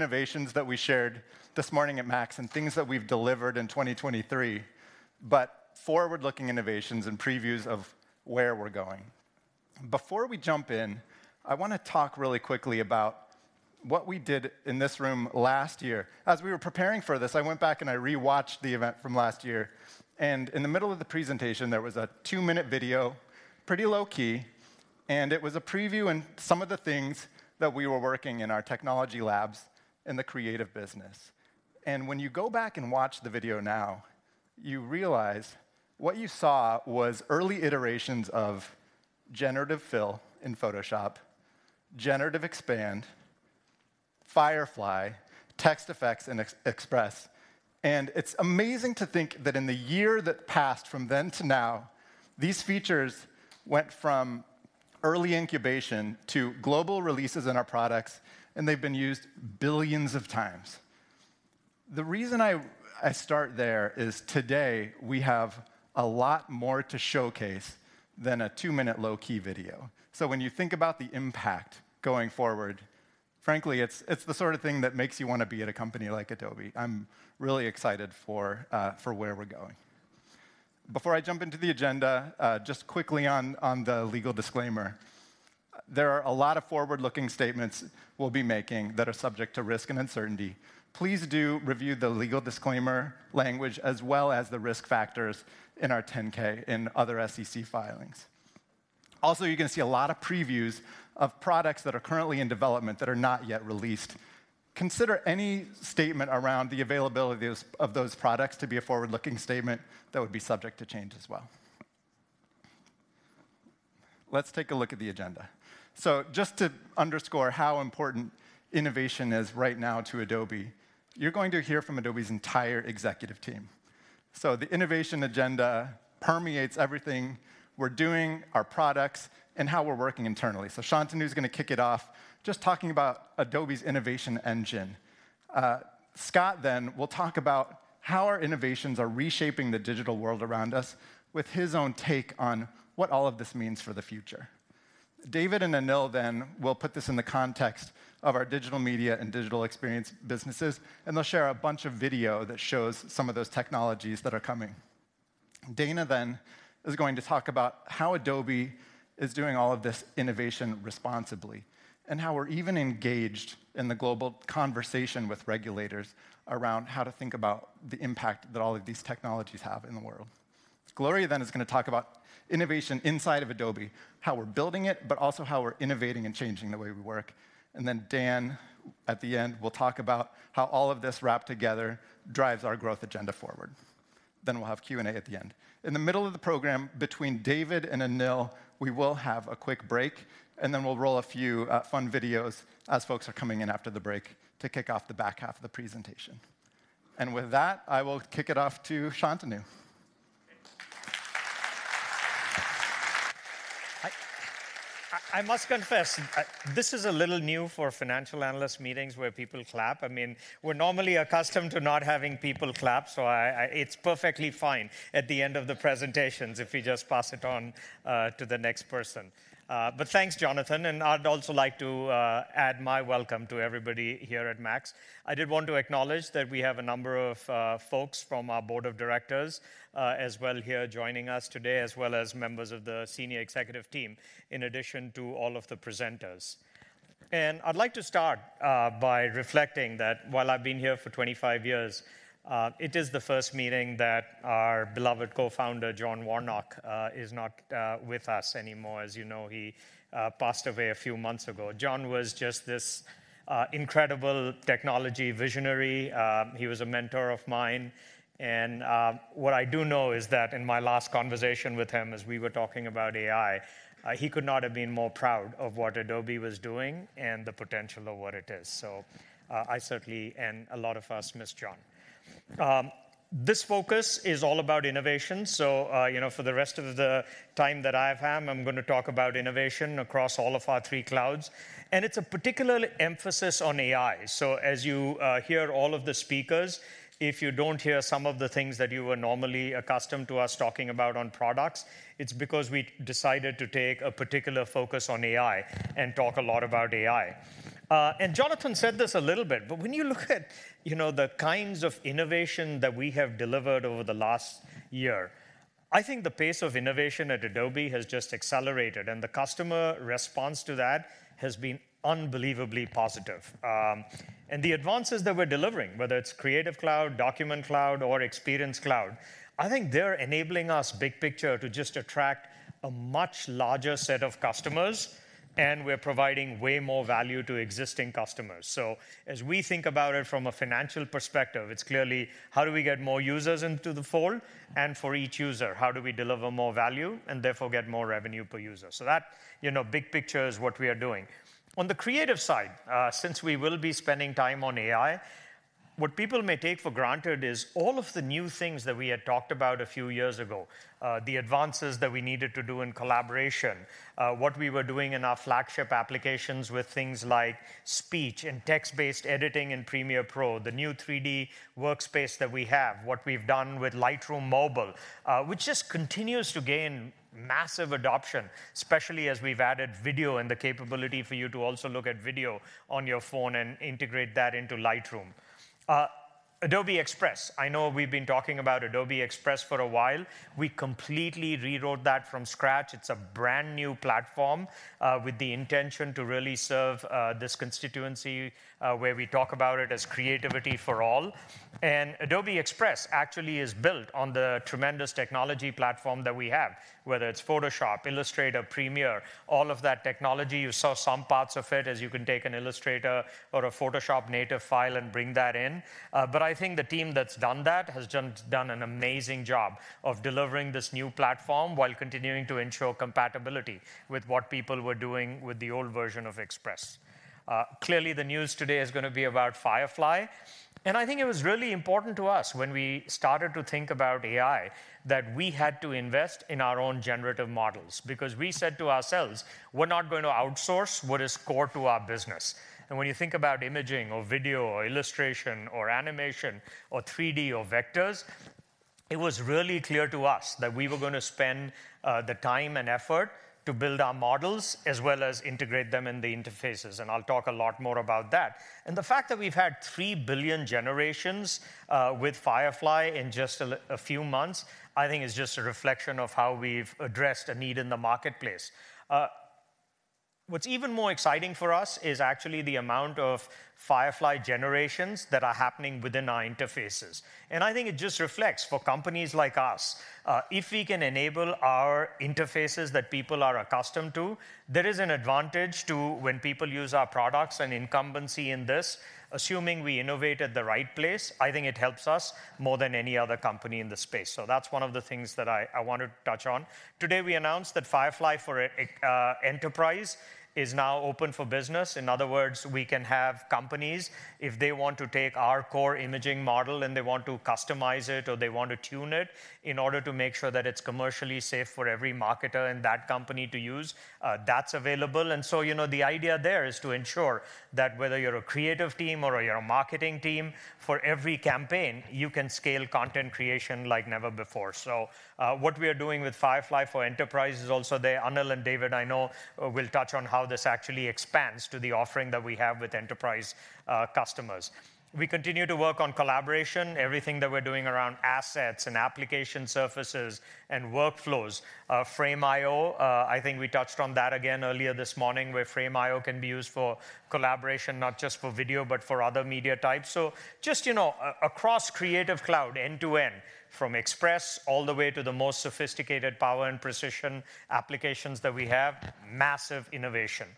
Innovations that we shared this morning at MAX, and things that we've delivered in 2023, but forward-looking innovations and previews of where we're going. Before we jump in, I want to talk really quickly about what we did in this room last year. As we were preparing for this, I went back, and I rewatched the event from last year, and in the middle of the presentation, there was a 2-minute video, pretty low-key, and it was a preview on some of the things that we were working in our technology labs in the creative business. And when you go back and watch the video now, you realize what you saw was early iterations of Generative Fill in Photoshop, Generative Expand, Firefly, Text Effects in Express. And it's amazing to think that in the year that passed from then to now, these features went from early incubation to global releases in our products, and they've been used billions of times. The reason I start there is today we have a lot more to showcase than a two-minute low-key video. So when you think about the impact going forward, frankly, it's the sort of thing that makes you want to be at a company like Adobe. I'm really excited for where we're going. Before I jump into the agenda, just quickly on the legal disclaimer, there are a lot of forward-looking statements we'll be making that are subject to risk and uncertainty. Please do review the legal disclaimer language, as well as the risk factors in our 10-K and other SEC filings. Also, you're going to see a lot of previews of products that are currently in development that are not yet released. Consider any statement around the availability of those, of those products to be a forward-looking statement that would be subject to change as well. Let's take a look at the agenda. So just to underscore how important innovation is right now to Adobe, you're going to hear from Adobe's entire executive team. So the innovation agenda permeates everything we're doing, our products, and how we're working internally. So Shantanu is going to kick it off, just talking about Adobe's innovation engine. Scott then will talk about how our innovations are reshaping the digital world around us, with his own take on what all of this means for the future. David and Anil then will put this in the context of our Digital Media and Digital Experience businesses, and they'll share a bunch of video that shows some of those technologies that are coming. Dana then is going to talk about how Adobe is doing all of this innovation responsibly, and how we're even engaged in the global conversation with regulators around how to think about the impact that all of these technologies have in the world. Gloria then is going to talk about innovation inside of Adobe, how we're building it, but also how we're innovating and changing the way we work. Dan, at the end, will talk about how all of this wrapped together drives our growth agenda forward. We'll have Q&A at the end. In the middle of the program, between David and Anil, we will have a quick break, and then we'll roll a few fun videos as folks are coming in after the break to kick off the back half of the presentation. With that, I will kick it off to Shantanu. I must confess, this is a little new for financial analyst meetings where people clap. I mean, we're normally accustomed to not having people clap, so it's perfectly fine at the end of the presentations if you just pass it on to the next person. But thanks, Jonathan, and I'd also like to add my welcome to everybody here at MAX. I did want to acknowledge that we have a number of folks from our board of directors as well here joining us today, as well as members of the senior executive team, in addition to all of the presenters. And I'd like to start by reflecting that while I've been here for 25 years, it is the first meeting that our beloved co-founder, John Warnock, is not with us anymore. As you know, he passed away a few months ago. John was just this incredible technology visionary. He was a mentor of mine, and what I do know is that in my last conversation with him, as we were talking about AI, he could not have been more proud of what Adobe was doing and the potential of what it is. So, I certainly, and a lot of us, miss John. This focus is all about innovation, so, you know, for the rest of the time that I have, I'm going to talk about innovation across all of our three clouds, and it's a particular emphasis on AI. So as you hear all of the speakers, if you don't hear some of the things that you were normally accustomed to us talking about on products, it's because we decided to take a particular focus on AI and talk a lot about AI. And Jonathan said this a little bit, but when you look at, you know, the kinds of innovation that we have delivered over the last year, I think the pace of innovation at Adobe has just accelerated, and the customer response to that has been unbelievably positive. And the advances that we're delivering, whether it's Creative Cloud, Document Cloud, or Experience Cloud, I think they're enabling us, big picture, to just attract a much larger set of customers, and we're providing way more value to existing customers. So as we think about it from a financial perspective, it's clearly: how do we get more users into the fold? And for each user, how do we deliver more value and therefore get more revenue per user? So that, you know, big picture is what we are doing. On the creative side, since we will be spending time on AI, what people may take for granted is all of the new things that we had talked about a few years ago, the advances that we needed to do in collaboration, what we were doing in our flagship applications with things like speech and text-based editing in Premiere Pro, the new 3D workspace that we have, what we've done with Lightroom Mobile, which just continues to gain massive adoption, especially as we've added video and the capability for you to also look at video on your phone and integrate that into Lightroom. Adobe Express, I know we've been talking about Adobe Express for a while. We completely rewrote that from scratch. It's a brand-new platform, with the intention to really serve, this constituency, where we talk about it as creativity for all. And Adobe Express actually is built on the tremendous technology platform that we have, whether it's Photoshop, Illustrator, Premiere, all of that technology. You saw some parts of it as you can take an Illustrator or a Photoshop native file and bring that in. But I think the team that's done that has done an amazing job of delivering this new platform while continuing to ensure compatibility with what people were doing with the old version of Express. Clearly, the news today is going to be about Firefly, and I think it was really important to us when we started to think about AI, that we had to invest in our own generative models because we said to ourselves, "We're not going to outsource what is core to our business." And when you think about imaging or video or illustration or animation or 3D or vectors, it was really clear to us that we were going to spend the time and effort to build our models as well as integrate them in the interfaces, and I'll talk a lot more about that. And the fact that we've had 3 billion generations with Firefly in just a few months, I think is just a reflection of how we've addressed a need in the marketplace. What's even more exciting for us is actually the amount of Firefly generations that are happening within our interfaces, and I think it just reflects for companies like us, if we can enable our interfaces that people are accustomed to, there is an advantage to when people use our products and incumbency in this. Assuming we innovate at the right place, I think it helps us more than any other company in the space, so that's one of the things that I wanted to touch on. Today, we announced that Firefly for Enterprise is now open for business. In other words, we can have companies, if they want to take our core imaging model, and they want to customize it, or they want to tune it in order to make sure that it's commercially safe for every marketer in that company to use, that's available. And so, you know, the idea there is to ensure that whether you're a creative team or you're a marketing team, for every campaign, you can scale content creation like never before. So, what we are doing with Firefly for Enterprise is also there. Anil and David, I know, will touch on how this actually expands to the offering that we have with Enterprise customers. We continue to work on collaboration, everything that we're doing around assets and application surfaces and workflows. Frame.io, I think we touched on that again earlier this morning, where Frame.io can be used for collaboration, not just for video, but for other media types. So just, you know, across Creative Cloud, end-to-end, from Express all the way to the most sophisticated power and precision applications that we have, massive innovation.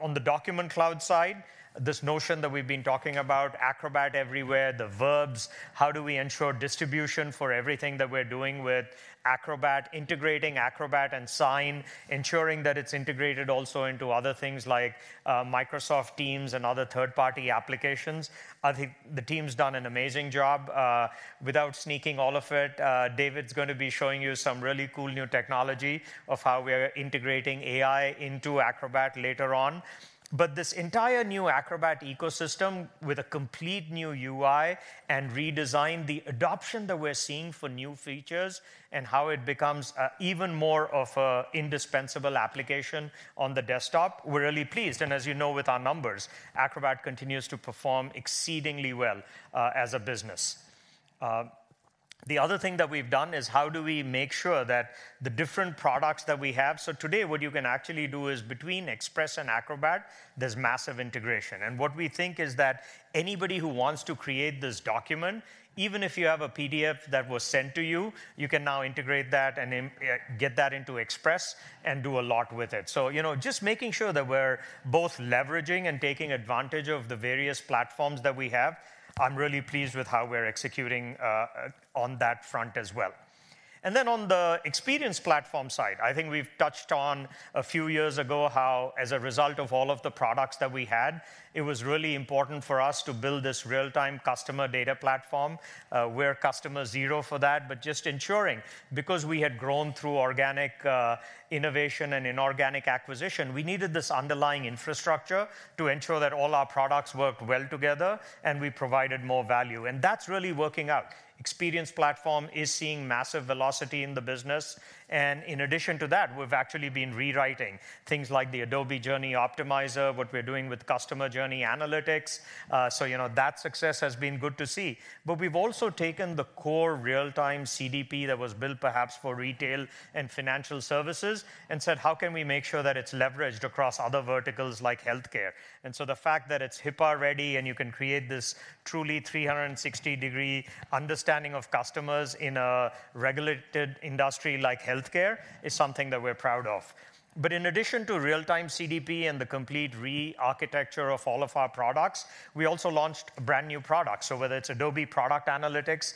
On the Document Cloud side, this notion that we've been talking about, Acrobat everywhere, the verbs, how do we ensure distribution for everything that we're doing with Acrobat, integrating Acrobat and Sign, ensuring that it's integrated also into other things like Microsoft Teams and other third-party applications. I think the team's done an amazing job. Without sneaking all of it, David's going to be showing you some really cool new technology of how we are integrating AI into Acrobat later on. But this entire new Acrobat ecosystem, with a complete new UI and redesign, the adoption that we're seeing for new features and how it becomes even more of a indispensable application on the desktop, we're really pleased. And as you know, with our numbers, Acrobat continues to perform exceedingly well as a business. The other thing that we've done is how do we make sure that the different products that we have... So today, what you can actually do is between Express and Acrobat, there's massive integration. And what we think is that anybody who wants to create this document, even if you have a PDF that was sent to you, you can now integrate that and get that into Express and do a lot with it. So, you know, just making sure that we're both leveraging and taking advantage of the various platforms that we have, I'm really pleased with how we're executing on that front as well. Then on the Experience Platform side, I think we've touched on a few years ago, how, as a result of all of the products that we had, it was really important for us to build this real-time customer data platform, where customer zero for that, but just ensuring because we had grown through organic innovation and inorganic acquisition, we needed this underlying infrastructure to ensure that all our products worked well together and we provided more value, and that's really working out. Experience Platform is seeing massive velocity in the business, and in addition to that, we've actually been rewriting things like the Adobe Journey Optimizer, what we're doing with Customer Journey Analytics. So, you know, that success has been good to see. But we've also taken the core Real-Time CDP that was built perhaps for retail and financial services, and said, "How can we make sure that it's leveraged across other verticals like healthcare?" And so the fact that it's HIPAA-ready, and you can create this truly 360-degree understanding of customers in a regulated industry like healthcare, is something that we're proud of. But in addition to Real-Time CDP and the complete re-architecture of all of our products, we also launched a brand-new product. So whether it's Adobe Product Analytics,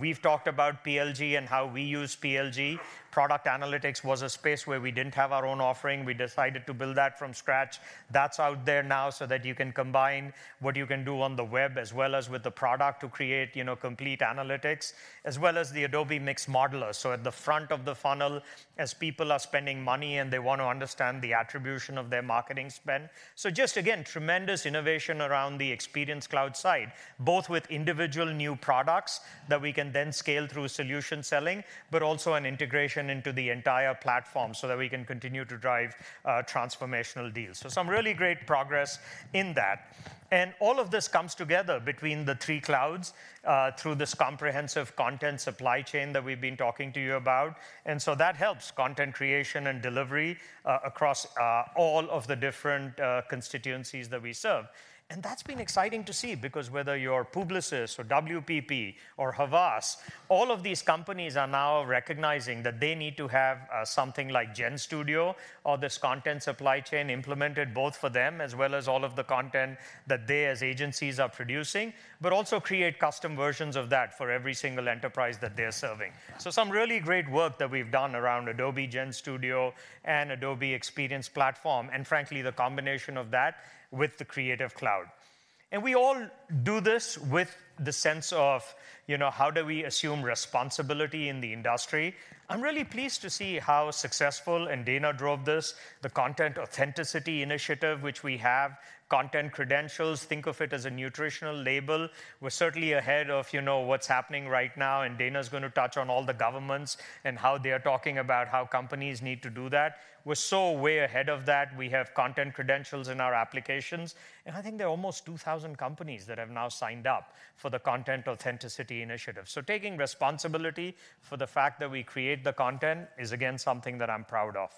we've talked about PLG and how we use PLG. Product Analytics was a space where we didn't have our own offering. We decided to build that from scratch. That's out there now, so that you can combine what you can do on the web as well as with the product to create, you know, complete analytics, as well as the Adobe Mix Modeler. So at the front of the funnel, as people are spending money, and they want to understand the attribution of their marketing spend. So just again, tremendous innovation around the Experience Cloud side, both with individual new products that we can then scale through solution selling, but also an integration into the entire platform so that we can continue to drive transformational deals. So some really great progress in that. And all of this comes together between the three clouds through this comprehensive Content Supply Chain that we've been talking to you about. And so that helps content creation and delivery across all of the different constituencies that we serve. That's been exciting to see, because whether you're Publicis or WPP or Havas, all of these companies are now recognizing that they need to have something like GenStudio or this content supply chain implemented, both for them, as well as all of the content that they, as agencies, are producing, but also create custom versions of that for every single enterprise that they're serving. Some really great work that we've done around Adobe GenStudio and Adobe Experience Platform, and frankly, the combination of that with the Creative Cloud. We all do this with the sense of, you know, how do we assume responsibility in the industry? I'm really pleased to see how successful, and Dana drove this, the Content Authenticity Initiative, which we have, Content Credentials, think of it as a nutritional label. We're certainly ahead of, you know, what's happening right now, and Dana's going to touch on all the governments and how they are talking about how companies need to do that. We're so way ahead of that. We have Content Credentials in our applications, and I think there are almost 2,000 companies that have now signed up for the Content Authenticity Initiative. So taking responsibility for the fact that we create the content is, again, something that I'm proud of.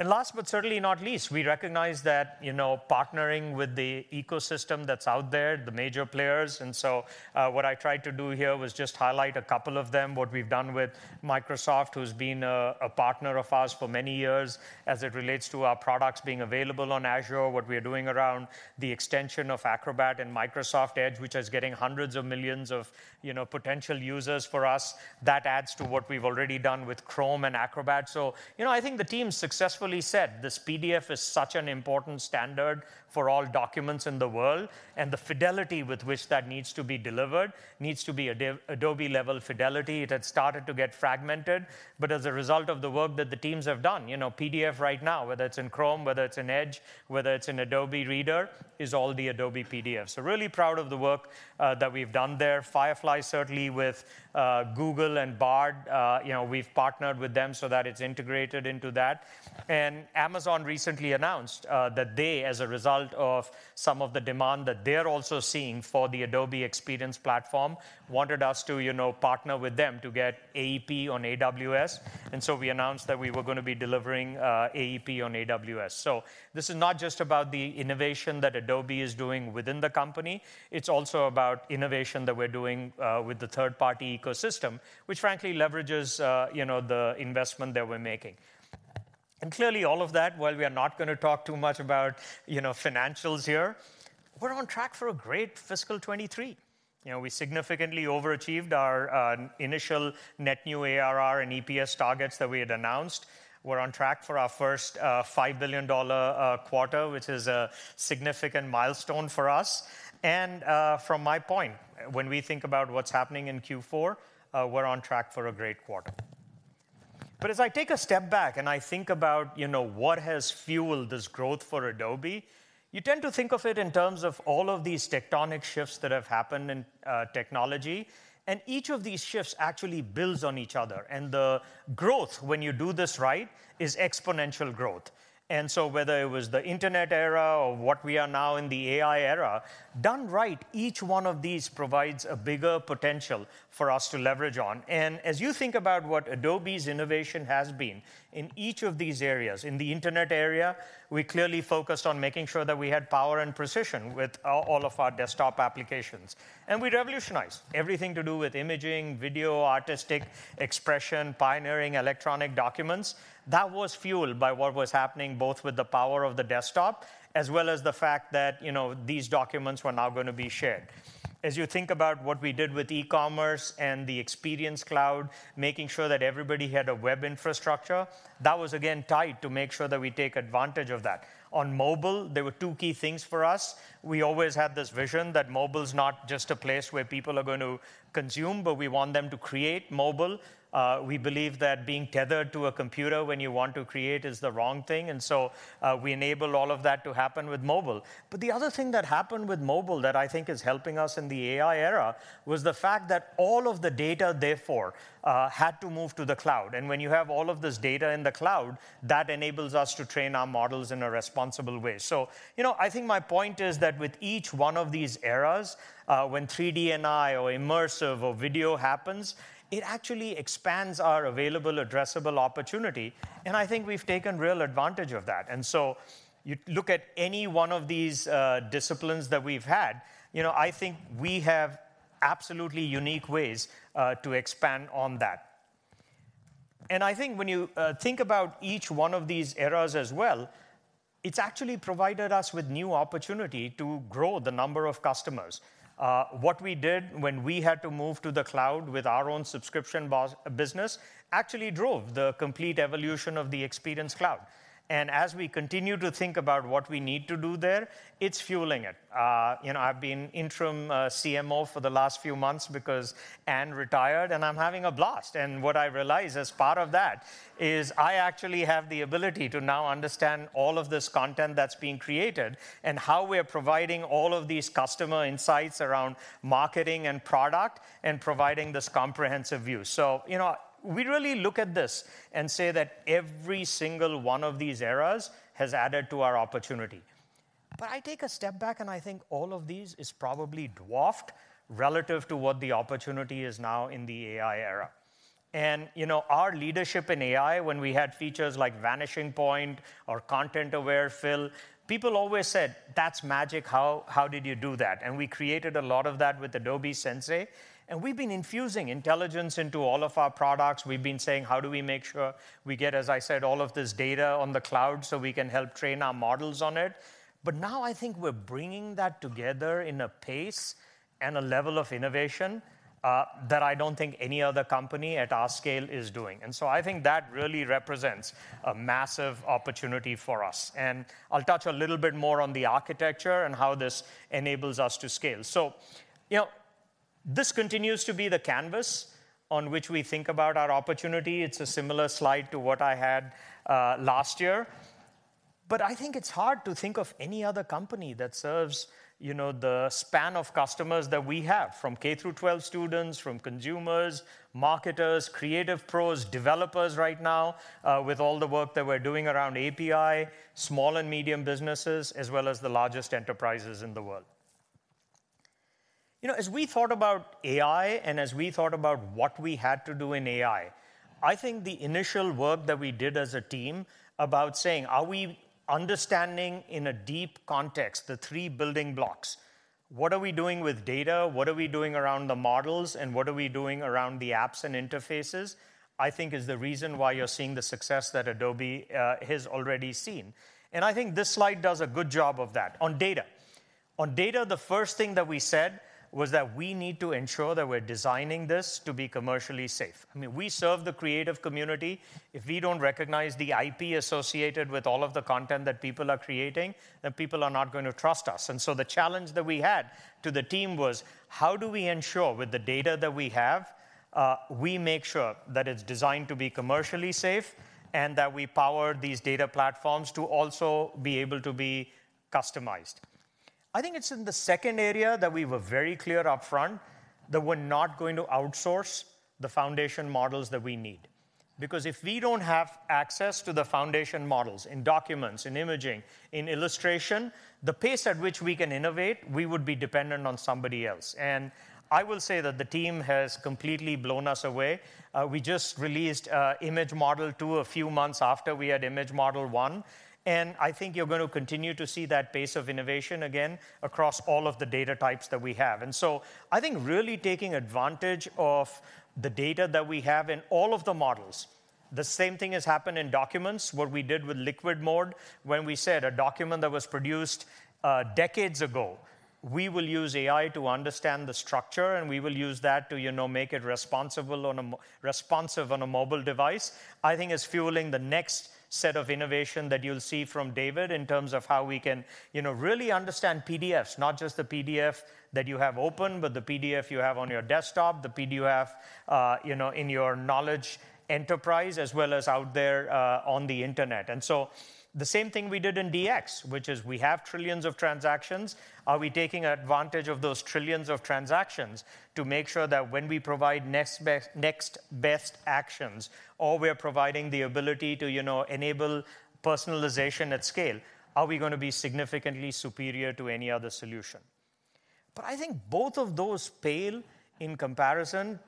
And last, but certainly not least, we recognize that, you know, partnering with the ecosystem that's out there, the major players, and so, what I tried to do here was just highlight a couple of them. What we've done with Microsoft, who's been a partner of ours for many years as it relates to our products being available on Azure, what we are doing around the extension of Acrobat and Microsoft Edge, which is getting hundreds of millions of, you know, potential users for us. That adds to what we've already done with Chrome and Acrobat. So, you know, I think the team successfully said this PDF is such an important standard for all documents in the world, and the fidelity with which that needs to be delivered needs to be Adobe-level fidelity. It had started to get fragmented, but as a result of the work that the teams have done, you know, PDF right now, whether it's in Chrome, whether it's in Edge, whether it's in Adobe Reader, is all the Adobe PDF. So really proud of the work, that we've done there. Firefly, certainly with, Google and Bard, you know, we've partnered with them so that it's integrated into that. And Amazon recently announced, that they, as a result of some of the demand that they're also seeing for the Adobe Experience Platform, wanted us to, you know, partner with them to get AEP on AWS, and so we announced that we were going to be delivering, AEP on AWS. So this is not just about the innovation that Adobe is doing within the company, it's also about innovation that we're doing, with the third-party ecosystem, which frankly leverages, you know, the investment that we're making. And clearly, all of that, while we are not going to talk too much about, you know, financials here, we're on track for a great fiscal 2023. You know, we significantly overachieved our initial net new ARR and EPS targets that we had announced. We're on track for our first $5 billion quarter, which is a significant milestone for us. And from my point, when we think about what's happening in Q4, we're on track for a great quarter. But as I take a step back and I think about, you know, what has fueled this growth for Adobe, you tend to think of it in terms of all of these tectonic shifts that have happened in technology, and each of these shifts actually builds on each other. And the growth, when you do this right, is exponential growth. And so whether it was the internet era or what we are now in the AI era, done right, each one of these provides a bigger potential for us to leverage on. And as you think about what Adobe's innovation has been in each of these areas, in the internet area, we clearly focused on making sure that we had power and precision with all, all of our desktop applications. And we revolutionized everything to do with imaging, video, artistic expression, pioneering electronic documents. That was fueled by what was happening, both with the power of the desktop, as well as the fact that, you know, these documents were now going to be shared. As you think about what we did with e-commerce and the Experience Cloud, making sure that everybody had a web infrastructure, that was, again, tied to make sure that we take advantage of that. On mobile, there were two key things for us. We always had this vision that mobile is not just a place where people are going to consume, but we want them to create mobile. We believe that being tethered to a computer when you want to create is the wrong thing, and so, we enabled all of that to happen with mobile. But the other thing that happened with mobile that I think is helping us in the AI era, was the fact that all of the data therefore, had to move to the cloud. And when you have all of this data in the cloud, that enables us to train our models in a responsible way. So, you know, I think my point is that with each one of these eras, when 3D and AI or immersive or video happens, it actually expands our available addressable opportunity, and I think we've taken real advantage of that. And so you look at any one of these, disciplines that we've had, you know, I think we have absolutely unique ways, to expand on that... And I think when you, think about each one of these eras as well, it's actually provided us with new opportunity to grow the number of customers. What we did when we had to move to the cloud with our own subscription-based business actually drove the complete evolution of the Experience Cloud. And as we continue to think about what we need to do there, it's fueling it. You know, I've been interim CMO for the last few months because Ann retired, and I'm having a blast! And what I realized as part of that is I actually have the ability to now understand all of this content that's being created and how we are providing all of these customer insights around marketing and product, and providing this comprehensive view. So, you know, we really look at this and say that every single one of these eras has added to our opportunity. But I take a step back, and I think all of these is probably dwarfed relative to what the opportunity is now in the AI era. And, you know, our leadership in AI, when we had features like Vanishing Point or Content-Aware Fill, people always said, "That's magic. How, how did you do that?" And we created a lot of that with Adobe Sensei, and we've been infusing intelligence into all of our products. We've been saying: How do we make sure we get, as I said, all of this data on the cloud so we can help train our models on it? But now I think we're bringing that together in a pace and a level of innovation that I don't think any other company at our scale is doing. And so I think that really represents a massive opportunity for us. And I'll touch a little bit more on the architecture and how this enables us to scale. So, you know, this continues to be the canvas on which we think about our opportunity. It's a similar slide to what I had last year, but I think it's hard to think of any other company that serves, you know, the span of customers that we have, from K through 12 students, from consumers, marketers, creative pros, developers right now, with all the work that we're doing around API, small and medium businesses, as well as the largest enterprises in the world. You know, as we thought about AI and as we thought about what we had to do in AI, I think the initial work that we did as a team about saying: Are we understanding in a deep context the three building blocks? What are we doing with data? What are we doing around the models, and what are we doing around the apps and interfaces? I think is the reason why you're seeing the success that Adobe has already seen. And I think this slide does a good job of that. On data. On data, the first thing that we said was that we need to ensure that we're designing this to be commercially safe. I mean, we serve the creative community. If we don't recognize the IP associated with all of the content that people are creating, then people are not going to trust us. And so the challenge that we had to the team was: How do we ensure, with the data that we have, we make sure that it's designed to be commercially safe and that we power these data platforms to also be able to be customized? I think it's in the second area that we were very clear upfront that we're not going to outsource the foundation models that we need, because if we don't have access to the foundation models in documents, in imaging, in illustration, the pace at which we can innovate, we would be dependent on somebody else. And I will say that the team has completely blown us away. We just released Image Model 2 a few months after we had Image Model 1, and I think you're going to continue to see that pace of innovation again across all of the data types that we have. And so I think really taking advantage of the data that we have in all of the models. The same thing has happened in documents, what we did with Liquid Mode, when we said a document that was produced, decades ago, we will use AI to understand the structure, and we will use that to, you know, make it responsive on a mobile device, I think is fueling the next set of innovation that you'll see from David in terms of how we can, you know, really understand PDFs, not just the PDF that you have open, but the PDF you have on your desktop, the PDF, you know, in your knowledge enterprise, as well as out there, on the internet. And so the same thing we did in DX, which is we have trillions of transactions. Are we taking advantage of those trillions of transactions to make sure that when we provide next best, next best actions or we're providing the ability to, you know, enable personalization at scale, are we going to be significantly superior to any other solution? But I think both of those pale in comparison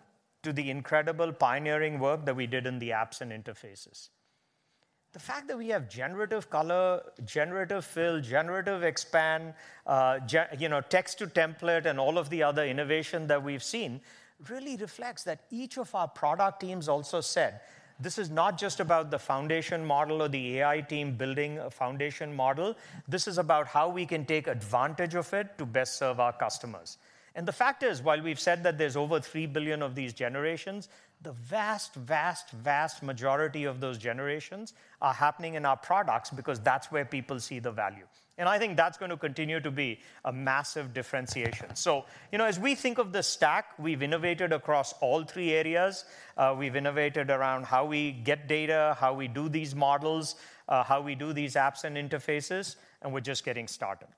to the incredible pioneering work that we did in the apps and interfaces. The fact that we have generative color, Generative Fill, Generative Expand, you know, Text to Template, and all of the other innovation that we've seen really reflects that each of our product teams also said, "This is not just about the foundation model or the AI team building a foundation model. This is about how we can take advantage of it to best serve our customers." And the fact is, while we've said that there's over 3 billion of these generations, the vast, vast, vast majority of those generations are happening in our products, because that's where people see the value. And I think that's going to continue to be a massive differentiation. So, you know, as we think of the stack, we've innovated across all three areas. We've innovated around how we get data, how we do these models, how we do these apps and interfaces, and we're just getting started.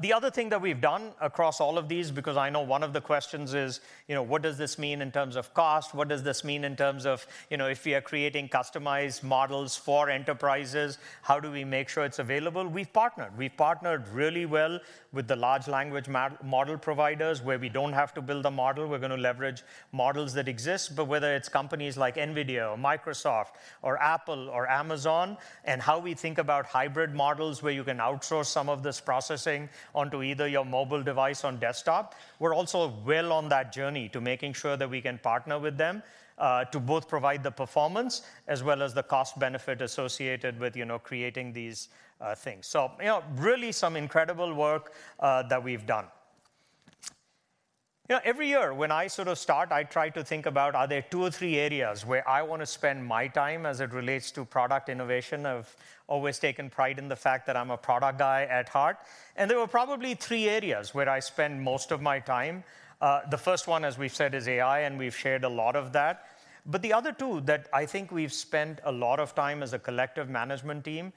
The other thing that we've done across all of these, because I know one of the questions is, you know: What does this mean in terms of cost? What does this mean in terms of, you know, if we are creating customized models for enterprises, how do we make sure it's available? We've partnered. We've partnered really well with the large language model providers, where we don't have to build a model. We're going to leverage models that exist. But whether it's companies like NVIDIA or Microsoft or Apple or Amazon, and how we think about hybrid models, where you can outsource some of this processing onto either your mobile device on desktop. We're also well on that journey to making sure that we can partner with them, to both provide the performance as well as the cost benefit associated with, you know, creating these, things. So, you know, really some incredible work, that we've done. Yeah, every year when I sort of start, I try to think about, are there two or three areas where I want to spend my time as it relates to product innovation? I've always taken pride in the fact that I'm a product guy at heart, and there were probably three areas where I spend most of my time. The first one, as we've said, is AI, and we've shared a lot of that. But the other two that I think we've spent a lot of time as a collective management team is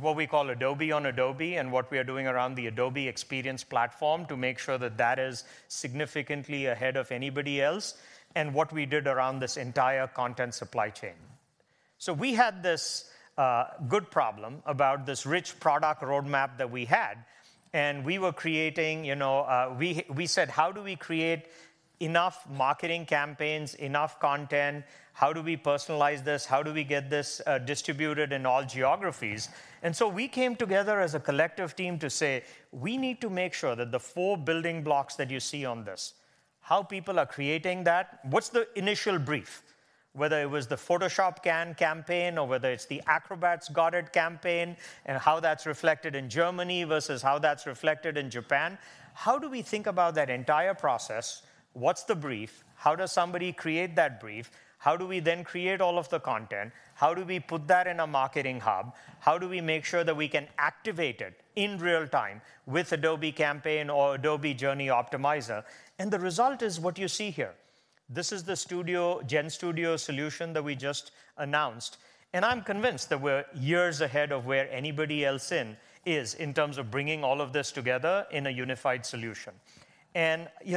what we call Adobe on Adobe, and what we are doing around the Adobe Experience Platform to make sure that that is significantly ahead of anybody else, and what we did around this entire Content Supply Chain. We had this good problem about this rich product roadmap that we had, and we were creating, you know, we said: "How do we create enough marketing campaigns, enough content? How do we personalize this? How do we get this distributed in all geographies?" We came together as a collective team to say, "We need to make sure that the four building blocks that you see on this, how people are creating that, what's the initial brief?" Whether it was the Photoshop Can campaign or whether it's the Acrobat's Got It campaign, and how that's reflected in Germany versus how that's reflected in Japan, how do we think about that entire process? What's the brief? How does somebody create that brief? How do we then create all of the content? How do we put that in a marketing hub? How do we make sure that we can activate it in real time with Adobe Campaign or Adobe Journey Optimizer? The result is what you see here. This is the GenStudio solution that we just announced, and I'm convinced that we're years ahead of where anybody else in is, in terms of bringing all of this together in a unified solution. And, you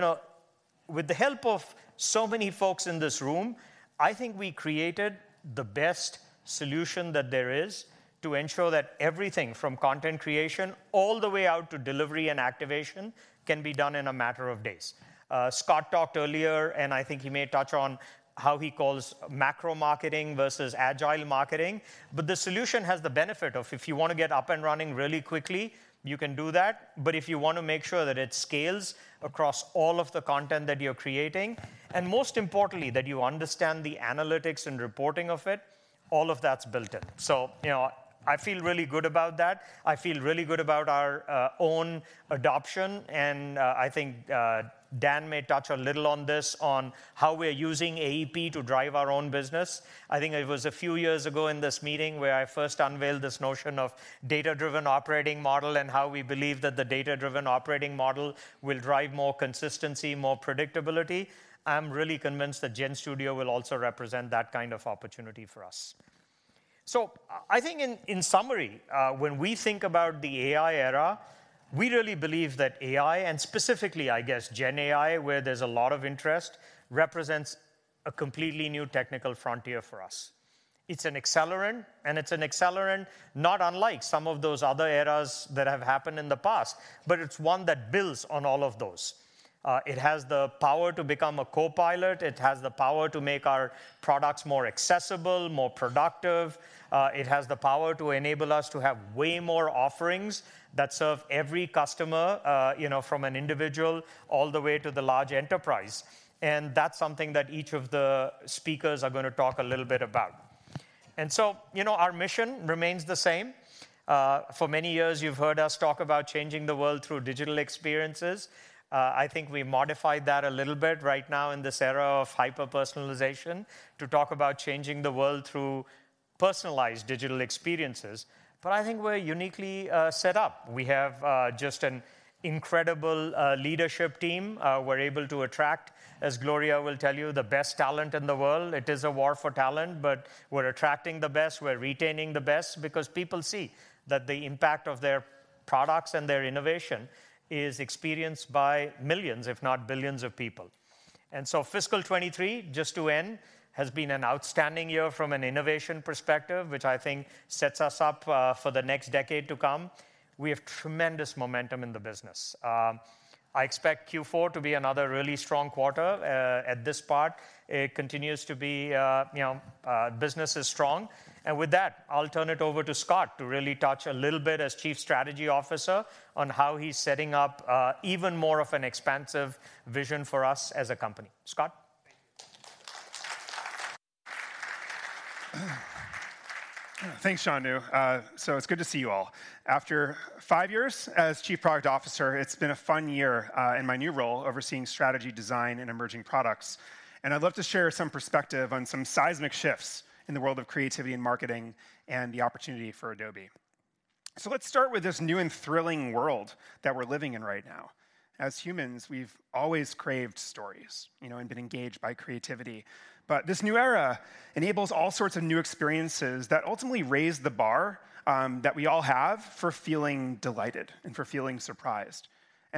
know, with the help of so many folks in this room, I think we created the best solution that there is to ensure that everything from content creation all the way out to delivery and activation, can be done in a matter of days. Scott talked earlier, and I think he may touch on how he calls macro marketing versus agile marketing. But the solution has the benefit of, if you want to get up and running really quickly, you can do that. But if you want to make sure that it scales across all of the content that you're creating, and most importantly, that you understand the analytics and reporting of it, all of that's built in. So, you know, I feel really good about that. I feel really good about our own adoption, and I think Dan may touch a little on this, on how we're using AEP to drive our own business. I think it was a few years ago in this meeting where I first unveiled this notion of data-driven operating model, and how we believe that the data-driven operating model will drive more consistency, more predictability. I'm really convinced that GenStudio will also represent that kind of opportunity for us. So I think in summary, when we think about the AI era, we really believe that AI, and specifically, I guess, Gen AI, where there's a lot of interest, represents a completely new technical frontier for us. It's an accelerant, and it's an accelerant not unlike some of those other eras that have happened in the past, but it's one that builds on all of those. It has the power to become a copilot. It has the power to make our products more accessible, more productive. It has the power to enable us to have way more offerings that serve every customer, you know, from an individual all the way to the large enterprise. And that's something that each of the speakers are going to talk a little bit about. And so, you know, our mission remains the same. For many years, you've heard us talk about changing the world through digital experiences. I think we modified that a little bit right now in this era of hyper-personalization, to talk about changing the world through personalized digital experiences, but I think we're uniquely set up. We have just an incredible leadership team. We're able to attract, as Gloria will tell you, the best talent in the world. It is a war for talent, but we're attracting the best, we're retaining the best, because people see that the impact of their products and their innovation is experienced by millions, if not billions, of people. And so Fiscal 2023, just to end, has been an outstanding year from an innovation perspective, which I think sets us up for the next decade to come. We have tremendous momentum in the business. I expect Q4 to be another really strong quarter. At this point, it continues to be, you know, business is strong. And with that, I'll turn it over to Scott to really touch a little bit as Chief Strategy Officer on how he's setting up even more of an expansive vision for us as a company. Scott? Thanks, Shantanu. So it's good to see you all. After five years as Chief Product Officer, it's been a fun year in my new role, overseeing strategy, design, and emerging products. I'd love to share some perspective on some seismic shifts in the world of creativity and marketing, and the opportunity for Adobe. Let's start with this new and thrilling world that we're living in right now. As humans, we've always craved stories, you know, and been engaged by creativity. But this new era enables all sorts of new experiences that ultimately raise the bar that we all have for feeling delighted and for feeling surprised.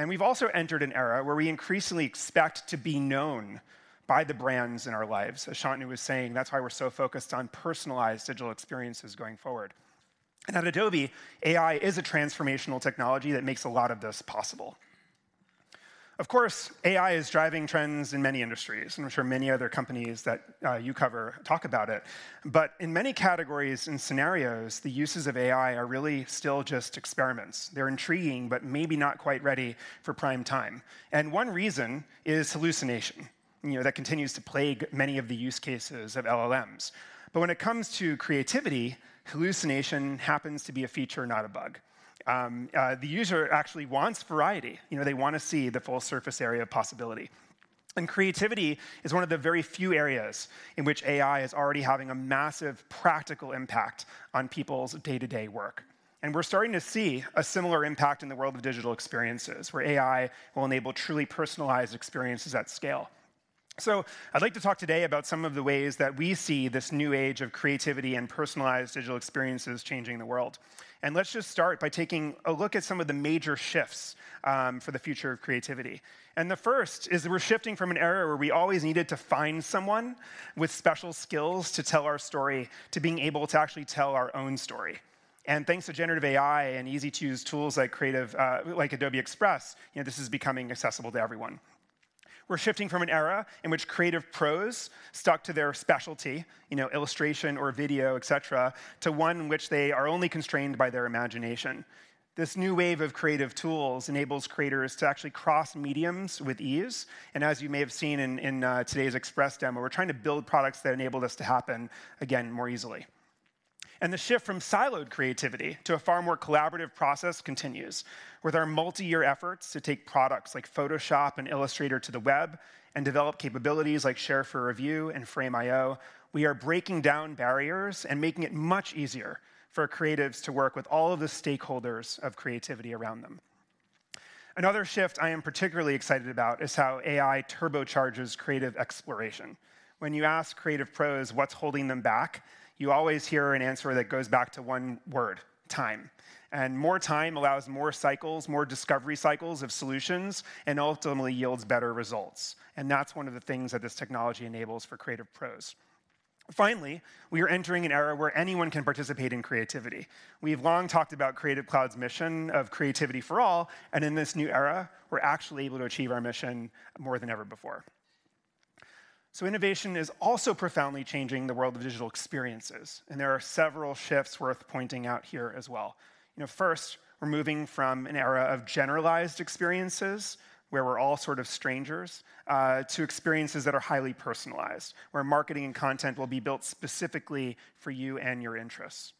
We've also entered an era where we increasingly expect to be known by the brands in our lives. As Shantanu was saying, that's why we're so focused on personalized digital experiences going forward. At Adobe, AI is a transformational technology that makes a lot of this possible. Of course, AI is driving trends in many industries, and I'm sure many other companies that you cover talk about it. In many categories and scenarios, the uses of AI are really still just experiments. They're intriguing, but maybe not quite ready for prime time. One reason is hallucination... you know, that continues to plague many of the use cases of LLMs. When it comes to creativity, hallucination happens to be a feature, not a bug. The user actually wants variety. You know, they want to see the full surface area of possibility. Creativity is one of the very few areas in which AI is already having a massive practical impact on people's day-to-day work. We're starting to see a similar impact in the world of digital experiences, where AI will enable truly personalized experiences at scale. I'd like to talk today about some of the ways that we see this new age of creativity and personalized digital experiences changing the world. Let's just start by taking a look at some of the major shifts for the future of creativity. The first is that we're shifting from an era where we always needed to find someone with special skills to tell our story, to being able to actually tell our own story. Thanks to generative AI and easy-to-use tools like, you know, like Adobe Express, this is becoming accessible to everyone. We're shifting from an era in which creative pros stuck to their specialty, you know, illustration or video, et cetera, to one in which they are only constrained by their imagination. This new wave of creative tools enables creators to actually cross mediums with ease, and as you may have seen in today's Express demo, we're trying to build products that enable this to happen again more easily. The shift from siloed creativity to a far more collaborative process continues. With our multi-year efforts to take products like Photoshop and Illustrator to the web and develop capabilities like Share for Review and Frame.io, we are breaking down barriers and making it much easier for creatives to work with all of the stakeholders of creativity around them. Another shift I am particularly excited about is how AI turbocharges creative exploration. When you ask creative pros what's holding them back, you always hear an answer that goes back to one word: time. And more time allows more cycles, more discovery cycles of solutions, and ultimately yields better results, and that's one of the things that this technology enables for creative pros. Finally, we are entering an era where anyone can participate in creativity. We've long talked about Creative Cloud's mission of creativity for all, and in this new era, we're actually able to achieve our mission more than ever before. So innovation is also profoundly changing the world of digital experiences, and there are several shifts worth pointing out here as well. You know, first, we're moving from an era of generalized experiences, where we're all sort of strangers, to experiences that are highly personalized, where marketing and content will be built specifically for you and your interests.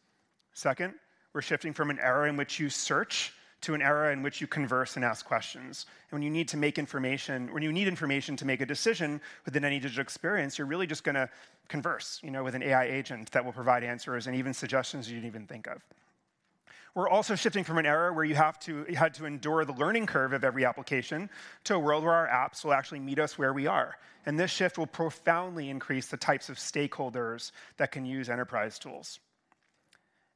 Second, we're shifting from an era in which you search, to an era in which you converse and ask questions. And when you need information to make a decision within any digital experience, you're really just gonna converse, you know, with an AI agent that will provide answers and even suggestions you didn't even think of. We're also shifting from an era where you had to endure the learning curve of every application, to a world where our apps will actually meet us where we are, and this shift will profoundly increase the types of stakeholders that can use enterprise tools.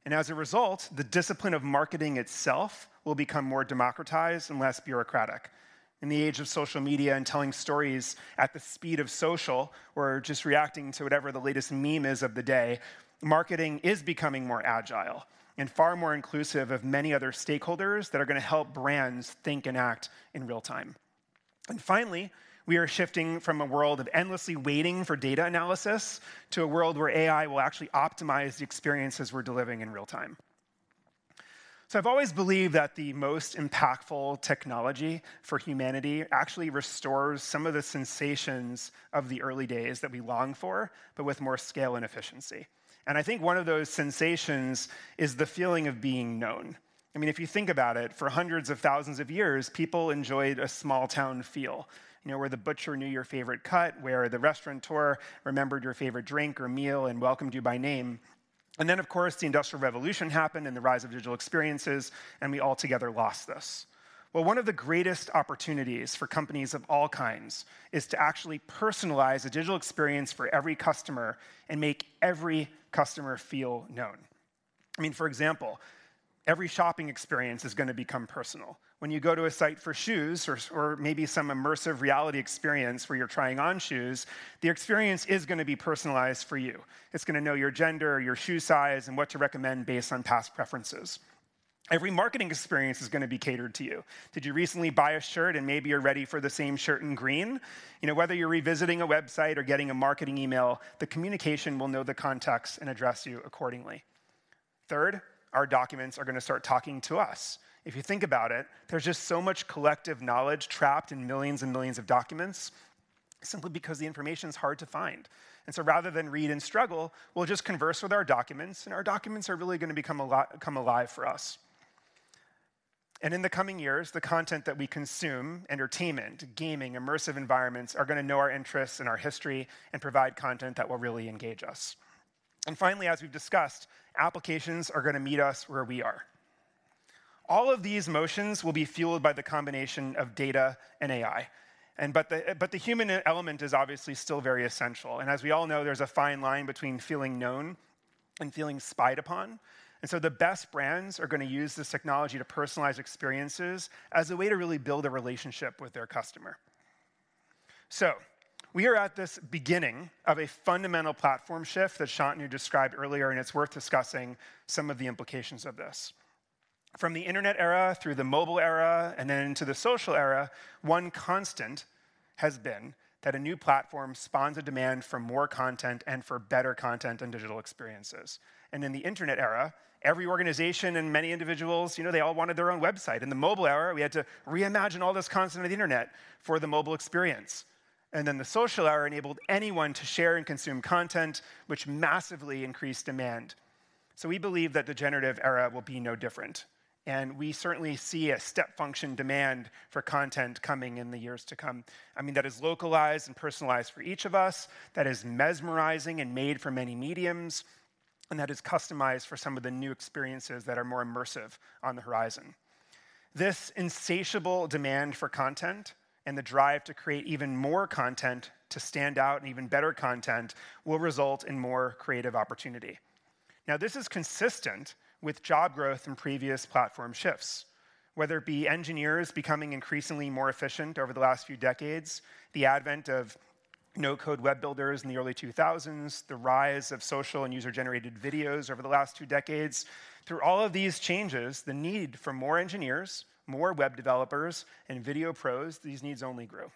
And as a result, the discipline of marketing itself will become more democratized and less bureaucratic. In the age of social media and telling stories at the speed of social, or just reacting to whatever the latest meme is of the day, marketing is becoming more agile and far more inclusive of many other stakeholders that are going to help brands think and act in real time. And finally, we are shifting from a world of endlessly waiting for data analysis, to a world where AI will actually optimize the experiences we're delivering in real time. So I've always believed that the most impactful technology for humanity actually restores some of the sensations of the early days that we long for, but with more scale and efficiency. And I think one of those sensations is the feeling of being known. I mean, if you think about it, for hundreds of thousands of years, people enjoyed a small town feel. You know, where the butcher knew your favorite cut, where the restaurateur remembered your favorite drink or meal and welcomed you by name. And then, of course, the Industrial Revolution happened, and the rise of digital experiences, and we altogether lost this. Well, one of the greatest opportunities for companies of all kinds is to actually personalize the digital experience for every customer and make every customer feel known. I mean, for example, every shopping experience is going to become personal. When you go to a site for shoes or maybe some immersive reality experience where you're trying on shoes, the experience is going to be personalized for you. It's going to know your gender, your shoe size, and what to recommend based on past preferences. Every marketing experience is going to be catered to you. Did you recently buy a shirt and maybe you're ready for the same shirt in green? You know, whether you're revisiting a website or getting a marketing email, the communication will know the context and address you accordingly. Third, our documents are going to start talking to us. If you think about it, there's just so much collective knowledge trapped in millions and millions of documents, simply because the information is hard to find. And so rather than read and struggle, we'll just converse with our documents, and our documents are really going to come alive for us. And in the coming years, the content that we consume, entertainment, gaming, immersive environments, are going to know our interests and our history and provide content that will really engage us. And finally, as we've discussed, applications are going to meet us where we are. All of these motions will be fueled by the combination of data and AI. The human element is obviously still very essential, and as we all know, there's a fine line between feeling known and feeling spied upon. The best brands are going to use this technology to personalize experiences as a way to really build a relationship with their customer. We are at this beginning of a fundamental platform shift that Shantanu described earlier, and it's worth discussing some of the implications of this. From the internet era, through the mobile era, and then into the social era, one constant has been that a new platform spawns a demand for more content and for better content and digital experiences. In the internet era, every organization and many individuals, you know, they all wanted their own website. In the mobile era, we had to reimagine all this content on the internet for the mobile experience. And then the social era enabled anyone to share and consume content, which massively increased demand. So we believe that the generative era will be no different, and we certainly see a step function demand for content coming in the years to come. I mean, that is localized and personalized for each of us, that is mesmerizing and made for many mediums, and that is customized for some of the new experiences that are more immersive on the horizon. This insatiable demand for content and the drive to create even more content to stand out, and even better content, will result in more creative opportunity. Now, this is consistent with job growth in previous platform shifts. Whether it be engineers becoming increasingly more efficient over the last few decades, the advent of no-code web builders in the early 2000s, the rise of social and user-generated videos over the last 2 decades. Through all of these changes, the need for more engineers, more web developers, and video pros, these needs only grew.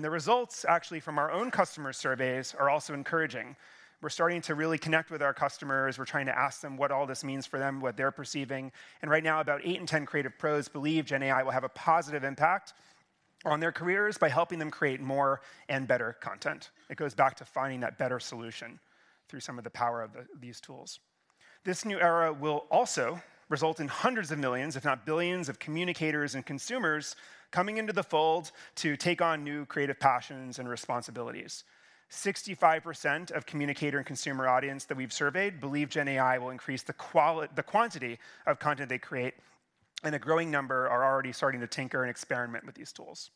The results, actually, from our own customer surveys are also encouraging. We're starting to really connect with our customers. We're trying to ask them what all this means for them, what they're perceiving, and right now, about 8 in 10 creative pros believe Gen AI will have a positive impact on their careers by helping them create more and better content. It goes back to finding that better solution through some of the power of the, these tools. This new era will also result in hundreds of millions, if not billions, of communicators and consumers coming into the fold to take on new creative passions and responsibilities. 65% of communicator and consumer audience that we've surveyed believe Gen AI will increase the quantity of content they create, and a growing number are already starting to tinker and experiment with these tools.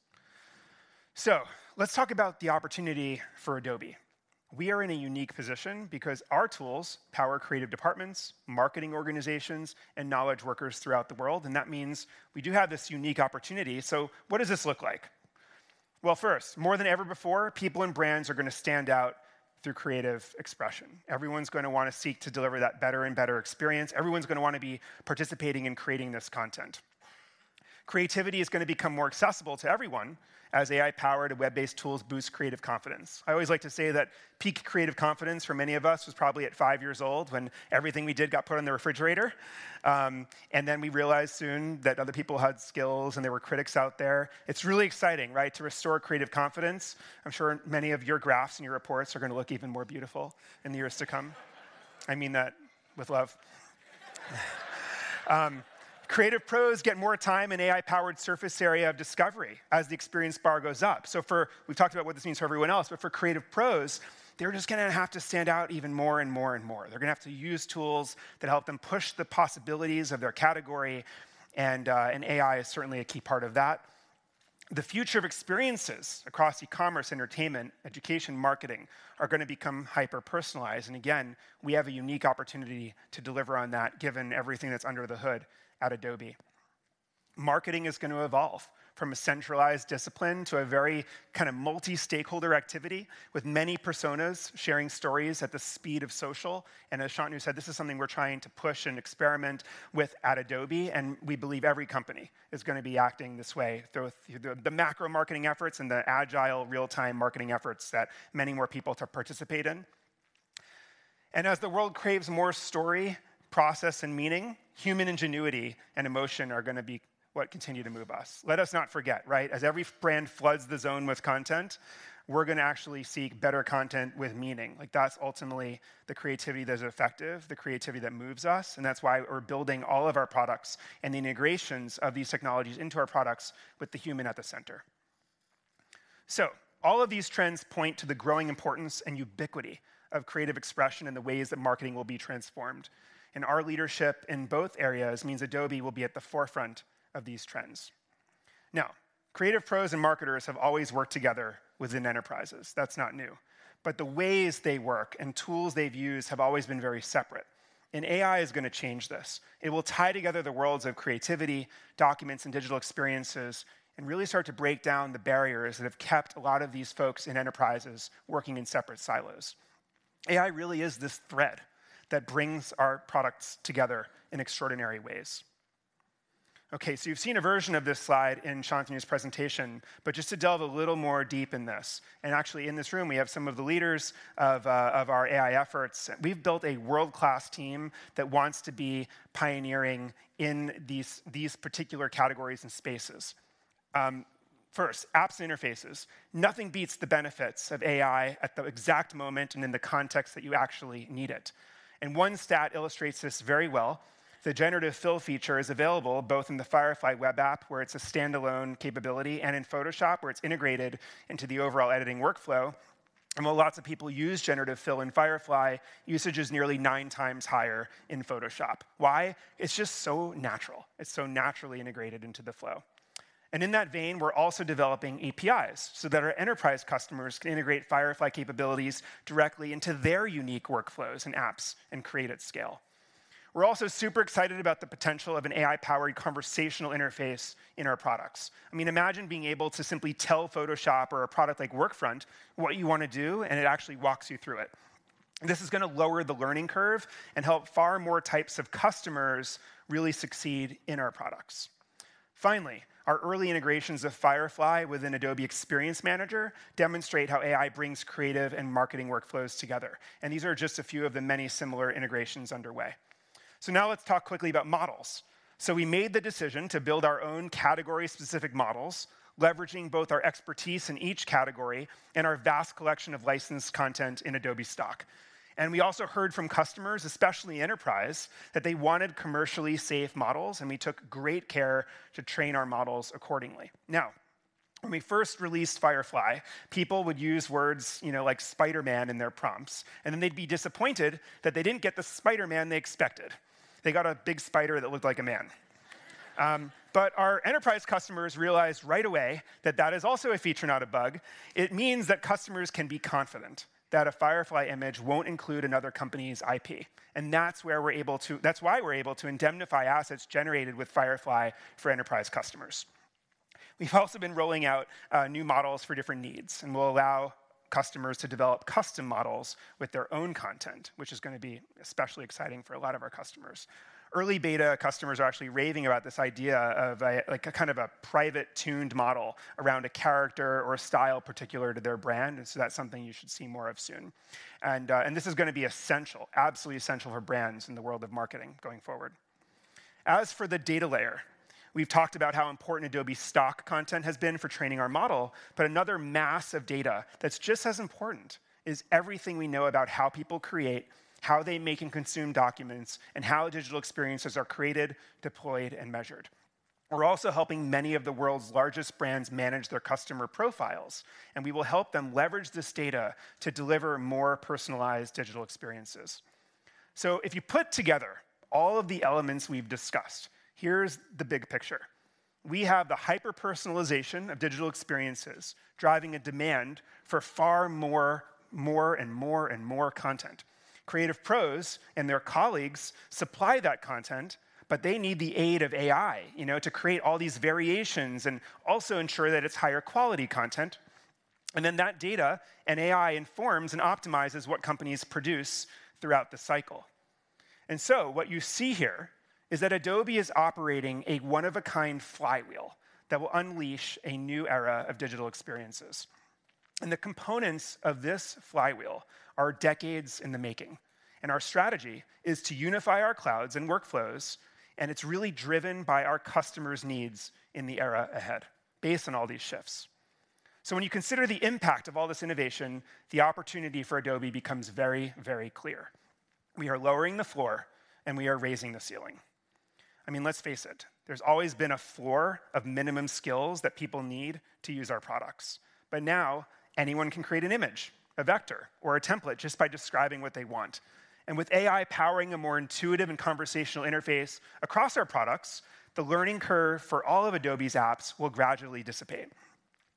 So let's talk about the opportunity for Adobe. We are in a unique position because our tools power creative departments, marketing organizations, and knowledge workers throughout the world, and that means we do have this unique opportunity. So what does this look like? Well, first, more than ever before, people and brands are going to stand out through creative expression. Everyone's going to want to seek to deliver that better and better experience. Everyone's going to want to be participating in creating this content. Creativity is going to become more accessible to everyone as AI-powered and web-based tools boost creative confidence. I always like to say that peak creative confidence for many of us was probably at five years old, when everything we did got put on the refrigerator. And then we realized soon that other people had skills, and there were critics out there. It's really exciting, right, to restore creative confidence. I'm sure many of your graphs and your reports are going to look even more beautiful in the years to come. I mean that with love. Creative pros get more time and AI-powered surface area of discovery as the experience bar goes up. We've talked about what this means for everyone else, but for creative pros, they're just going to have to stand out even more and more and more. They're going to have to use tools that help them push the possibilities of their category, and AI is certainly a key part of that. The future of experiences across e-commerce, entertainment, education, marketing, are going to become hyper-personalized. And again, we have a unique opportunity to deliver on that, given everything that's under the hood at Adobe. Marketing is going to evolve from a centralized discipline to a very kind of multi-stakeholder activity, with many personas sharing stories at the speed of social. And as Shantanu said, this is something we're trying to push and experiment with at Adobe, and we believe every company is going to be acting this way, through the macro marketing efforts and the agile, real-time marketing efforts that many more people to participate in. And as the world craves more story, process, and meaning, human ingenuity and emotion are going to be what continue to move us. Let us not forget, right? As every brand floods the zone with content, we're going to actually seek better content with meaning. Like, that's ultimately the creativity that is effective, the creativity that moves us, and that's why we're building all of our products and the integrations of these technologies into our products with the human at the center. So all of these trends point to the growing importance and ubiquity of creative expression and the ways that marketing will be transformed. And our leadership in both areas means Adobe will be at the forefront of these trends. Now, creative pros and marketers have always worked together within enterprises. That's not new. But the ways they work and tools they've used have always been very separate, and AI is going to change this. It will tie together the worlds of creativity, documents, and digital experiences and really start to break down the barriers that have kept a lot of these folks in enterprises working in separate silos. AI really is this thread that brings our products together in extraordinary ways. Okay, so you've seen a version of this slide in Shantanu's presentation, but just to delve a little more deep in this, and actually, in this room, we have some of the leaders of our AI efforts. We've built a world-class team that wants to be pioneering in these particular categories and spaces. First, apps and interfaces. Nothing beats the benefits of AI at the exact moment and in the context that you actually need it. One stat illustrates this very well. The Generative Fill feature is available both in the Firefly web app, where it's a standalone capability, and in Photoshop, where it's integrated into the overall editing workflow. While lots of people use generative fill in Firefly, usage is nearly 9 times higher in Photoshop. Why? It's just so natural. It's so naturally integrated into the flow. In that vein, we're also developing APIs so that our enterprise customers can integrate Firefly capabilities directly into their unique workflows and apps, and create at scale. We're also super excited about the potential of an AI-powered conversational interface in our products. I mean, imagine being able to simply tell Photoshop or a product like Workfront what you want to do, and it actually walks you through it. This is going to lower the learning curve and help far more types of customers really succeed in our products. Finally, our early integrations of Firefly within Adobe Experience Manager demonstrate how AI brings creative and marketing workflows together, and these are just a few of the many similar integrations underway. So now let's talk quickly about models. So we made the decision to build our own category-specific models, leveraging both our expertise in each category and our vast collection of licensed content in Adobe Stock. And we also heard from customers, especially enterprise, that they wanted commercially safe models, and we took great care to train our models accordingly. Now, when we first released Firefly, people would use words, you know, like Spider-Man in their prompts, and then they'd be disappointed that they didn't get the Spider-Man they expected. They got a big spider that looked like a man. But our enterprise customers realized right away that that is also a feature, not a bug. It means that customers can be confident that a Firefly image won't include another company's IP, and that's where we're able to. That's why we're able to indemnify assets generated with Firefly for enterprise customers. We've also been rolling out new models for different needs and will allow customers to develop custom models with their own content, which is going to be especially exciting for a lot of our customers. Early beta customers are actually raving about this idea of a, like a kind of a private, tuned model around a character or a style particular to their brand, and so that's something you should see more of soon. And, and this is going to be essential, absolutely essential for brands in the world of marketing going forward. As for the data layer, we've talked about how important Adobe Stock content has been for training our model, but another mass of data that's just as important is everything we know about how people create, how they make and consume documents, and how digital experiences are created, deployed, and measured. We're also helping many of the world's largest brands manage their customer profiles, and we will help them leverage this data to deliver more personalized digital experiences. So if you put together all of the elements we've discussed, here's the big picture: We have the hyper-personalization of digital experiences driving a demand for far more, more and more and more content. Creative pros and their colleagues supply that content, but they need the aid of AI, you know, to create all these variations and also ensure that it's higher quality content, and then that data and AI informs and optimizes what companies produce throughout the cycle. So what you see here is that Adobe is operating a one-of-a-kind flywheel that will unleash a new era of digital experiences. The components of this flywheel are decades in the making, and our strategy is to unify our clouds and workflows, and it's really driven by our customers' needs in the era ahead, based on all these shifts. When you consider the impact of all this innovation, the opportunity for Adobe becomes very, very clear. We are lowering the floor, and we are raising the ceiling. I mean, let's face it, there's always been a floor of minimum skills that people need to use our products, but now anyone can create an image, a vector, or a template just by describing what they want. And with AI powering a more intuitive and conversational interface across our products, the learning curve for all of Adobe's apps will gradually dissipate.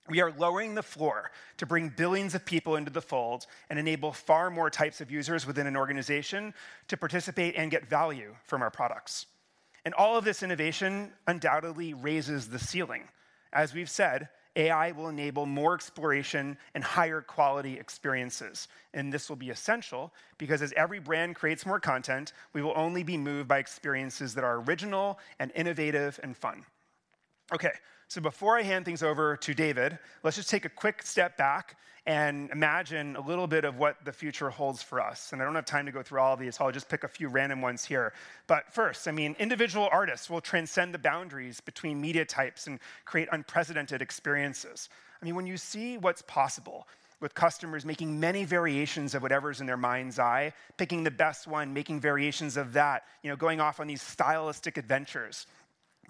We are lowering the floor to bring billions of people into the fold and enable far more types of users within an organization to participate and get value from our products. And all of this innovation undoubtedly raises the ceiling. As we've said, AI will enable more exploration and higher quality experiences, and this will be essential, because as every brand creates more content, we will only be moved by experiences that are original and innovative and fun. Okay, so before I hand things over to David, let's just take a quick step back and imagine a little bit of what the future holds for us. And I don't have time to go through all of these, so I'll just pick a few random ones here. But first, I mean, individual artists will transcend the boundaries between media types and create unprecedented experiences. I mean, when you see what's possible, with customers making many variations of whatever's in their mind's eye, picking the best one, making variations of that, you know, going off on these stylistic adventures,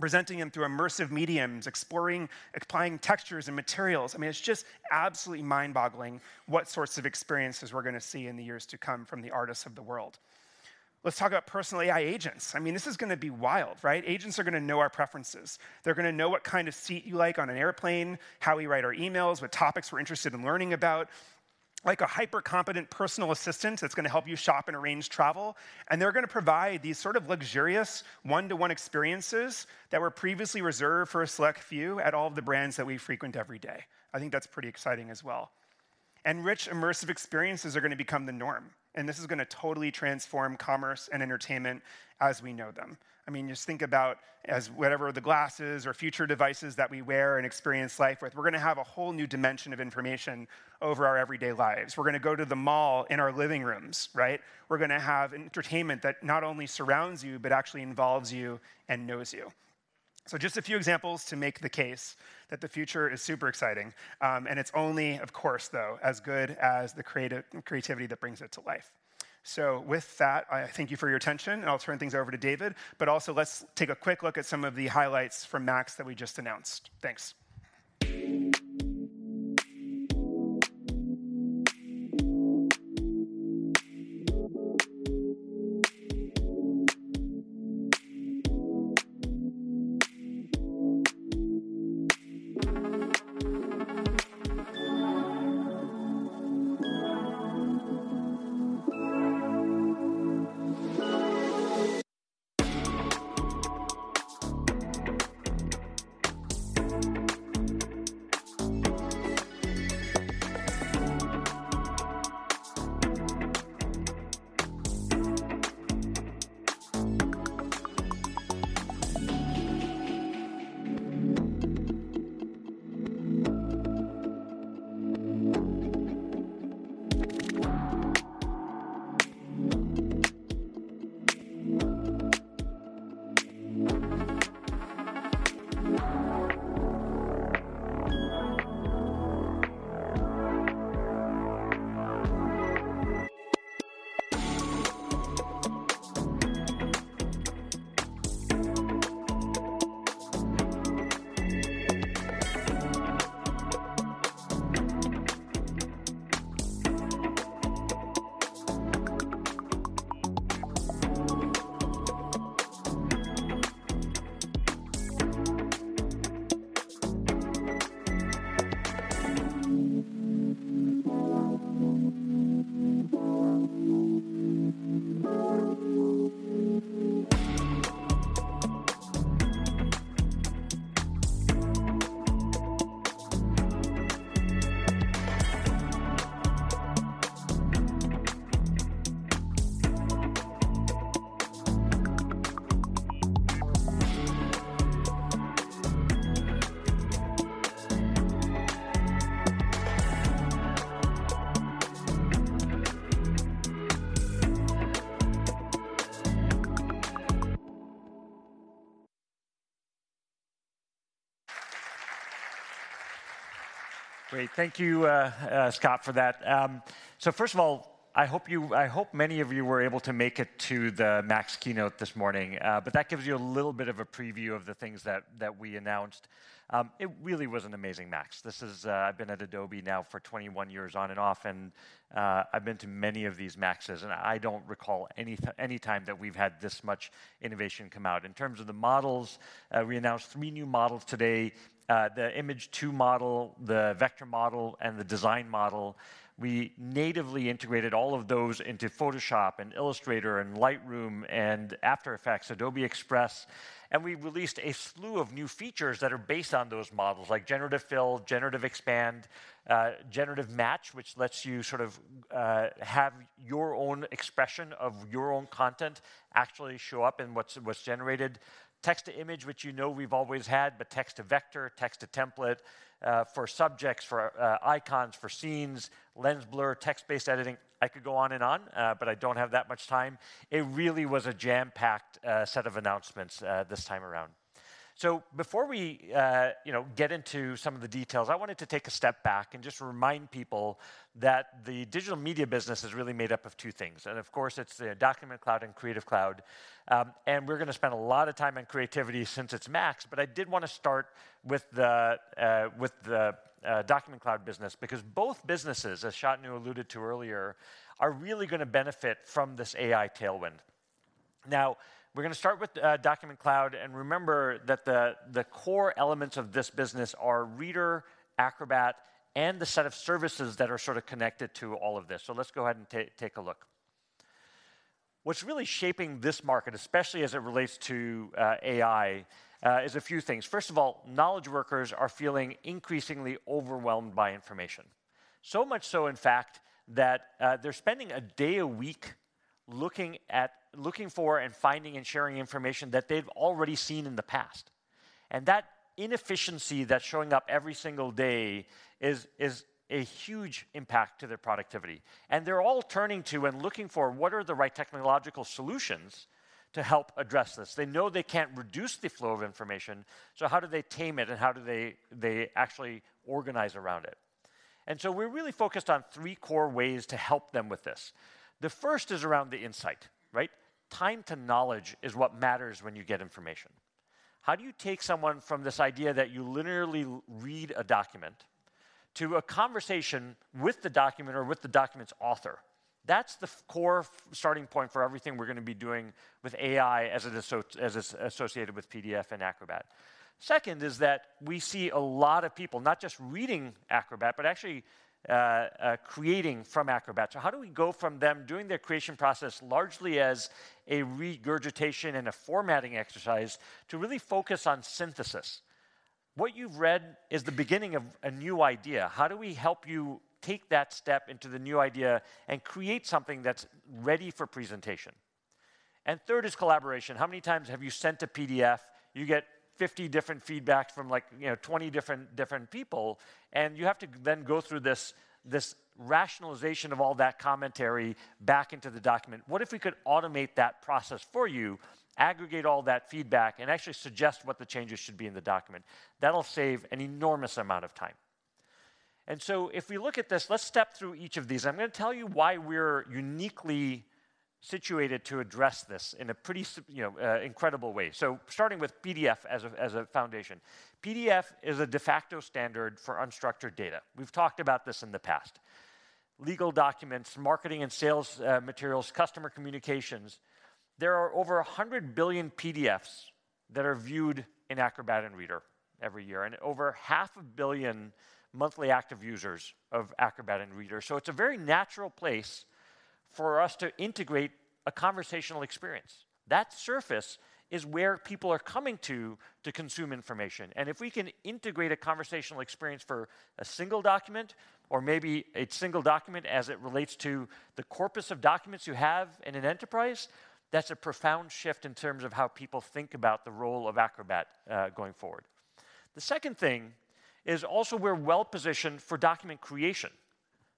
presenting them through immersive mediums, exploring, applying textures and materials, I mean, it's just absolutely mind-boggling what sorts of experiences we're going to see in the years to come from the artists of the world. Let's talk about personal AI agents. I mean, this is going to be wild, right? Agents are going to know our preferences. They're going to know what kind of seat you like on an airplane, how we write our emails, what topics we're interested in learning about. Like a hyper-competent personal assistant that's going to help you shop and arrange travel, and they're going to provide these sort of luxurious one-to-one experiences that were previously reserved for a select few at all of the brands that we frequent every day. I think that's pretty exciting as well. And rich, immersive experiences are going to become the norm, and this is going to totally transform commerce and entertainment as we know them. I mean, just think about as whatever the glasses or future devices that we wear and experience life with, we're going to have a whole new dimension of information over our everyday lives. We're going to go to the mall in our living rooms, right? We're going to have entertainment that not only surrounds you but actually involves you and knows you. So just a few examples to make the case that the future is super exciting, and it's only, of course, though, as good as the creativity that brings it to life. So with that, I thank you for your attention, and I'll turn things over to David. But also, let's take a quick look at some of the highlights from MAX that we just announced. Thanks. Great. Thank you, Scott, for that. So first of all, I hope many of you were able to make it to the MAX keynote this morning. But that gives you a little bit of a preview of the things that we announced. It really was an amazing MAX. This is... I've been at Adobe now for 21 years, on and off, and I've been to many of these MAXes, and I don't recall any time that we've had this much innovation come out. In terms of the models, we announced three new models today: the Image 2 model, the Vector model, and the Design model. We natively integrated all of those into Photoshop, and Illustrator, and Lightroom, and After Effects, Adobe Express, and we released a slew of new features that are based on those models, like Generative Fill, Generative Expand, Generative Match, which lets you sort of have your own expression of your own content actually show up in what's generated. Text to Image, which, you know, we've always had, but Text to Vector, Text to Template, for subjects, for icons, for scenes, Lens Blur, Text-Based Editing. I could go on and on, but I don't have that much time. It really was a jam-packed set of announcements this time around. So before we, you know, get into some of the details, I wanted to take a step back and just remind people that the Digital Media business is really made up of two things, and of course, it's the Document Cloud and Creative Cloud. And we're going to spend a lot of time on creativity since it's MAX, but I did want to start with the Document Cloud business, because both businesses, as Shantanu alluded to earlier, are really going to benefit from this AI tailwind. Now, we're going to start with Document Cloud, and remember that the core elements of this business are Reader, Acrobat, and the set of services that are sort of connected to all of this. So let's go ahead and take a look. What's really shaping this market, especially as it relates to AI, is a few things. First of all, knowledge workers are feeling increasingly overwhelmed by information. So much so, in fact, that they're spending a day a week looking for and finding and sharing information that they've already seen in the past. And that inefficiency that's showing up every single day is a huge impact to their productivity. And they're all turning to and looking for what are the right technological solutions to help address this. They know they can't reduce the flow of information, so how do they tame it, and how do they actually organize around it? And so we're really focused on three core ways to help them with this. The first is around the insight, right? Time to knowledge is what matters when you get information. How do you take someone from this idea that you linearly read a document to a conversation with the document or with the document's author? That's the core starting point for everything we're going to be doing with AI as it's associated with PDF and Acrobat. Second is that we see a lot of people not just reading Acrobat, but actually creating from Acrobat. So how do we go from them doing their creation process largely as a regurgitation and a formatting exercise to really focus on synthesis? What you've read is the beginning of a new idea. How do we help you take that step into the new idea and create something that's ready for presentation? And third is collaboration. How many times have you sent a PDF, you get 50 different feedback from like, you know, 20 different, different people, and you have to then go through this, this rationalization of all that commentary back into the document? What if we could automate that process for you, aggregate all that feedback, and actually suggest what the changes should be in the document? That'll save an enormous amount of time. So if we look at this, let's step through each of these. I'm going to tell you why we're uniquely situated to address this in a pretty, you know, incredible way. So starting with PDF as a foundation. PDF is a de facto standard for unstructured data. We've talked about this in the past. Legal documents, marketing and sales materials, customer communications. There are over 100 billion PDFs that are viewed in Acrobat and Reader every year, and over 500 million monthly active users of Acrobat and Reader. So it's a very natural place for us to integrate a conversational experience. That surface is where people are coming to, to consume information, and if we can integrate a conversational experience for a single document or maybe a single document as it relates to the corpus of documents you have in an enterprise, that's a profound shift in terms of how people think about the role of Acrobat, going forward. The second thing is also we're well-positioned for document creation,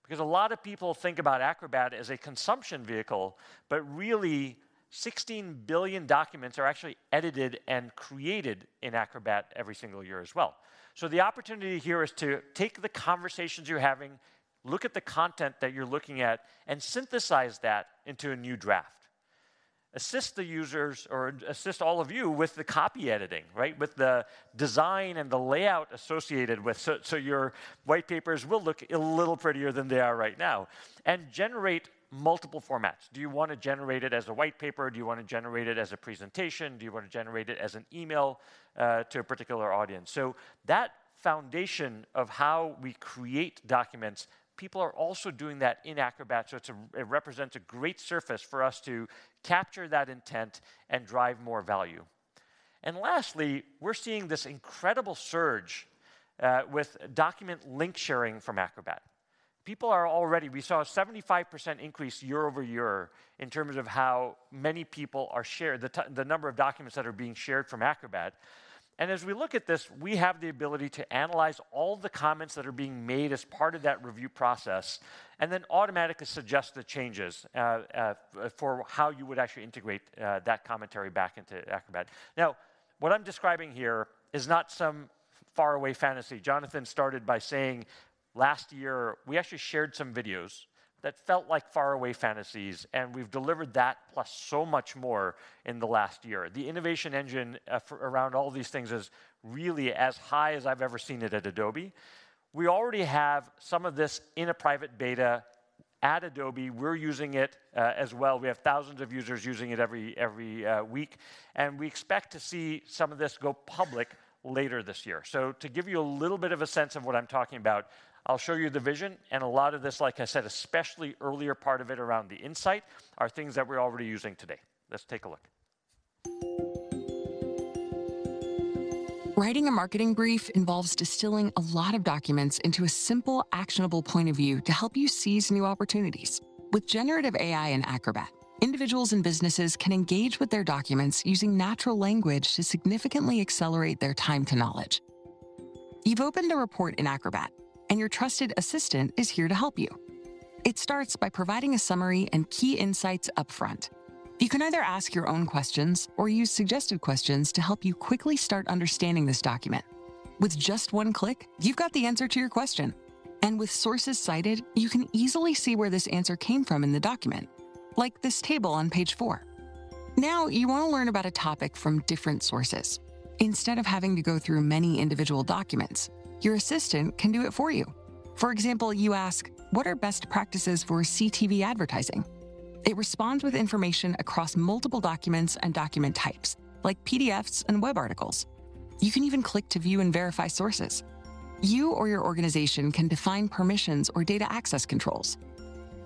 because a lot of people think about Acrobat as a consumption vehicle, but really, 16 billion documents are actually edited and created in Acrobat every single year as well. So the opportunity here is to take the conversations you're having, look at the content that you're looking at, and synthesize that into a new draft. Assist the users or assist all of you with the copy editing, right? With the design and the layout associated with so, so your white papers will look a little prettier than they are right now. And generate multiple formats. Do you want to generate it as a white paper? Do you want to generate it as a presentation? Do you want to generate it as an email to a particular audience? So that foundation of how we create documents, people are also doing that in Acrobat, so it's a, it represents a great surface for us to capture that intent and drive more value. And lastly, we're seeing this incredible surge with document link sharing from Acrobat. People are already. We saw a 75% increase year-over-year in terms of how many people are sharing the number of documents that are being shared from Acrobat. And as we look at this, we have the ability to analyze all the comments that are being made as part of that review process, and then automatically suggest the changes for how you would actually integrate that commentary back into Acrobat. Now, what I'm describing here is not some faraway fantasy. Jonathan started by saying last year, we actually shared some videos that felt like faraway fantasies, and we've delivered that, plus so much more in the last year. The innovation engine for around all these things is really as high as I've ever seen it at Adobe. We already have some of this in a private beta at Adobe. We're using it as well. We have thousands of users using it every week, and we expect to see some of this go public later this year. So to give you a little bit of a sense of what I'm talking about, I'll show you the vision and a lot of this, like I said, especially earlier part of it around the insight, are things that we're already using today. Let's take a look. Writing a marketing brief involves distilling a lot of documents into a simple, actionable point of view to help you seize new opportunities. With generative AI and Acrobat, individuals and businesses can engage with their documents using natural language to significantly accelerate their time to knowledge. You've opened a report in Acrobat, and your trusted assistant is here to help you. It starts by providing a summary and key insights upfront. You can either ask your own questions or use suggested questions to help you quickly start understanding this document. With just one click, you've got the answer to your question. And with sources cited, you can easily see where this answer came from in the document, like this table on page four. Now, you want to learn about a topic from different sources. Instead of having to go through many individual documents, your assistant can do it for you. For example, you ask, "What are best practices for CTV advertising?" It responds with information across multiple documents and document types, like PDFs and web articles. You can even click to view and verify sources. You or your organization can define permissions or data access controls.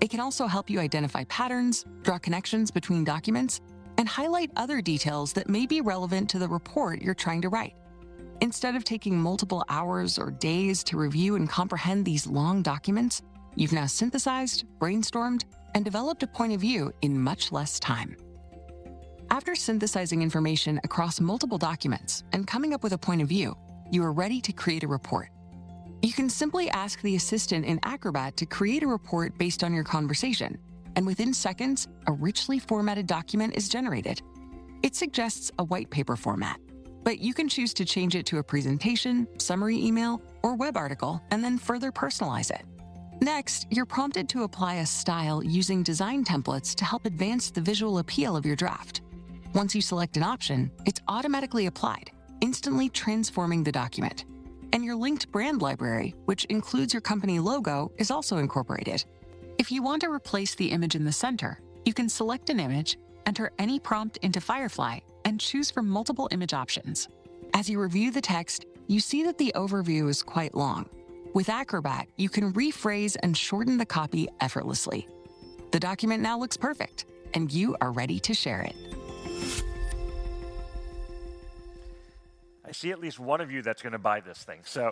It can also help you identify patterns, draw connections between documents, and highlight other details that may be relevant to the report you're trying to write. Instead of taking multiple hours or days to review and comprehend these long documents, you've now synthesized, brainstormed, and developed a point of view in much less time. After synthesizing information across multiple documents and coming up with a point of view, you are ready to create a report. You can simply ask the assistant in Acrobat to create a report based on your conversation, and within seconds, a richly formatted document is generated. It suggests a white paper format, but you can choose to change it to a presentation, summary email, or web article, and then further personalize it. Next, you're prompted to apply a style using design templates to help advance the visual appeal of your draft. Once you select an option, it's automatically applied, instantly transforming the document. Your linked brand library, which includes your company logo, is also incorporated. If you want to replace the image in the center, you can select an image, enter any prompt into Firefly, and choose from multiple image options. As you review the text, you see that the overview is quite long. With Acrobat, you can rephrase and shorten the copy effortlessly. The document now looks perfect, and you are ready to share it. I see at least one of you that's going to buy this thing. So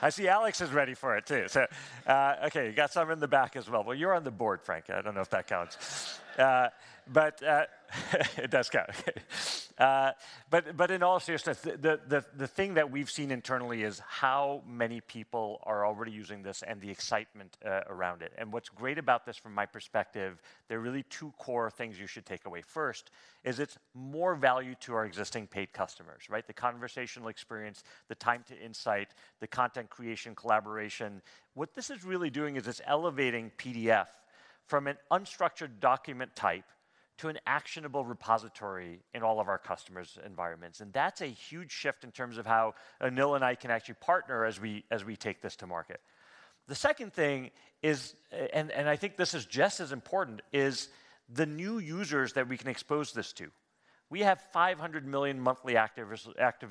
I see Alex is ready for it, too. So, okay, you got some in the back as well. Well, you're on the board, Frank. I don't know if that counts. But, it does count. But in all seriousness, the thing that we've seen internally is how many people are already using this and the excitement around it. And what's great about this, from my perspective, there are really two core things you should take away. First, is it's more value to our existing paid customers, right? The conversational experience, the time to insight, the content creation, collaboration. What this is really doing is it's elevating PDF from an unstructured document type to an actionable repository in all of our customers' environments, and that's a huge shift in terms of how Anil and I can actually partner as we take this to market. The second thing is, and I think this is just as important, is the new users that we can expose this to. We have 500 million monthly active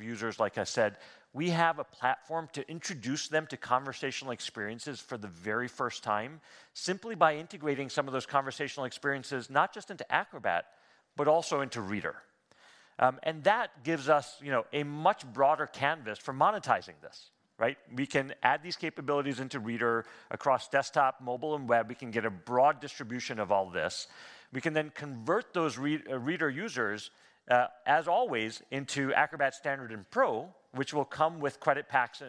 users, like I said. We have a platform to introduce them to conversational experiences for the very first time, simply by integrating some of those conversational experiences, not just into Acrobat, but also into Reader, and that gives us, you know, a much broader canvas for monetizing this, right? We can add these capabilities into Reader across desktop, mobile, and web. We can get a broad distribution of all this. We can then convert those Reader users, as always, into Acrobat Standard and Pro, which will come with credit packs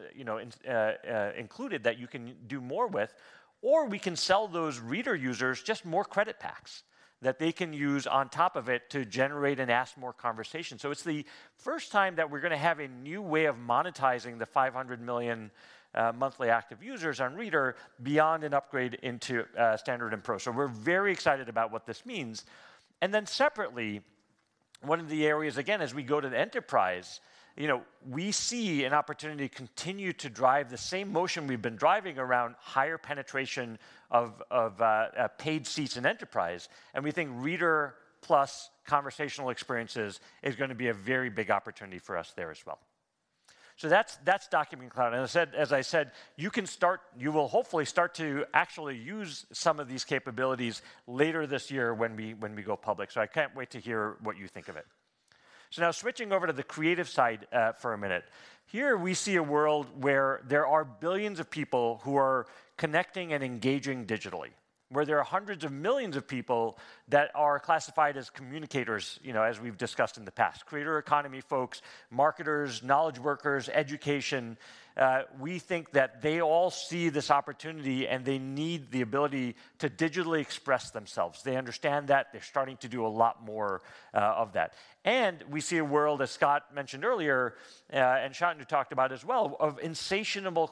included that you can do more with, or we can sell those Reader users just more credit packs that they can use on top of it to generate and ask more conversations. It's the first time that we're going to have a new way of monetizing the 500 million monthly active users on Reader beyond an upgrade into Standard and Pro. We're very excited about what this means. One of the areas, again, as we go to the enterprise, you know, we see an opportunity to continue to drive the same motion we've been driving around higher penetration of, of paid seats in enterprise, and we think Reader plus conversational experiences is going to be a very big opportunity for us there as well. That's Document Cloud, and as I said, you can start-- You will hopefully start to actually use some of these capabilities later this year when we, when we go public. I can't wait to hear what you think of it. Now switching over to the creative side, for a minute. Here, we see a world where there are billions of people who are connecting and engaging digitally, where there are hundreds of millions of people that are classified as communicators, you know, as we've discussed in the past, creator economy folks, marketers, knowledge workers, education. We think that they all see this opportunity, and they need the ability to digitally express themselves. They understand that. They're starting to do a lot more of that. And we see a world, as Scott mentioned earlier, and Shantanu talked about as well, of insatiable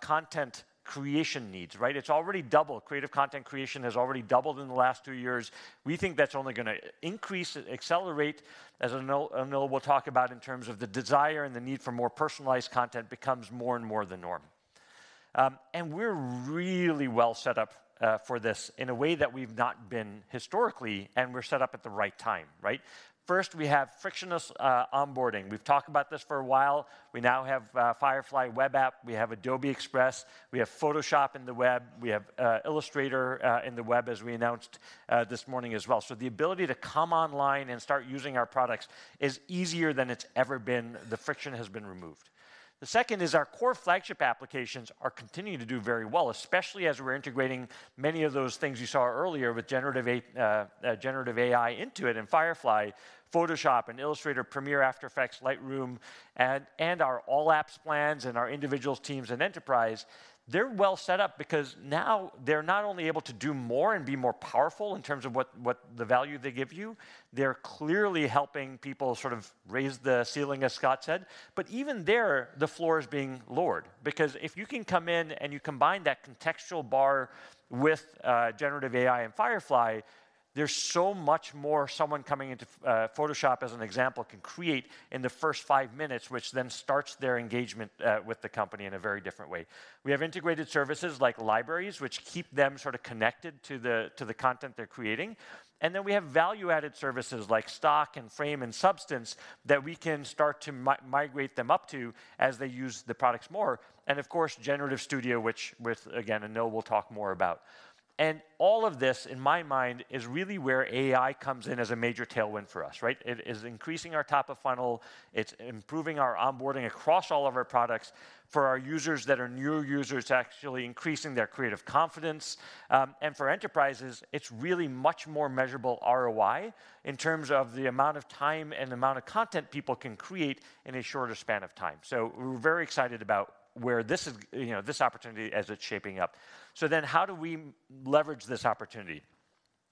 content creation needs, right? It's already doubled. Creative content creation has already doubled in the last two years. We think that's only going to increase, accelerate, as Anil will talk about in terms of the desire and the need for more personalized content becomes more and more the norm. And we're really well set up for this in a way that we've not been historically, and we're set up at the right time, right? First, we have frictionless onboarding. We've talked about this for a while. We now have Firefly web app. We have Adobe Express. We have Photoshop on the web. We have Illustrator on the web, as we announced this morning as well. So the ability to come online and start using our products is easier than it's ever been. The friction has been removed. The second is our core flagship applications are continuing to do very well, especially as we're integrating many of those things you saw earlier with generative AI into it and Firefly, Photoshop, and Illustrator, Premiere, After Effects, Lightroom, and our All Apps plans and our individuals, teams, and enterprise. They're well set up because now they're not only able to do more and be more powerful in terms of what, what the value they give you, they're clearly helping people sort of raise the ceiling, as Scott said. But even there, the floor is being lowered because if you can come in and you combine that contextual bar with generative AI and Firefly, there's so much more someone coming into Photoshop, as an example, can create in the first five minutes, which then starts their engagement with the company in a very different way. We have integrated services like libraries, which keep them sort of connected to the content they're creating. We have value-added services like Stock and Frame and Substance that we can start to migrate them up to as they use the products more and, of course, Generative Studio, which, again, Anil will talk more about. All of this, in my mind, is really where AI comes in as a major tailwind for us, right? It is increasing our top of funnel. It's improving our onboarding across all of our products. For our users that are new users, it's actually increasing their creative confidence. And for enterprises, it's really much more measurable ROI in terms of the amount of time and amount of content people can create in a shorter span of time. We're very excited about where this is, you know, this opportunity as it's shaping up. How do we leverage this opportunity?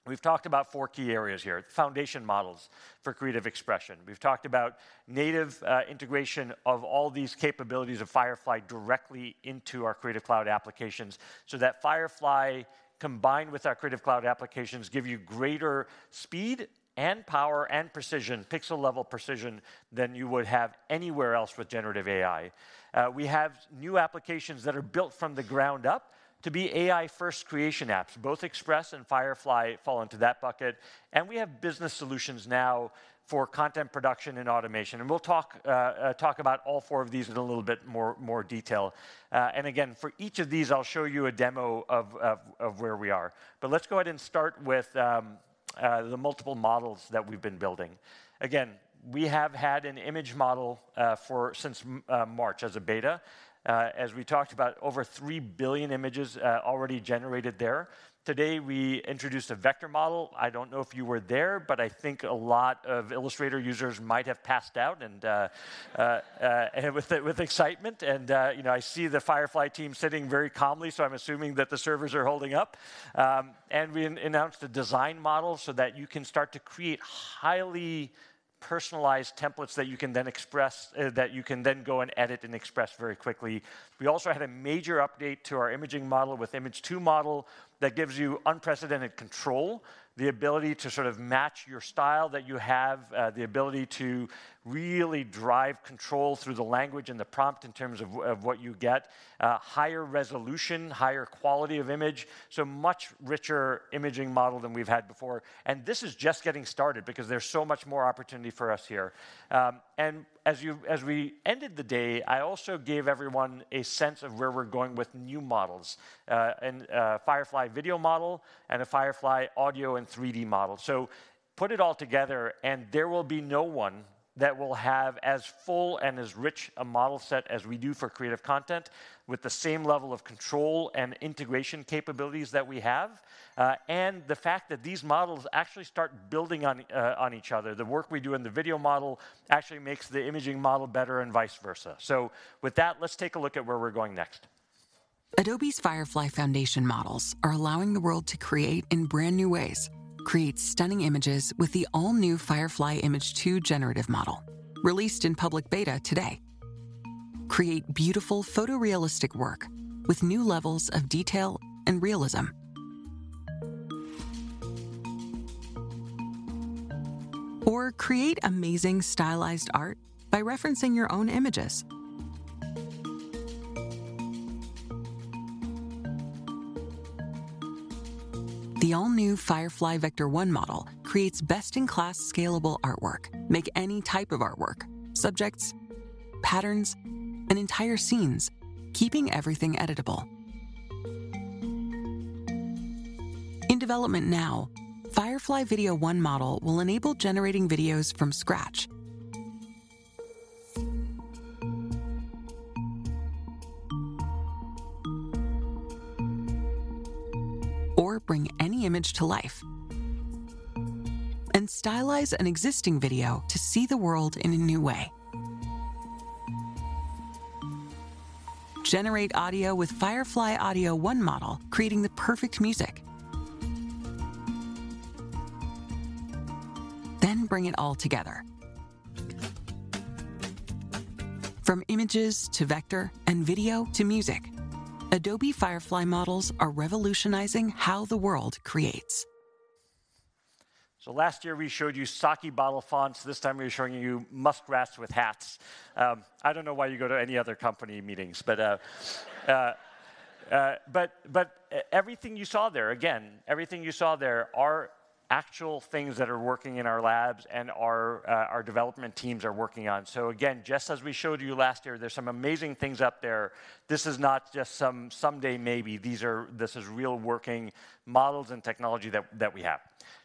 We've talked about four key areas here, foundation models for creative expression. We've talked about native integration of all these capabilities of Firefly directly into our Creative Cloud applications, so that Firefly, combined with our Creative Cloud applications, give you greater speed and power and precision, pixel-level precision, than you would have anywhere else with generative AI. We have new applications that are built from the ground up to be AI-first creation apps. Both Express and Firefly fall into that bucket, and we have business solutions now for content production and automation, and we'll talk about all four of these in a little bit more detail. And again, for each of these, I'll show you a demo of where we are. But let's go ahead and start with the multiple models that we've been building. Again, we have had an image model for since March as a beta. As we talked about, over 3 billion images already generated there. Today, we introduced a vector model. I don't know if you were there, but I think a lot of Illustrator users might have passed out with excitement. You know, I see the Firefly team sitting very calmly, so I'm assuming that the servers are holding up. We announced a design model so that you can start to create highly personalized templates that you can then express, that you can then go and edit and express very quickly. We also had a major update to our imaging model with Firefly Image 2 model that gives you unprecedented control, the ability to sort of match your style that you have, the ability to really drive control through the language and the prompt in terms of, of what you get, higher resolution, higher quality of image, so much richer imaging model than we've had before. This is just getting started because there's so much more opportunity for us here. As we ended the day, I also gave everyone a sense of where we're going with new models, and Firefly Video model and a Firefly Audio and 3D model. So put it all together, and there will be no one that will have as full and as rich a model set as we do for creative content with the same level of control and integration capabilities that we have, and the fact that these models actually start building on, on each other. The work we do in the video model actually makes the imaging model better and vice versa. So with that, let's take a look at where we're going next. Adobe's Firefly foundation models are allowing the world to create in brand new ways. Create stunning images with the all-new Firefly Image 2 generative model, released in public beta today. Create beautiful photorealistic work with new levels of detail and realism. Or create amazing stylized art by referencing your own images. The all-new Firefly Vector 1 model creates best-in-class scalable artwork. Make any type of artwork, subjects, patterns, and entire scenes, keeping everything editable. In development now, Firefly Video 1 model will enable generating videos from scratch. Or bring any image to life, and stylize an existing video to see the world in a new way. Generate audio with Firefly Audio 1 model, creating the perfect music. Then bring it all together. From images to vector and video to music, Adobe Firefly models are revolutionizing how the world creates. So last year, we showed you sake bottle fonts. This time, we're showing you musk rats with hats. I don't know why you go to any other company meetings, but everything you saw there, again, everything you saw there are actual things that are working in our labs and our development teams are working on. So again, just as we showed you last year, there's some amazing things up there. This is not just some someday, maybe. These are... This is real working models and technology that we have.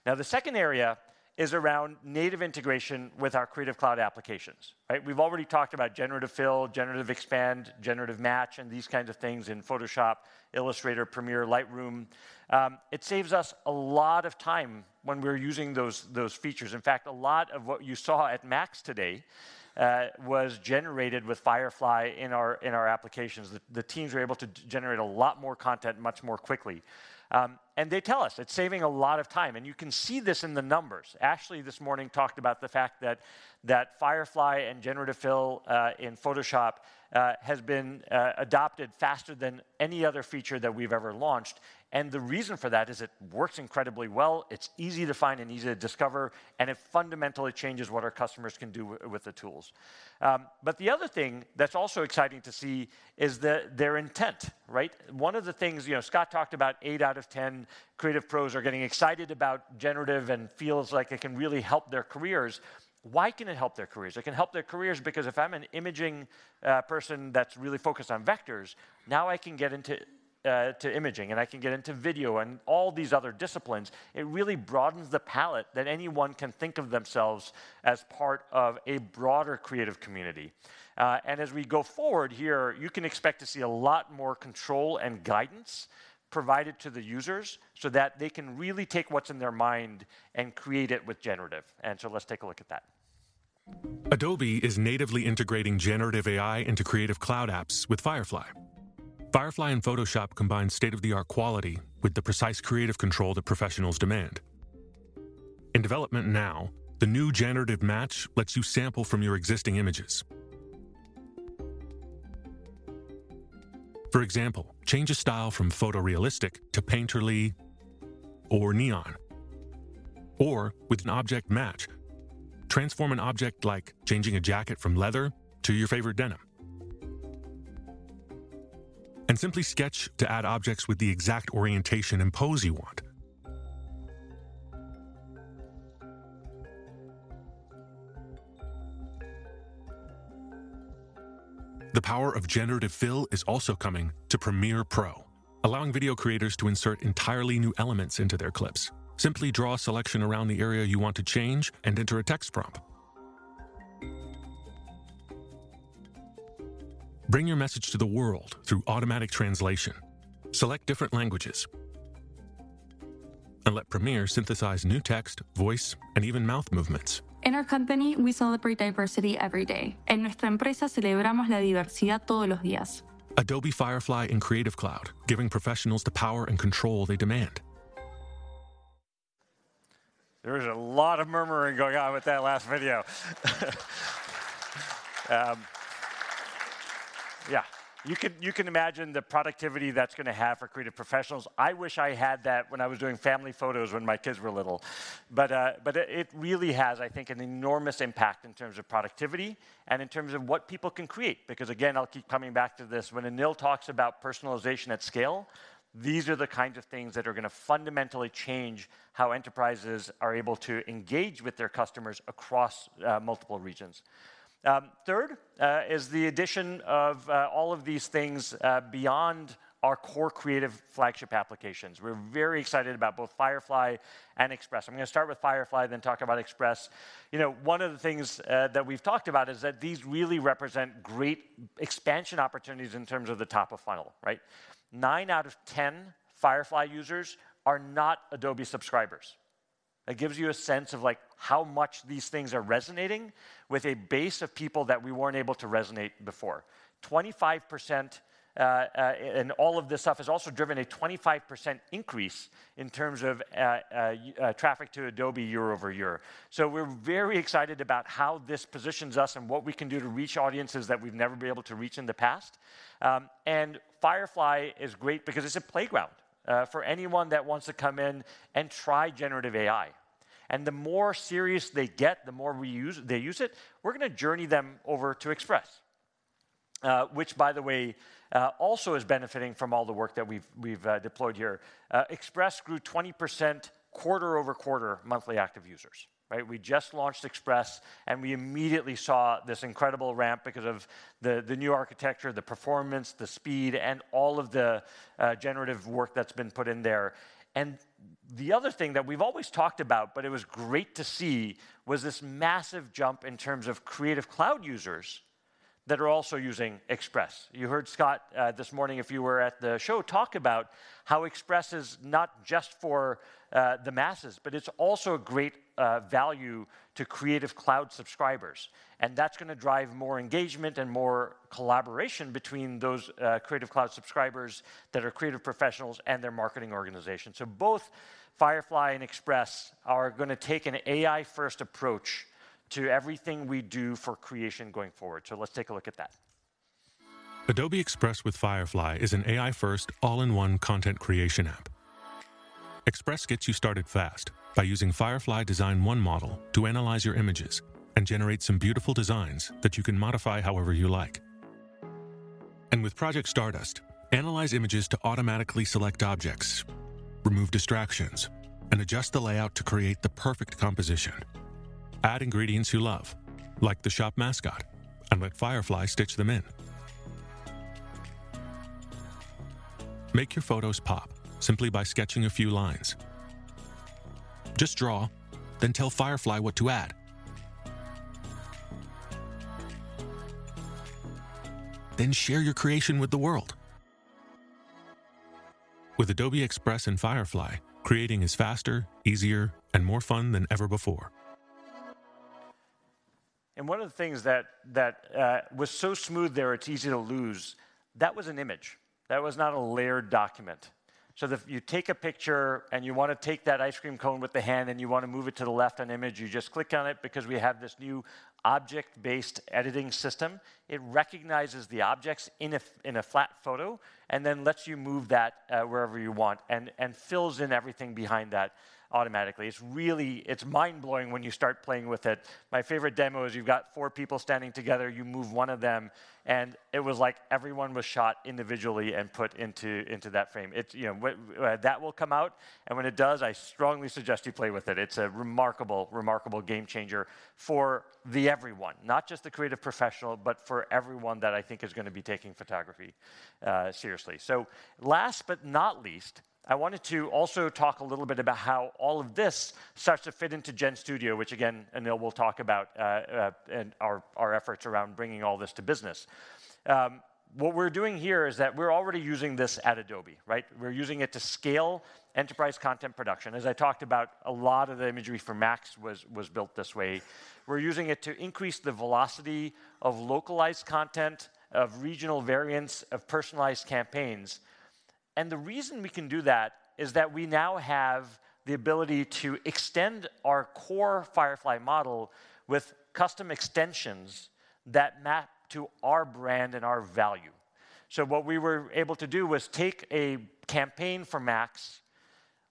Now, the second area is around native integration with our Creative Cloud applications, right? We've already talked about Generative Fill, Generative Expand, Generative Match, and these kinds of things in Photoshop, Illustrator, Premiere, Lightroom. It saves us a lot of time when we're using those features. In fact, a lot of what you saw at MAX today was generated with Firefly in our applications. The teams were able to generate a lot more content much more quickly. And they tell us it's saving a lot of time, and you can see this in the numbers. Ashley this morning talked about the fact that Firefly and Generative Fill in Photoshop has been adopted faster than any other feature that we've ever launched, and the reason for that is it works incredibly well, it's easy to find and easy to discover, and it fundamentally changes what our customers can do with the tools. But the other thing that's also exciting to see is their intent, right? One of the things, you know, Scott talked about eight out of 10 creative pros are getting excited about generative and feels like it can really help their careers. Why can it help their careers? It can help their careers because if I'm an imaging person that's really focused on vectors, now I can get into to imaging, and I can get into video and all these other disciplines. It really broadens the palette that anyone can think of themselves as part of a broader creative community. And as we go forward here, you can expect to see a lot more control and guidance provided to the users so that they can really take what's in their mind and create it with generative, and so let's take a look at that. Adobe is natively integrating generative AI into Creative Cloud apps with Firefly. Firefly and Photoshop combine state-of-the-art quality with the precise creative control that professionals demand. In development now, the new Generative Match lets you sample from your existing images. For example, change a style from photorealistic to painterly or neon. Or with an object match, transform an object, like changing a jacket from leather to your favorite denim. And simply sketch to add objects with the exact orientation and pose you want. The power of Generative Fill is also coming to Premiere Pro, allowing video creators to insert entirely new elements into their clips. Simply draw a selection around the area you want to change and enter a text prompt. Bring your message to the world through automatic translation. Select different languages... and let Premiere synthesize new text, voice, and even mouth movements. In our company, we celebrate diversity every day. Adobe Firefly and Creative Cloud, giving professionals the power and control they demand. There is a lot of murmuring going on with that last video. Yeah, you can, you can imagine the productivity that's gonna have for creative professionals. I wish I had that when I was doing family photos when my kids were little. But, but it, it really has, I think, an enormous impact in terms of productivity and in terms of what people can create. Because, again, I'll keep coming back to this, when Anil talks about personalization at scale, these are the kinds of things that are gonna fundamentally change how enterprises are able to engage with their customers across multiple regions. Third is the addition of all of these things beyond our core creative flagship applications. We're very excited about both Firefly and Express. I'm gonna start with Firefly, then talk about Express. You know, one of the things that we've talked about is that these really represent great expansion opportunities in terms of the top of funnel, right? Nine out of 10 Firefly users are not Adobe subscribers. That gives you a sense of, like, how much these things are resonating with a base of people that we weren't able to resonate before. 25%, and all of this stuff has also driven a 25% increase in terms of traffic to Adobe year-over-year. So we're very excited about how this positions us and what we can do to reach audiences that we've never been able to reach in the past. And Firefly is great because it's a playground for anyone that wants to come in and try generative AI. The more serious they get, the more we use- they use it, we're gonna journey them over to Express. Which, by the way, also is benefiting from all the work that we've, we've, deployed here. Express grew 20% quarter-over-quarter monthly active users, right? We just launched Express, and we immediately saw this incredible ramp because of the, the new architecture, the performance, the speed, and all of the, generative work that's been put in there. And the other thing that we've always talked about, but it was great to see, was this massive jump in terms of Creative Cloud users that are also using Express. You heard Scott, this morning, if you were at the show, talk about how Express is not just for, the masses, but it's also a great, value to Creative Cloud subscribers, and that's gonna drive more engagement and more collaboration between those, Creative Cloud subscribers that are creative professionals and their marketing organizations. So both Firefly and Express are gonna take an AI-first approach to everything we do for creation going forward. So let's take a look at that. Adobe Express with Firefly is an AI-first, all-in-one content creation app. Express gets you started fast by using Firefly Design 1 model to analyze your images and generate some beautiful designs that you can modify however you like. And with Project Stardust, analyze images to automatically select objects, remove distractions, and adjust the layout to create the perfect composition. Add ingredients you love, like the shop mascot, and let Firefly stitch them in. Make your photos pop simply by sketching a few lines. Just draw, then tell Firefly what to add. Then share your creation with the world. With Adobe Express and Firefly, creating is faster, easier, and more fun than ever before. And one of the things that was so smooth there, it's easy to lose, that was an image. That was not a layered document. So if you take a picture and you want to take that ice cream cone with the hand, and you want to move it to the left an image, you just click on it because we have this new object-based editing system. It recognizes the objects in a flat photo, and then lets you move that wherever you want and fills in everything behind that automatically. It's really... It's mind-blowing when you start playing with it. My favorite demo is you've got four people standing together, you move one of them, and it was like everyone was shot individually and put into that frame. It's, you know, what... That will come out, and when it does, I strongly suggest you play with it. It's a remarkable, remarkable game changer for everyone, not just the creative professional, but for everyone that I think is gonna be taking photography seriously. So last but not least, I wanted to also talk a little bit about how all of this starts to fit into GenStudio, which again, Anil will talk about, and our efforts around bringing all this to business. What we're doing here is that we're already using this at Adobe, right? We're using it to scale enterprise content production. As I talked about, a lot of the imagery for MAX was built this way. We're using it to increase the velocity of localized content, of regional variants, of personalized campaigns. The reason we can do that is that we now have the ability to extend our core Firefly model with custom extensions that map to our brand and our value. What we were able to do was take a campaign for MAX,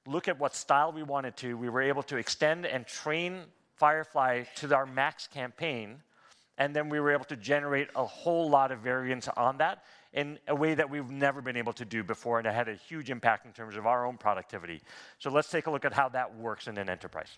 look at what style we wanted to. We were able to extend and train Firefly to our MAX campaign, and then we were able to generate a whole lot of variants on that in a way that we've never been able to do before, and it had a huge impact in terms of our own productivity. Let's take a look at how that works in an enterprise.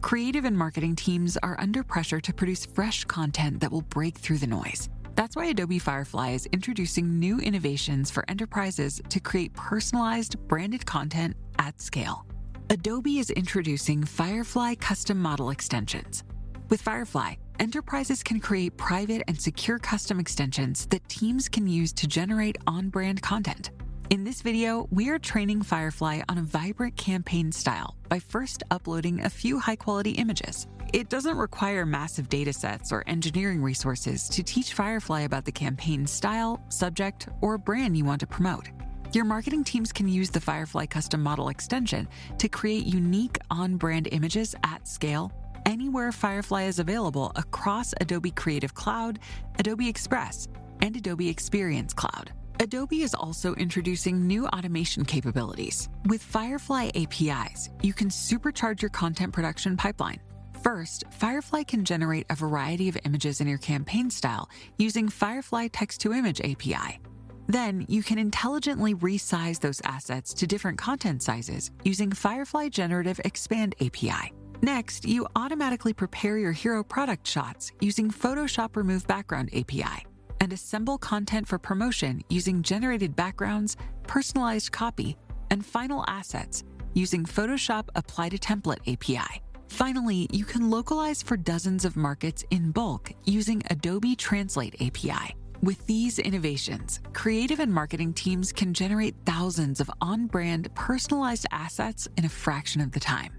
Creative and marketing teams are under pressure to produce fresh content that will break through the noise. That's why Adobe Firefly is introducing new innovations for enterprises to create personalized, branded content at scale. Adobe is introducing Firefly custom model extensions. With Firefly, enterprises can create private and secure custom extensions that teams can use to generate on-brand content. In this video, we are training Firefly on a vibrant campaign style by first uploading a few high-quality images. It doesn't require massive datasets or engineering resources to teach Firefly about the campaign style, subject, or brand you want to promote. Your marketing teams can use the Firefly custom model extension to create unique, on-brand images at scale anywhere Firefly is available across Adobe Creative Cloud, Adobe Express, and Adobe Experience Cloud. Adobe is also introducing new automation capabilities. With Firefly APIs, you can supercharge your content production pipeline. First, Firefly can generate a variety of images in your campaign style using Firefly Text to Image API. Then, you can intelligently resize those assets to different content sizes using Firefly Generative Expand API. Next, you automatically prepare your hero product shots using Photoshop Remove Background API and assemble content for promotion using generated backgrounds, personalized copy, and final assets using Photoshop Apply to Template API. Finally, you can localize for dozens of markets in bulk using Adobe Translate API. With these innovations, creative and marketing teams can generate thousands of on-brand, personalized assets in a fraction of the time.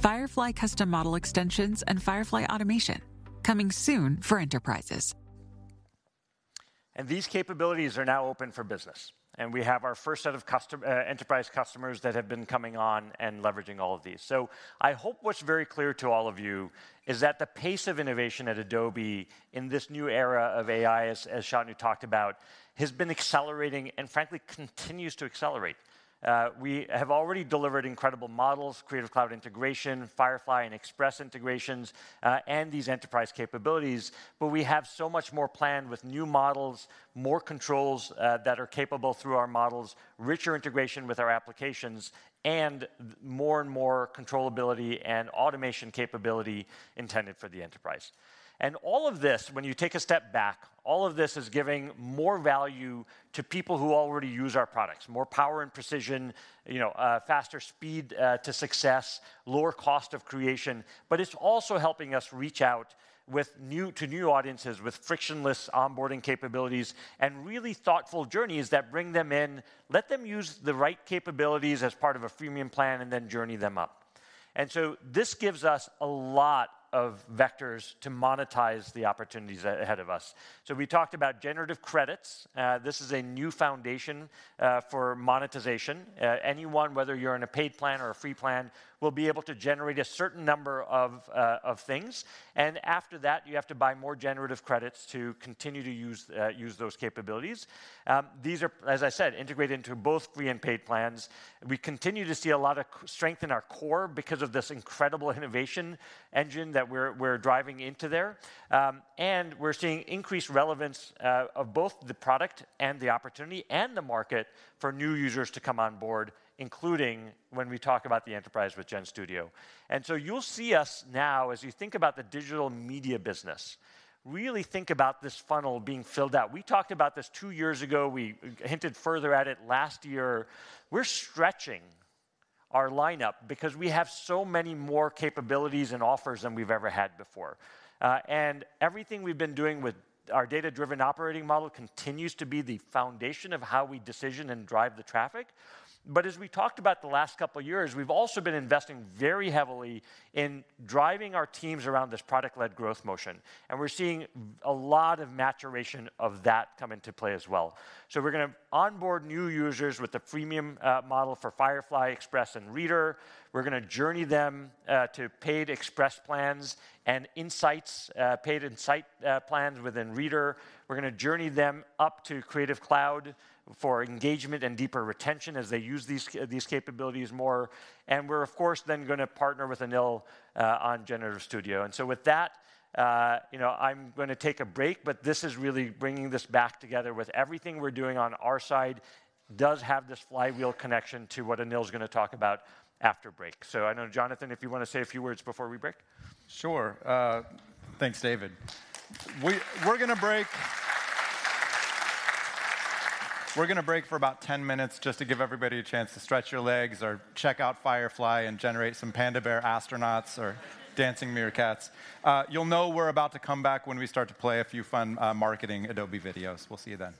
Firefly custom model extensions and Firefly automation, coming soon for enterprises. And these capabilities are now open for business, and we have our first set of customer, enterprise customers that have been coming on and leveraging all of these. So I hope what's very clear to all of you is that the pace of innovation at Adobe in this new era of AI, as Shantanu talked about, has been accelerating and frankly, continues to accelerate. We have already delivered incredible models, Creative Cloud integration, Firefly and Express integrations, and these enterprise capabilities, but we have so much more planned with new models, more controls, that are capable through our models, richer integration with our applications, and more and more controllability and automation capability intended for the enterprise. And all of this, when you take a step back, all of this is giving more value to people who already use our products, more power and precision, you know, faster speed to success, lower cost of creation. But it's also helping us reach out to new audiences with frictionless onboarding capabilities and really thoughtful journeys that bring them in, let them use the right capabilities as part of a freemium plan, and then journey them up. And so this gives us a lot of vectors to monetize the opportunities ahead of us. So we talked about Generative Credits. This is a new foundation for monetization. Anyone, whether you're in a paid plan or a free plan, will be able to generate a certain number of things, and after that, you have to buy more Generative Credits to continue to use those capabilities. These are, as I said, integrated into both free and paid plans. We continue to see a lot of strength in our core because of this incredible innovation engine that we're driving into there. We're seeing increased relevance of both the product and the opportunity and the market for new users to come on board, including when we talk about the enterprise with GenStudio. So you'll see us now, as you think about the Digital Media business, really think about this funnel being filled out. We talked about this two years ago. We hinted further at it last year. We're stretching our lineup because we have so many more capabilities and offers than we've ever had before. And everything we've been doing with our data-driven operating model continues to be the foundation of how we decision and drive the traffic. But as we talked about the last couple years, we've also been investing very heavily in driving our teams around this product-led growth motion, and we're seeing a lot of maturation of that come into play as well. We're gonna onboard new users with the freemium model for Firefly, Express, and Reader. We're gonna journey them to paid Express plans and Insights, paid Insight plans within Reader. We're gonna journey them up to Creative Cloud for engagement and deeper retention as they use these capabilities more. And we're, of course, then gonna partner with Anil on GenStudio. So with that, you know, I'm going to take a break, but this is really bringing this back together with everything we're doing on our side does have this flywheel connection to what Anil's going to talk about after break. So I know, Jonathan, if you want to say a few words before we break? Sure. Thanks, David. We're gonna break... We're gonna break for about 10 minutes, just to give everybody a chance to stretch your legs or check out Firefly and generate some panda bear astronauts or dancing meerkats. You'll know we're about to come back when we start to play a few fun marketing Adobe videos. We'll see you then.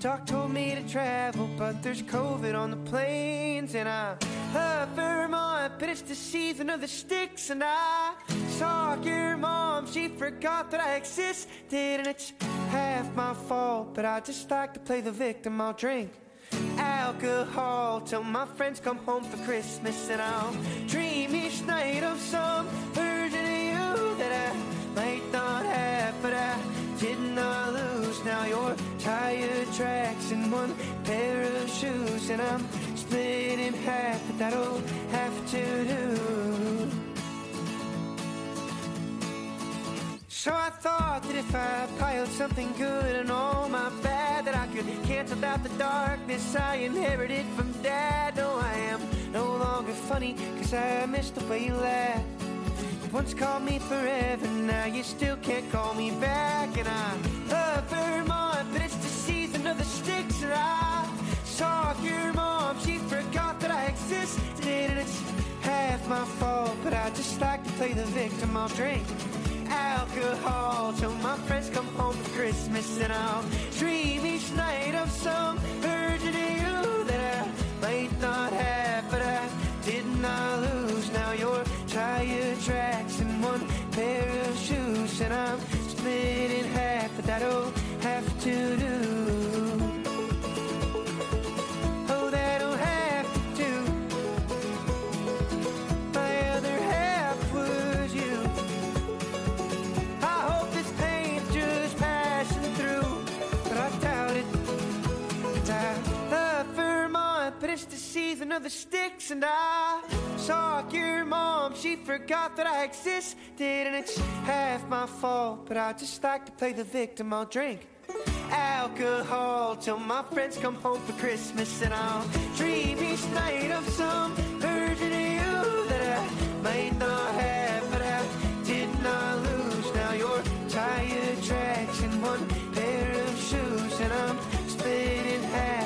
Doc told me to travel, but there's COVID on the planes. I love Vermont, but it's the season of the sticks, and I saw your mom, she forgot that I existed. It's half my fault, but I just like to play the victim. I'll drink alcohol 'til my friends come home for Christmas, and I'll dream each night of some version of you that I might not have, but I did not lose. Now you're tire tracks and one pair of shoes, and I'm split in half, but that'll have to do. So I thought that if I piled something good on all my bad, that I could cancel out the darkness I inherited from Dad. No, I am no longer funny, 'cause I miss the way you laugh. You once called me forever, now you still can't call me back. And I love Vermont, but it's the season of the sticks, and I saw your mom, she forgot that I existed. And it's half my fault, but I just like to play the victim. I'll drink alcohol 'til my friends come home for Christmas, and I'll dream each night of some version of you that I might not have, but I did not lose. Now you're tire tracks and one pair of shoes, and I'm split in half,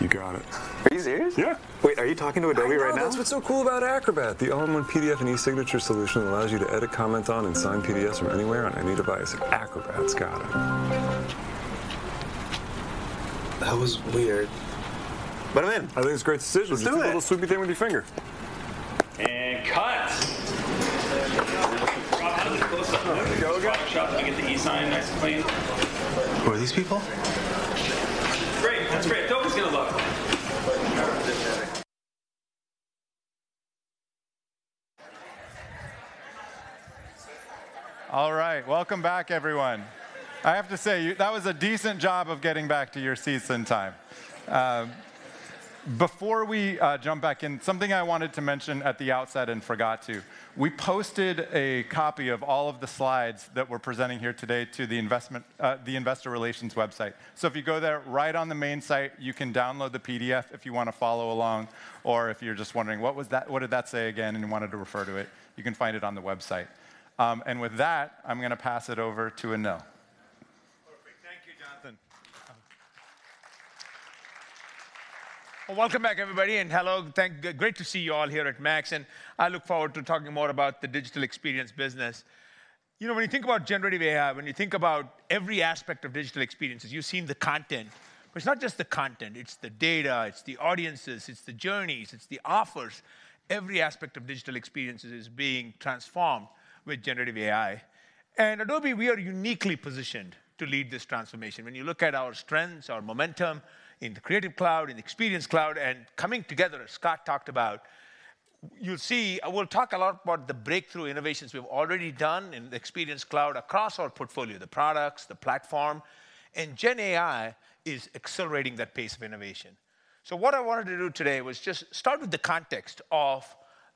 You got it. Are you serious? Yeah. Wait, are you talking to Adobe right now? I know! That's what's so cool about Acrobat, the all-in-one PDF and eSignature solution that allows you to edit, comment on, and sign PDFs from anywhere on any device. Acrobat's got it. That was weird, but I'm in. I think it's a great decision. Let's do it! Just a little swoopy thing with your finger. Cut! Close-up. Go again? Get the eSign nice and clean. Who are these people? Great. That's great. Toby's going to love it. All right. Welcome back, everyone. I have to say, you know, that was a decent job of getting back to your seats in time. Before we jump back in, something I wanted to mention at the outset and forgot to: We posted a copy of all of the slides that we're presenting here today to the investor relations website. If you go there, right on the main site, you can download the PDF if you want to follow along, or if you're just wondering, "What was that? What did that say again?" and you wanted to refer to it, you can find it on the website. With that, I'm going to pass it over to Anil. Perfect. Thank you, Jonathan. Welcome back, everybody, and hello. Thank you. Great to see you all here at MAX, and I look forward to talking more about the digital experience business. You know, when you think about generative AI, when you think about every aspect of digital experiences, you've seen the content. It's not just the content, it's the data, it's the audiences, it's the journeys, it's the offers. Every aspect of digital experiences is being transformed with generative AI. At Adobe, we are uniquely positioned to lead this transformation. When you look at our strengths, our momentum in the Creative Cloud, in Experience Cloud, and coming together, as Scott talked about, you'll see... We'll talk a lot about the breakthrough innovations we've already done in the Experience Cloud across our portfolio, the products, the platform, and Gen AI is accelerating that pace of innovation. So what I wanted to do today was just start with the context of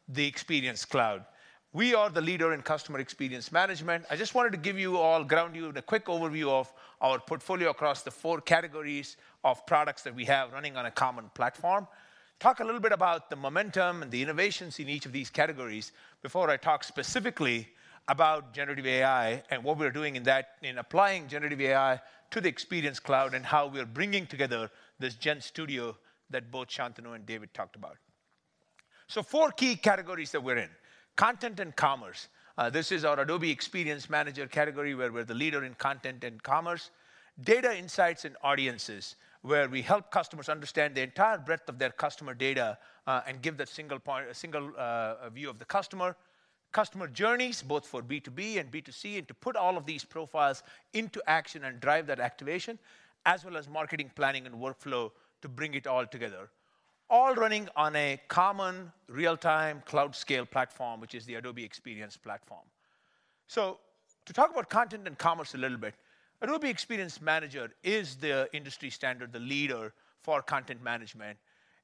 the Experience Cloud. We are the leader in customer experience management. I just wanted to give you all, ground you in a quick overview of our portfolio across the four categories of products that we have running on a common platform. Talk a little bit about the momentum and the innovations in each of these categories before I talk specifically about generative AI and what we are doing in that, in applying generative AI to the Experience Cloud, and how we are bringing together this GenStudio that both Shantanu and David talked about. So four key categories that we're in: content and commerce, this is our Adobe Experience Manager category, where we're the leader in content and commerce. Data insights and audiences, where we help customers understand the entire breadth of their customer data, and give that single point, a single, view of the customer. Customer journeys, both for B2B and B2C, and to put all of these profiles into action and drive that activation, as well as marketing, planning, and workflow to bring it all together. All running on a common real-time cloud-scale platform, which is the Adobe Experience Platform. So to talk about content and commerce a little bit, Adobe Experience Manager is the industry standard, the leader for content management.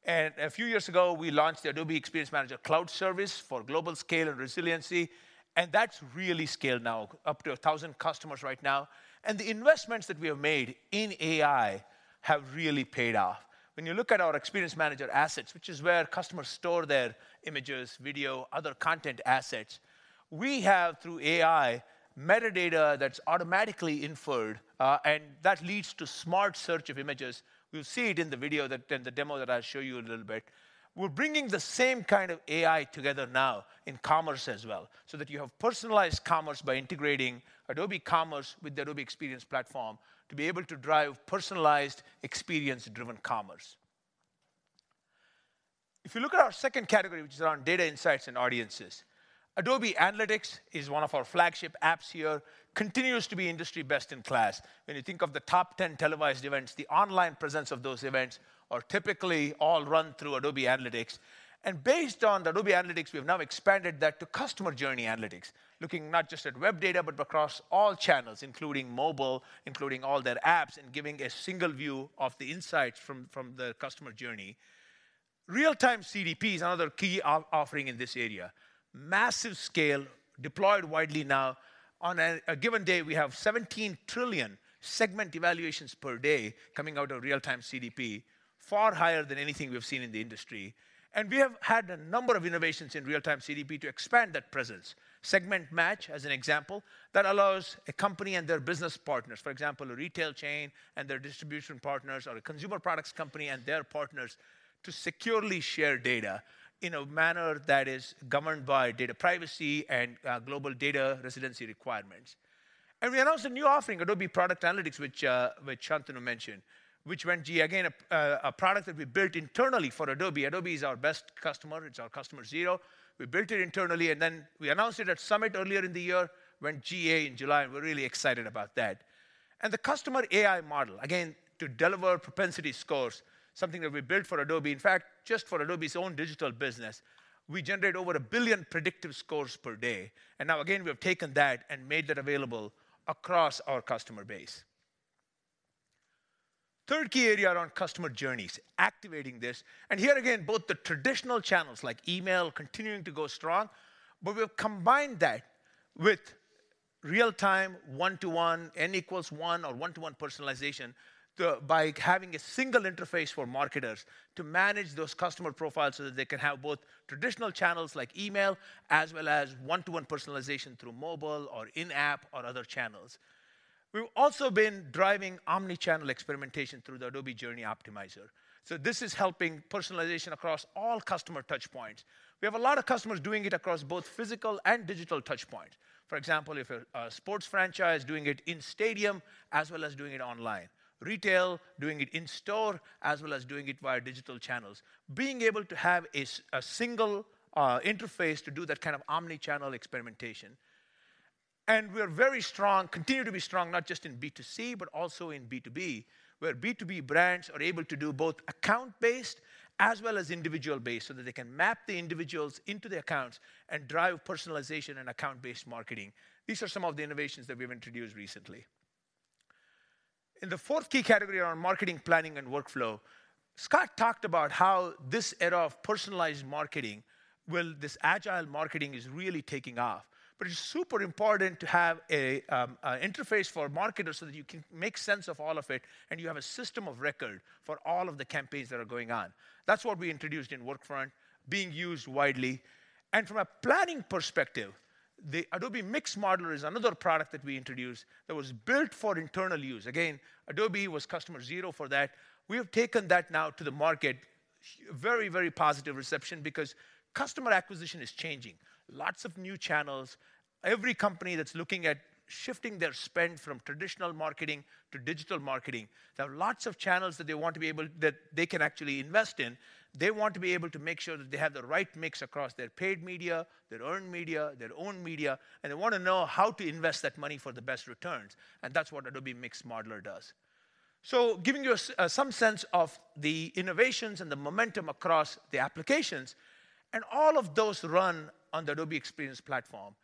And a few years ago, we launched the Adobe Experience Manager Cloud Service for global scale and resiliency, and that's really scaled now up to 1,000 customers right now. And the investments that we have made in AI have really paid off. When you look at our Experience Manager Assets, which is where customers store their images, video, other content assets, we have, through AI, metadata that's automatically inferred, and that leads to smart search of images. You'll see it in the video that, in the demo that I'll show you in a little bit. We're bringing the same kind of AI together now in commerce as well, so that you have personalized commerce by integrating Adobe Commerce with the Adobe Experience Platform to be able to drive personalized, experience-driven commerce. If you look at our second category, which is around data insights and audiences, Adobe Analytics is one of our flagship apps here, continues to be industry best-in-class. When you think of the top 10 televised events, the online presence of those events are typically all run through Adobe Analytics. And based on Adobe Analytics, we have now expanded that to Customer Journey Analytics, looking not just at web data, but across all channels, including mobile, including all their apps, and giving a single view of the insights from the customer journey. Real-Time CDP is another key offering in this area. Massive scale, deployed widely now. On a given day, we have 17 trillion segment evaluations per day coming out of Real-Time CDP, far higher than anything we've seen in the industry. And we have had a number of innovations in Real-Time CDP to expand that presence. Segment Match, as an example, that allows a company and their business partners, for example, a retail chain and their distribution partners, or a consumer products company and their partners, to securely share data in a manner that is governed by data privacy and global data residency requirements. We announced a new offering, Adobe Product Analytics, which Shantanu mentioned, which went GA, again, a product that we built internally for Adobe. Adobe is our best customer, it's our customer zero. We built it internally, and then we announced it at Summit earlier in the year, went GA in July, and we're really excited about that. And the Customer AI model, again, to deliver propensity scores, something that we built for Adobe. In fact, just for Adobe's own digital business, we generate over 1 billion predictive scores per day, and now again, we have taken that and made that available across our customer base. Third key area around customer journeys, activating this, and here again, both the traditional channels, like email, continuing to go strong, but we've combined that with real-time, one-to-one, N equals one or one-to-one personalization, by having a single interface for marketers to manage those customer profiles so that they can have both traditional channels like email, as well as one-to-one personalization through mobile or in-app or other channels. We've also been driving omni-channel experimentation through the Adobe Journey Optimizer. So this is helping personalization across all customer touchpoints. We have a lot of customers doing it across both physical and digital touchpoints. For example, a sports franchise doing it in stadium as well as doing it online. Retail, doing it in-store as well as doing it via digital channels. Being able to have a single interface to do that kind of omni-channel experimentation. We're very strong, continue to be strong, not just in B2C, but also in B2B, where B2B brands are able to do both account-based as well as individual-based, so that they can map the individuals into the accounts and drive personalization and account-based marketing. These are some of the innovations that we've introduced recently. In the fourth key category around marketing, planning, and workflow, Scott talked about how this era of personalized marketing, well, this agile marketing is really taking off. But it's super important to have a a interface for marketers so that you can make sense of all of it, and you have a system of record for all of the campaigns that are going on. That's what we introduced in Workfront, being used widely. From a planning perspective, the Adobe Mix Modeler is another product that we introduced that was built for internal use. Again, Adobe was customer zero for that. We have taken that now to the market. Very, very positive reception because customer acquisition is changing. Lots of new channels. Every company that's looking at shifting their spend from traditional marketing to digital marketing, there are lots of channels that they want to be able-- that they can actually invest in. They want to be able to make sure that they have the right mix across their paid media, their earned media, their own media, and they want to know how to invest that money for the best returns, and that's what Adobe Mix Modeler does. So giving you some sense of the innovations and the momentum across the applications, and all of those run on the Adobe Experience Platform.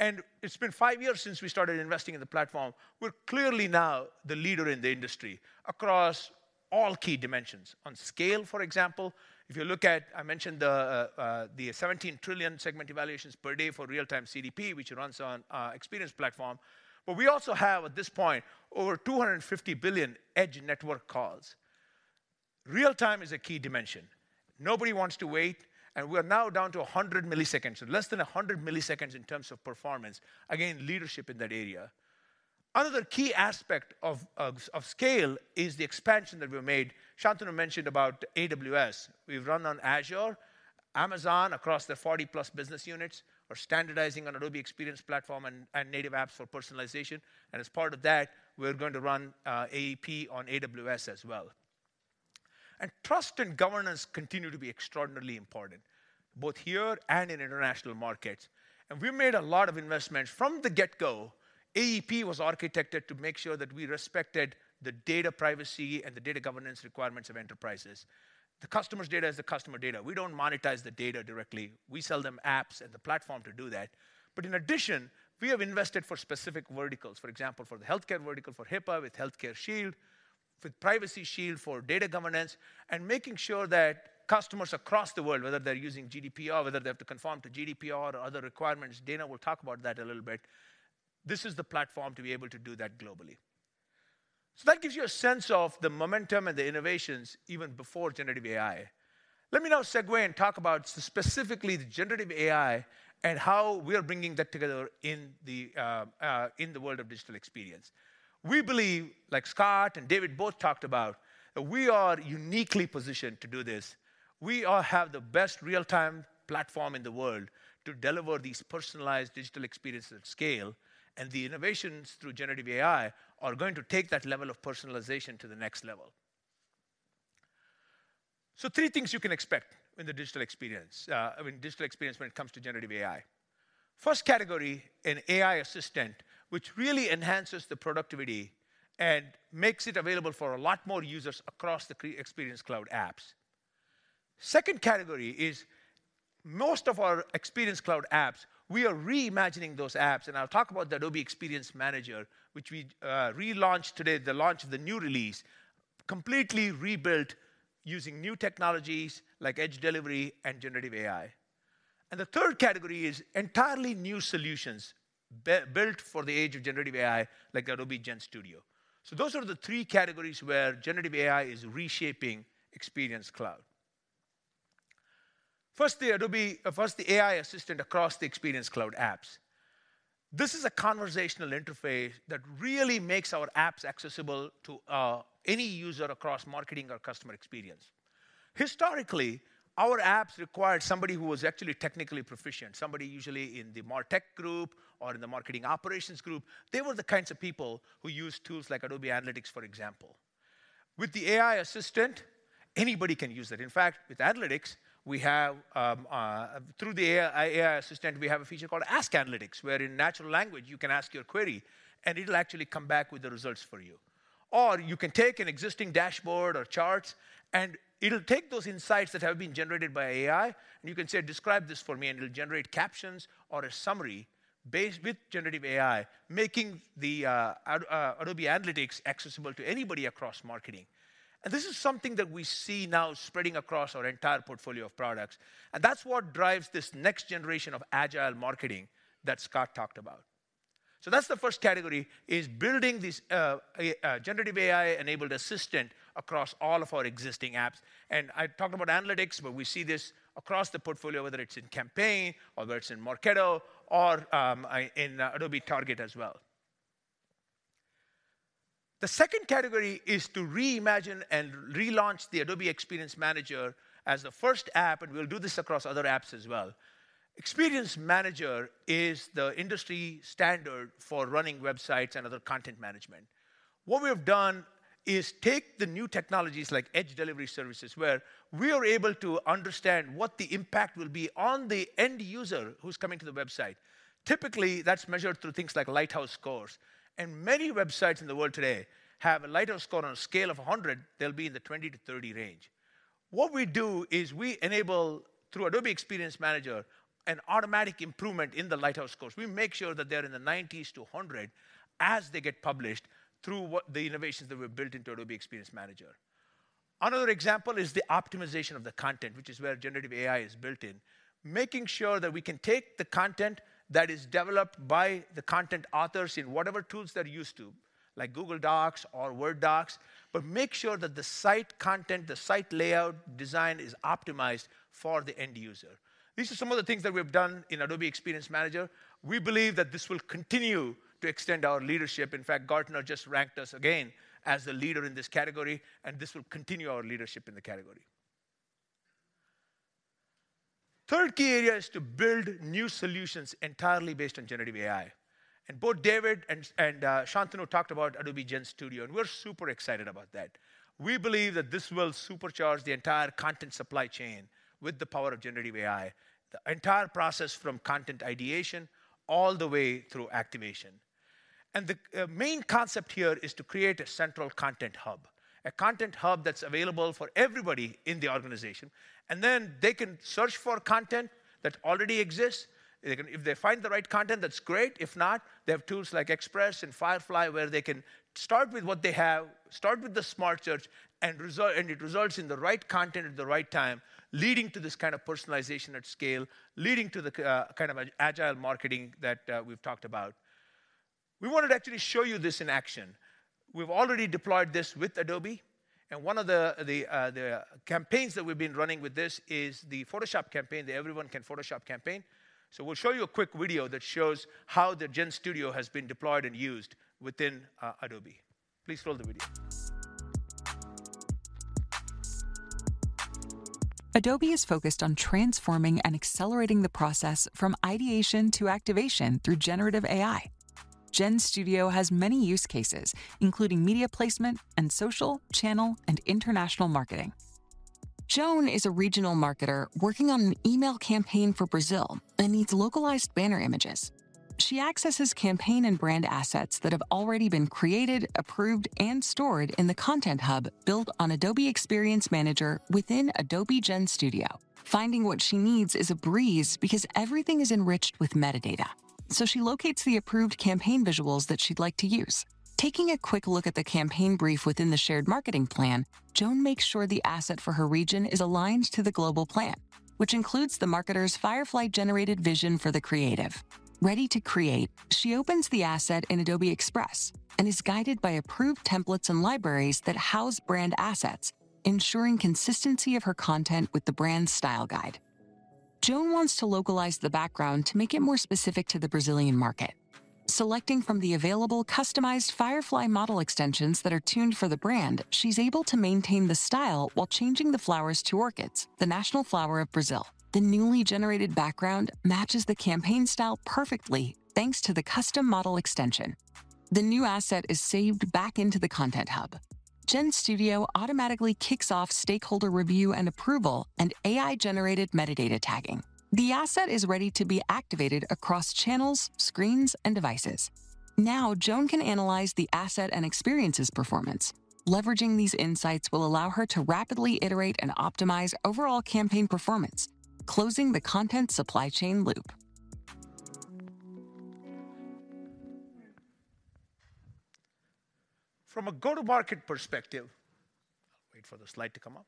And it's been five years since we started investing in the platform. We're clearly now the leader in the industry across all key dimensions. On scale, for example, if you look at. I mentioned the seventeen trillion segment evaluations per day for Real-Time CDP, which runs on our Experience Platform. But we also have, at this point, over 250 billion edge network calls. Real time is a key dimension. Nobody wants to wait, and we are now down to 100 milliseconds, so less than 100 milliseconds in terms of performance. Again, leadership in that area. Another key aspect of scale is the expansion that we've made. Shantanu mentioned about AWS. We've run on Azure, Amazon, across the 40+ business units. We're standardizing on Adobe Experience Platform and native apps for personalization, and as part of that, we're going to run AEP on AWS as well. Trust and governance continue to be extraordinarily important, both here and in international markets. We've made a lot of investments. From the get-go, AEP was architected to make sure that we respected the data privacy and the data governance requirements of enterprises. The customer's data is the customer data. We don't monetize the data directly. We sell them apps and the platform to do that. In addition, we have invested for specific verticals. For example, for the healthcare vertical, for HIPAA, with Healthcare Shield, with Privacy Shield, for data governance, and making sure that customers across the world, whether they're using GDPR, whether they have to conform to GDPR or other requirements, Dana will talk about that a little bit, this is the platform to be able to do that globally. That gives you a sense of the momentum and the innovations even before generative AI. Let me now segue and talk about specifically the generative AI and how we are bringing that together in the world of digital experience. We believe, like Scott and David both talked about, that we are uniquely positioned to do this. We all have the best real-time platform in the world to deliver these personalized digital experiences at scale, and the innovations through generative AI are going to take that level of personalization to the next level. Three things you can expect in the digital experience, I mean, digital experience when it comes to generative AI. First category, an AI assistant, which really enhances the productivity and makes it available for a lot more users across the pre-Experience Cloud apps. Second category is most of our Experience Cloud apps, we are reimagining those apps, and I'll talk about the Adobe Experience Manager, which we relaunched today, the launch of the new release, completely rebuilt using new technologies like edge delivery and generative AI. The third category is entirely new solutions built for the age of generative AI, like Adobe GenStudio. Those are the three categories where generative AI is reshaping Experience Cloud. First, the AI assistant across the Experience Cloud apps. This is a conversational interface that really makes our apps accessible to any user across marketing or customer experience. Historically, our apps required somebody who was actually technically proficient, somebody usually in the martech group or in the marketing operations group. They were the kinds of people who used tools like Adobe Analytics, for example. With the AI assistant, anybody can use it. In fact, with analytics, we have, through the AI assistant, we have a feature called Ask Analytics, where in natural language, you can ask your query, and it'll actually come back with the results for you. Or you can take an existing dashboard or charts, and it'll take those insights that have been generated by AI, and you can say, "Describe this for me," and it'll generate captions or a summary based with generative AI, making the Adobe Analytics accessible to anybody across marketing. And this is something that we see now spreading across our entire portfolio of products, and that's what drives this next generation of agile marketing that Scott talked about. So that's the first category, is building this generative AI-enabled assistant across all of our existing apps. I talked about analytics, but we see this across the portfolio, whether it's in Campaign or whether it's in Marketo or in Adobe Target as well. The second category is to reimagine and relaunch the Adobe Experience Manager as the first app, and we'll do this across other apps as well. Experience Manager is the industry standard for running websites and other content management. What we have done is take the new technologies like Edge Delivery Services, where we are able to understand what the impact will be on the end user who's coming to the website. Typically, that's measured through things like Lighthouse scores, and many websites in the world today have a Lighthouse score on a scale of 100, they'll be in the 20-30 range. What we do is we enable, through Adobe Experience Manager, an automatic improvement in the Lighthouse scores. We make sure that they're in the 90s-100 as they get published through what the innovations that were built into Adobe Experience Manager. Another example is the optimization of the content, which is where generative AI is built in, making sure that we can take the content that is developed by the content authors in whatever tools they're used to, like Google Docs or Word docs, but make sure that the site content, the site layout design, is optimized for the end user. These are some of the things that we've done in Adobe Experience Manager. We believe that this will continue to extend our leadership. In fact, Gartner just ranked us again as the leader in this category, and this will continue our leadership in the category. Third key area is to build new solutions entirely based on generative AI, and both David and Shantanu talked about Adobe GenStudio, and we're super excited about that. We believe that this will supercharge the entire content supply chain with the power of generative AI. The entire process from content ideation all the way through activation. The main concept here is to create a central Content Hub, a Content Hub that's available for everybody in the organization, and then they can search for content that already exists. They can. If they find the right content, that's great. If not, they have tools like Express and Firefly, where they can start with what they have, start with the smart search and result... It results in the right content at the right time, leading to this kind of personalization at scale, leading to the kind of agile marketing that we've talked about. We wanted to actually show you this in action. We've already deployed this with Adobe, and one of the campaigns that we've been running with this is the Photoshop campaign, the Everyone Can Photoshop campaign. So we'll show you a quick video that shows how the GenStudio has been deployed and used within Adobe. Please roll the video. Adobe is focused on transforming and accelerating the process from ideation to activation through generative AI. GenStudio has many use cases, including media placement and social, channel, and international marketing. Joan is a regional marketer working on an email campaign for Brazil and needs localized banner images. She accesses campaign and brand assets that have already been created, approved, and stored in the Content Hub built on Adobe Experience Manager within Adobe GenStudio. Finding what she needs is a breeze because everything is enriched with metadata, so she locates the approved campaign visuals that she'd like to use. Taking a quick look at the campaign brief within the shared marketing plan, Joan makes sure the asset for her region is aligned to the global plan, which includes the marketer's Firefly-generated vision for the creative. Ready to create, she opens the asset in Adobe Express and is guided by approved templates and libraries that house brand assets, ensuring consistency of her content with the brand's style guide. Joan wants to localize the background to make it more specific to the Brazilian market. Selecting from the available customized Firefly model extensions that are tuned for the brand, she's able to maintain the style while changing the flowers to orchids, the national flower of Brazil. The newly generated background matches the campaign style perfectly, thanks to the custom model extension. The new asset is saved back into the Content Hub. GenStudio automatically kicks off stakeholder review and approval, and AI-generated metadata tagging. The asset is ready to be activated across channels, screens, and devices. Now, Joan can analyze the asset and experiences performance. Leveraging these insights will allow her to rapidly iterate and optimize overall campaign performance, closing the Content Supply Chain loop. From a go-to-market perspective... Wait for the slide to come up.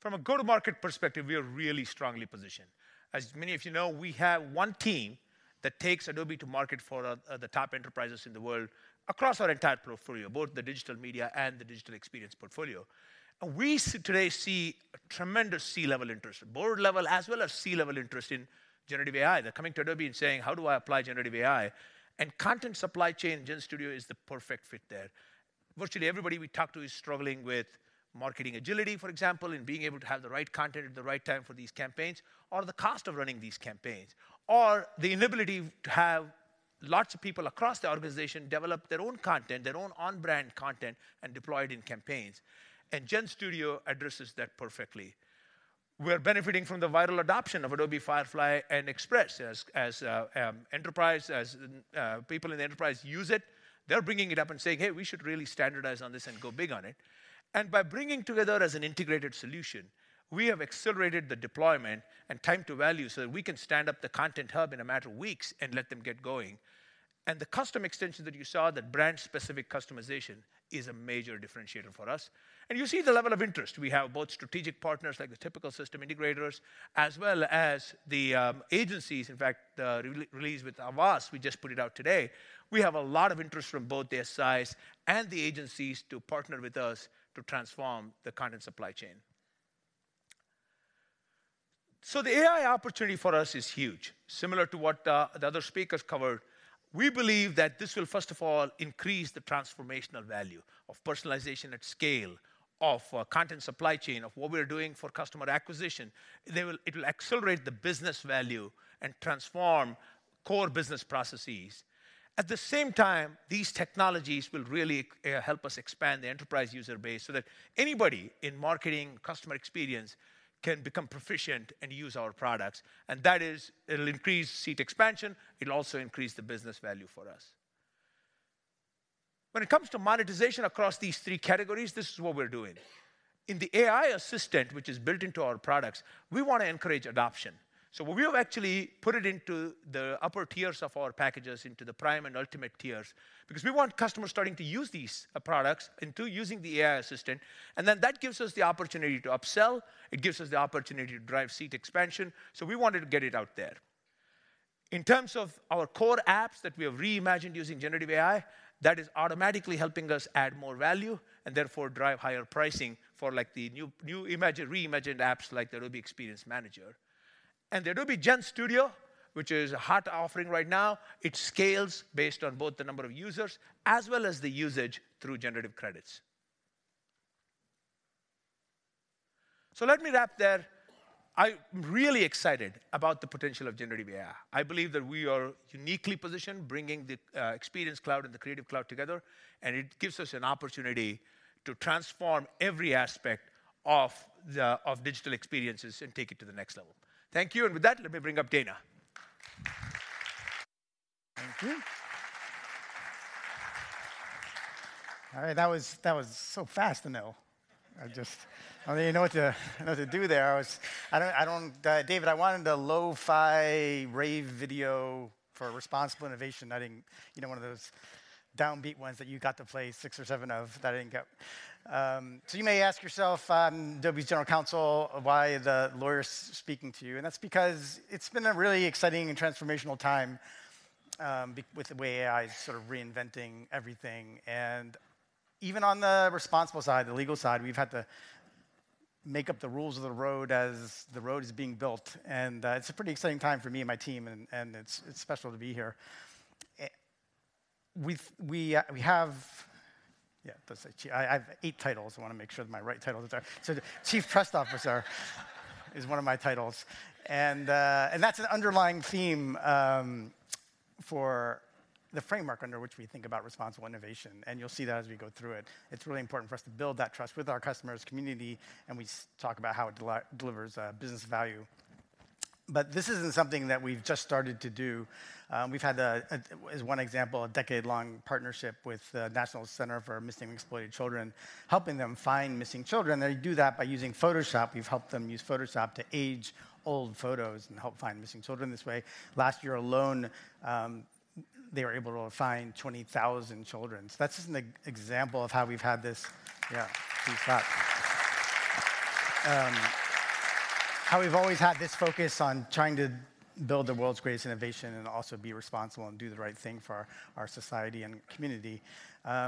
From a go-to-market perspective, we are really strongly positioned. As many of you know, we have one team that takes Adobe to market for the top enterprises in the world across our entire portfolio, both the Digital Media and the Digital Experience portfolio. And we today see tremendous C-level interest, board level, as well as C-level interest in generative AI. They're coming to Adobe and saying: "How do I apply generative AI?" And Content Supply Chain GenStudio is the perfect fit there. Virtually everybody we talk to is struggling with marketing agility, for example, and being able to have the right content at the right time for these campaigns, or the cost of running these campaigns, or the inability to have lots of people across the organization develop their own content, their own on-brand content, and deploy it in campaigns. GenStudio addresses that perfectly. We're benefiting from the viral adoption of Adobe Firefly and Express. As enterprise people use it, they're bringing it up and saying, "Hey, we should really standardize on this and go big on it." By bringing together as an integrated solution, we have accelerated the deployment and time to value, so that we can stand up the Content Hub in a matter of weeks and let them get going. The custom extension that you saw, that brand-specific customization, is a major differentiator for us. You see the level of interest. We have both strategic partners, like the typical system integrators, as well as the agencies. In fact, the release with Havas, we just put it out today. We have a lot of interest from both their size and the agencies to partner with us to transform the content supply chain. The AI opportunity for us is huge, similar to what the other speakers covered. We believe that this will, first of all, increase the transformational value of personalization at scale, of content supply chain, of what we're doing for customer acquisition. It will accelerate the business value and transform core business processes. At the same time, these technologies will really help us expand the enterprise user base so that anybody in marketing, customer experience, can become proficient and use our products. And that is, it'll increase seat expansion, it'll also increase the business value for us. When it comes to monetization across these three categories, this is what we're doing. In the AI assistant, which is built into our products, we want to encourage adoption. So we've actually put it into the upper tiers of our packages, into the Prime and Ultimate tiers, because we want customers starting to use these products, and to using the AI assistant, and then that gives us the opportunity to upsell, it gives us the opportunity to drive seat expansion, so we wanted to get it out there. In terms of our core apps that we have reimagined using generative AI, that is automatically helping us add more value, and therefore drive higher pricing for, like, the new reimagined apps like Adobe Experience Manager. And the Adobe GenStudio, which is a hot offering right now, it scales based on both the number of users as well as the usage through generative credits. So let me wrap there. I'm really excited about the potential of generative AI. I believe that we are uniquely positioned, bringing the Experience Cloud and the Creative Cloud together, and it gives us an opportunity to transform every aspect of the digital experiences and take it to the next level. Thank you, and with that, let me bring up Dana. Thank you. All right, that was, that was so fast, Anil. I just- I didn't know what to, what to do there. I was, I don't, I don't. David, I wanted a lo-fi rave video for responsible innovation, not, you know, one of those downbeat ones that you got to play six or seven of, that didn't go. So you may ask yourself, I'm Adobe's General Counsel, why the lawyer's speaking to you? And that's because it's been a really exciting and transformational time with the way AI is sort of reinventing everything. And even on the responsible side, the legal side, we've had to make up the rules of the road as the road is being built. And it's a pretty exciting time for me and my team, and, and it's, it's special to be here. We have... I have eight titles. I want to make sure that my right title is there. So Chief Trust Officer is one of my titles. And that's an underlying theme for the framework under which we think about responsible innovation, and you'll see that as we go through it. It's really important for us to build that trust with our customers, community, and we talk about how it delivers business value. But this isn't something that we've just started to do. We've had, as one example, a decade-long partnership with the National Center for Missing and Exploited Children, helping them find missing children. They do that by using Photoshop. We've helped them use Photoshop to age old photos and help find missing children this way. Last year alone, they were able to find 20,000 children. So that's just an example of how we've had this, yeah, please clap. How we've always had this focus on trying to build the world's greatest innovation and also be responsible and do the right thing for our society and community.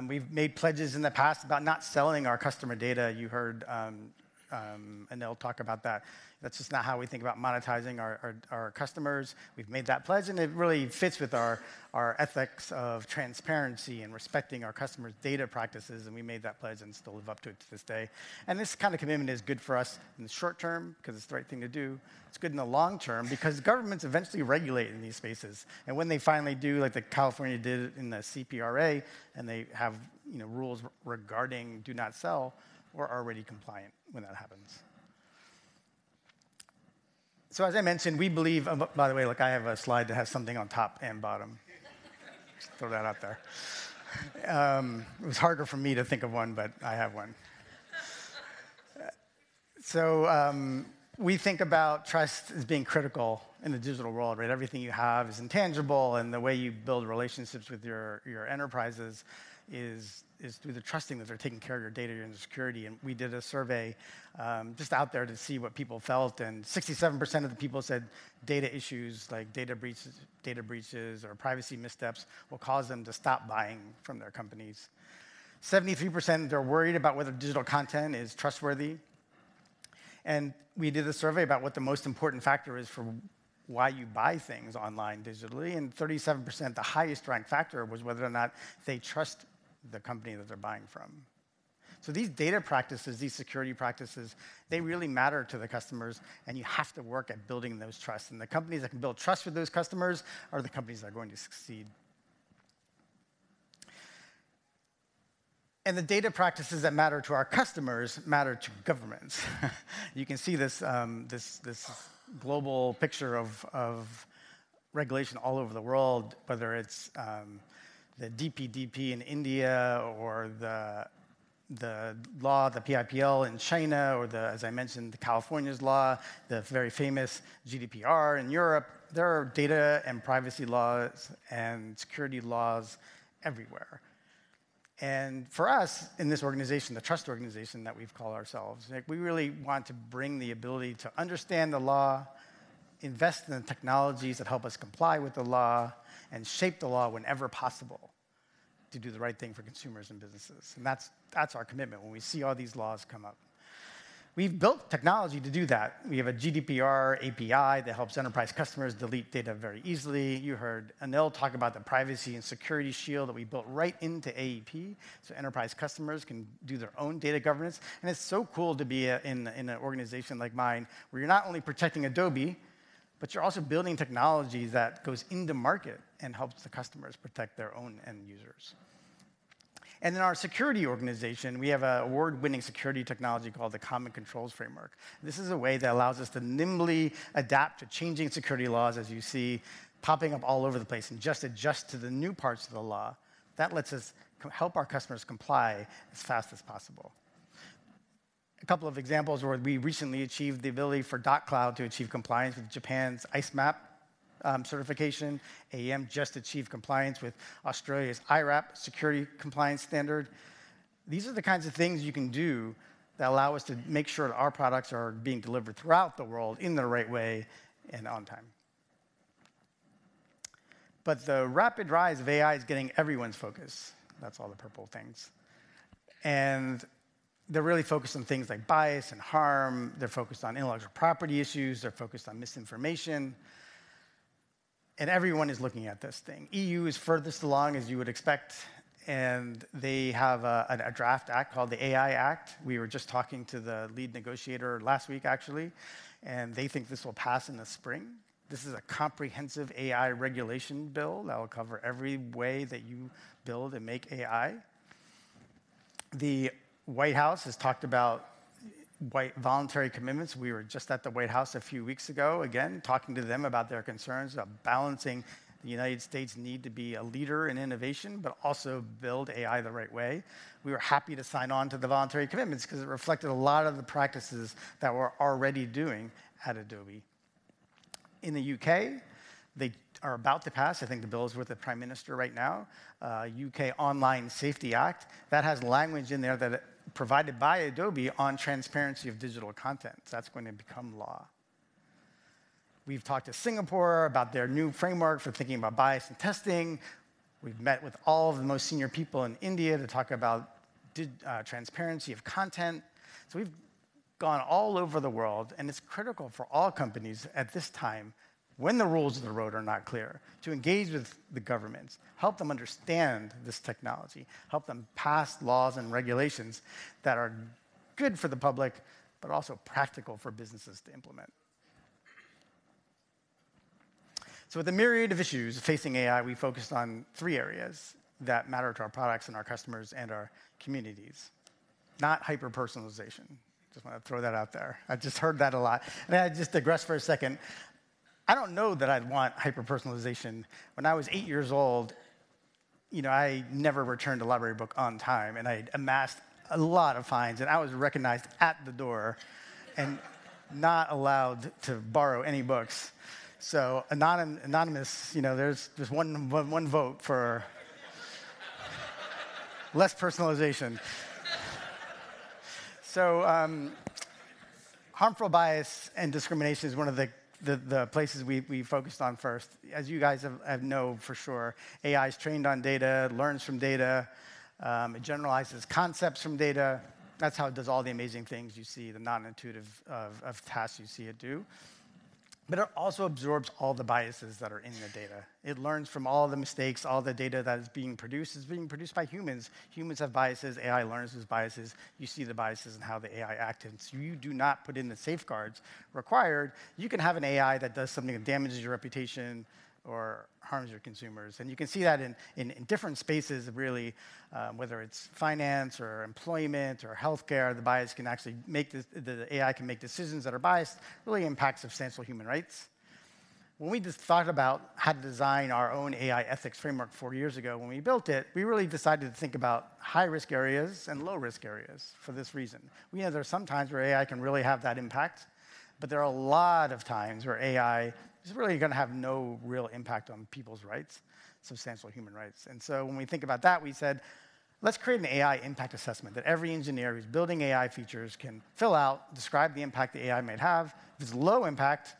We've made pledges in the past about not selling our customer data. You heard Anil talk about that. That's just not how we think about monetizing our customers. We've made that pledge, and it really fits with our ethics of transparency and respecting our customers' data practices, and we made that pledge, and still live up to it to this day. This kind of commitment is good for us in the short term, 'cause it's the right thing to do. It's good in the long term because governments eventually regulate in these spaces, and when they finally do, like California did in the CPRA, and they have, you know, rules regarding "do not sell," we're already compliant when that happens. So as I mentioned, we believe... By the way, look, I have a slide that has something on top and bottom. Just throw that out there. It was harder for me to think of one, but I have one. So, we think about trust as being critical in the digital world, right? Everything you have is intangible, and the way you build relationships with your enterprises is through the trusting that they're taking care of your data and your security. We did a survey just out there to see what people felt, and 67% of the people said data issues like data breaches, data breaches or privacy missteps will cause them to stop buying from their companies. 73% are worried about whether digital content is trustworthy. We did a survey about what the most important factor is for why you buy things online, digitally, and 37%, the highest ranked factor, was whether or not they trust the company that they're buying from. So these data practices, these security practices, they really matter to the customers, and you have to work at building those trusts. The companies that can build trust with those customers are the companies that are going to succeed. The data practices that matter to our customers matter to governments. You can see this, this global picture of, of regulation all over the world, whether it's the DPDP in India or the law, the PIPL in China, or, as I mentioned, California's law, the very famous GDPR in Europe. There are data and privacy laws and security laws everywhere. For us, in this organization, the trust organization that we've called ourselves, like, we really want to bring the ability to understand the law, invest in the technologies that help us comply with the law, and shape the law whenever possible... to do the right thing for consumers and businesses, and that's, that's our commitment when we see all these laws come up. We've built technology to do that. We have a GDPR API that helps enterprise customers delete data very easily. You heard Anil talk about the privacy and security shield that we built right into AEP, so enterprise customers can do their own data governance. It's so cool to be in, in an organization like mine, where you're not only protecting Adobe, but you're also building technology that goes into market and helps the customers protect their own end users. In our security organization, we have an award-winning security technology called the Common Controls Framework. This is a way that allows us to nimbly adapt to changing security laws as you see popping up all over the place and just adjust to the new parts of the law. That lets us help our customers comply as fast as possible. A couple of examples were we recently achieved the ability for Doc Cloud to achieve compliance with Japan's ISMAP certification. AEM just achieved compliance with Australia's IRAP security compliance standard. These are the kinds of things you can do that allow us to make sure that our products are being delivered throughout the world in the right way and on time. But the rapid rise of AI is getting everyone's focus. That's all the purple things. And they're really focused on things like bias and harm, they're focused on intellectual property issues, they're focused on misinformation, and everyone is looking at this thing. EU is furthest along, as you would expect, and they have a draft act called the AI Act. We were just talking to the lead negotiator last week, actually, and they think this will pass in the spring. This is a comprehensive AI regulation bill that will cover every way that you build and make AI. The White House has talked about voluntary commitments. We were just at the White House a few weeks ago, again, talking to them about their concerns about balancing the United States' need to be a leader in innovation, but also build AI the right way. We were happy to sign on to the voluntary commitments 'cause it reflected a lot of the practices that we're already doing at Adobe. In the U.K., they are about to pass, I think the bill is with the Prime Minister right now, U.K. Online Safety Act. That has language in there, provided by Adobe, on transparency of digital content, so that's going to become law. We've talked to Singapore about their new framework for thinking about bias and testing. We've met with all of the most senior people in India to talk about transparency of content. So we've gone all over the world, and it's critical for all companies at this time, when the rules of the road are not clear, to engage with the governments, help them understand this technology, help them pass laws and regulations that are good for the public, but also practical for businesses to implement. So with the myriad of issues facing AI, we focused on three areas that matter to our products and our customers and our communities. Not hyper-personalization, just wanted to throw that out there. I've just heard that a lot. May I just digress for a second? I don't know that I'd want hyper-personalization. When I was eight years old, you know, I never returned a library book on time, and I'd amassed a lot of fines, and I was recognized at the door... and not allowed to borrow any books. Anonymous, you know, there's one vote for less personalization. Harmful bias and discrimination is one of the places we focused on first. As you guys have know for sure, AI is trained on data, learns from data, it generalizes concepts from data. That's how it does all the amazing things you see, the non-intuitive tasks you see it do. It also absorbs all the biases that are in the data. It learns from all the mistakes. All the data that is being produced is being produced by humans. Humans have biases, AI learns those biases. You see the biases in how the AI act, and if you do not put in the safeguards required, you can have an AI that does something that damages your reputation or harms your consumers. You can see that in different spaces, really, whether it's finance or employment or healthcare, the bias can actually make the AI make decisions that are biased, really impacts substantial human rights. When we just thought about how to design our own AI ethics framework four years ago, when we built it, we really decided to think about high-risk areas and low-risk areas for this reason. We know there are some times where AI can really have that impact, but there are a lot of times where AI is really gonna have no real impact on people's rights, substantial human rights. So when we think about that, we said, "Let's create an AI impact assessment that every engineer who's building AI features can fill out, describe the impact the AI might have. If it's low impact,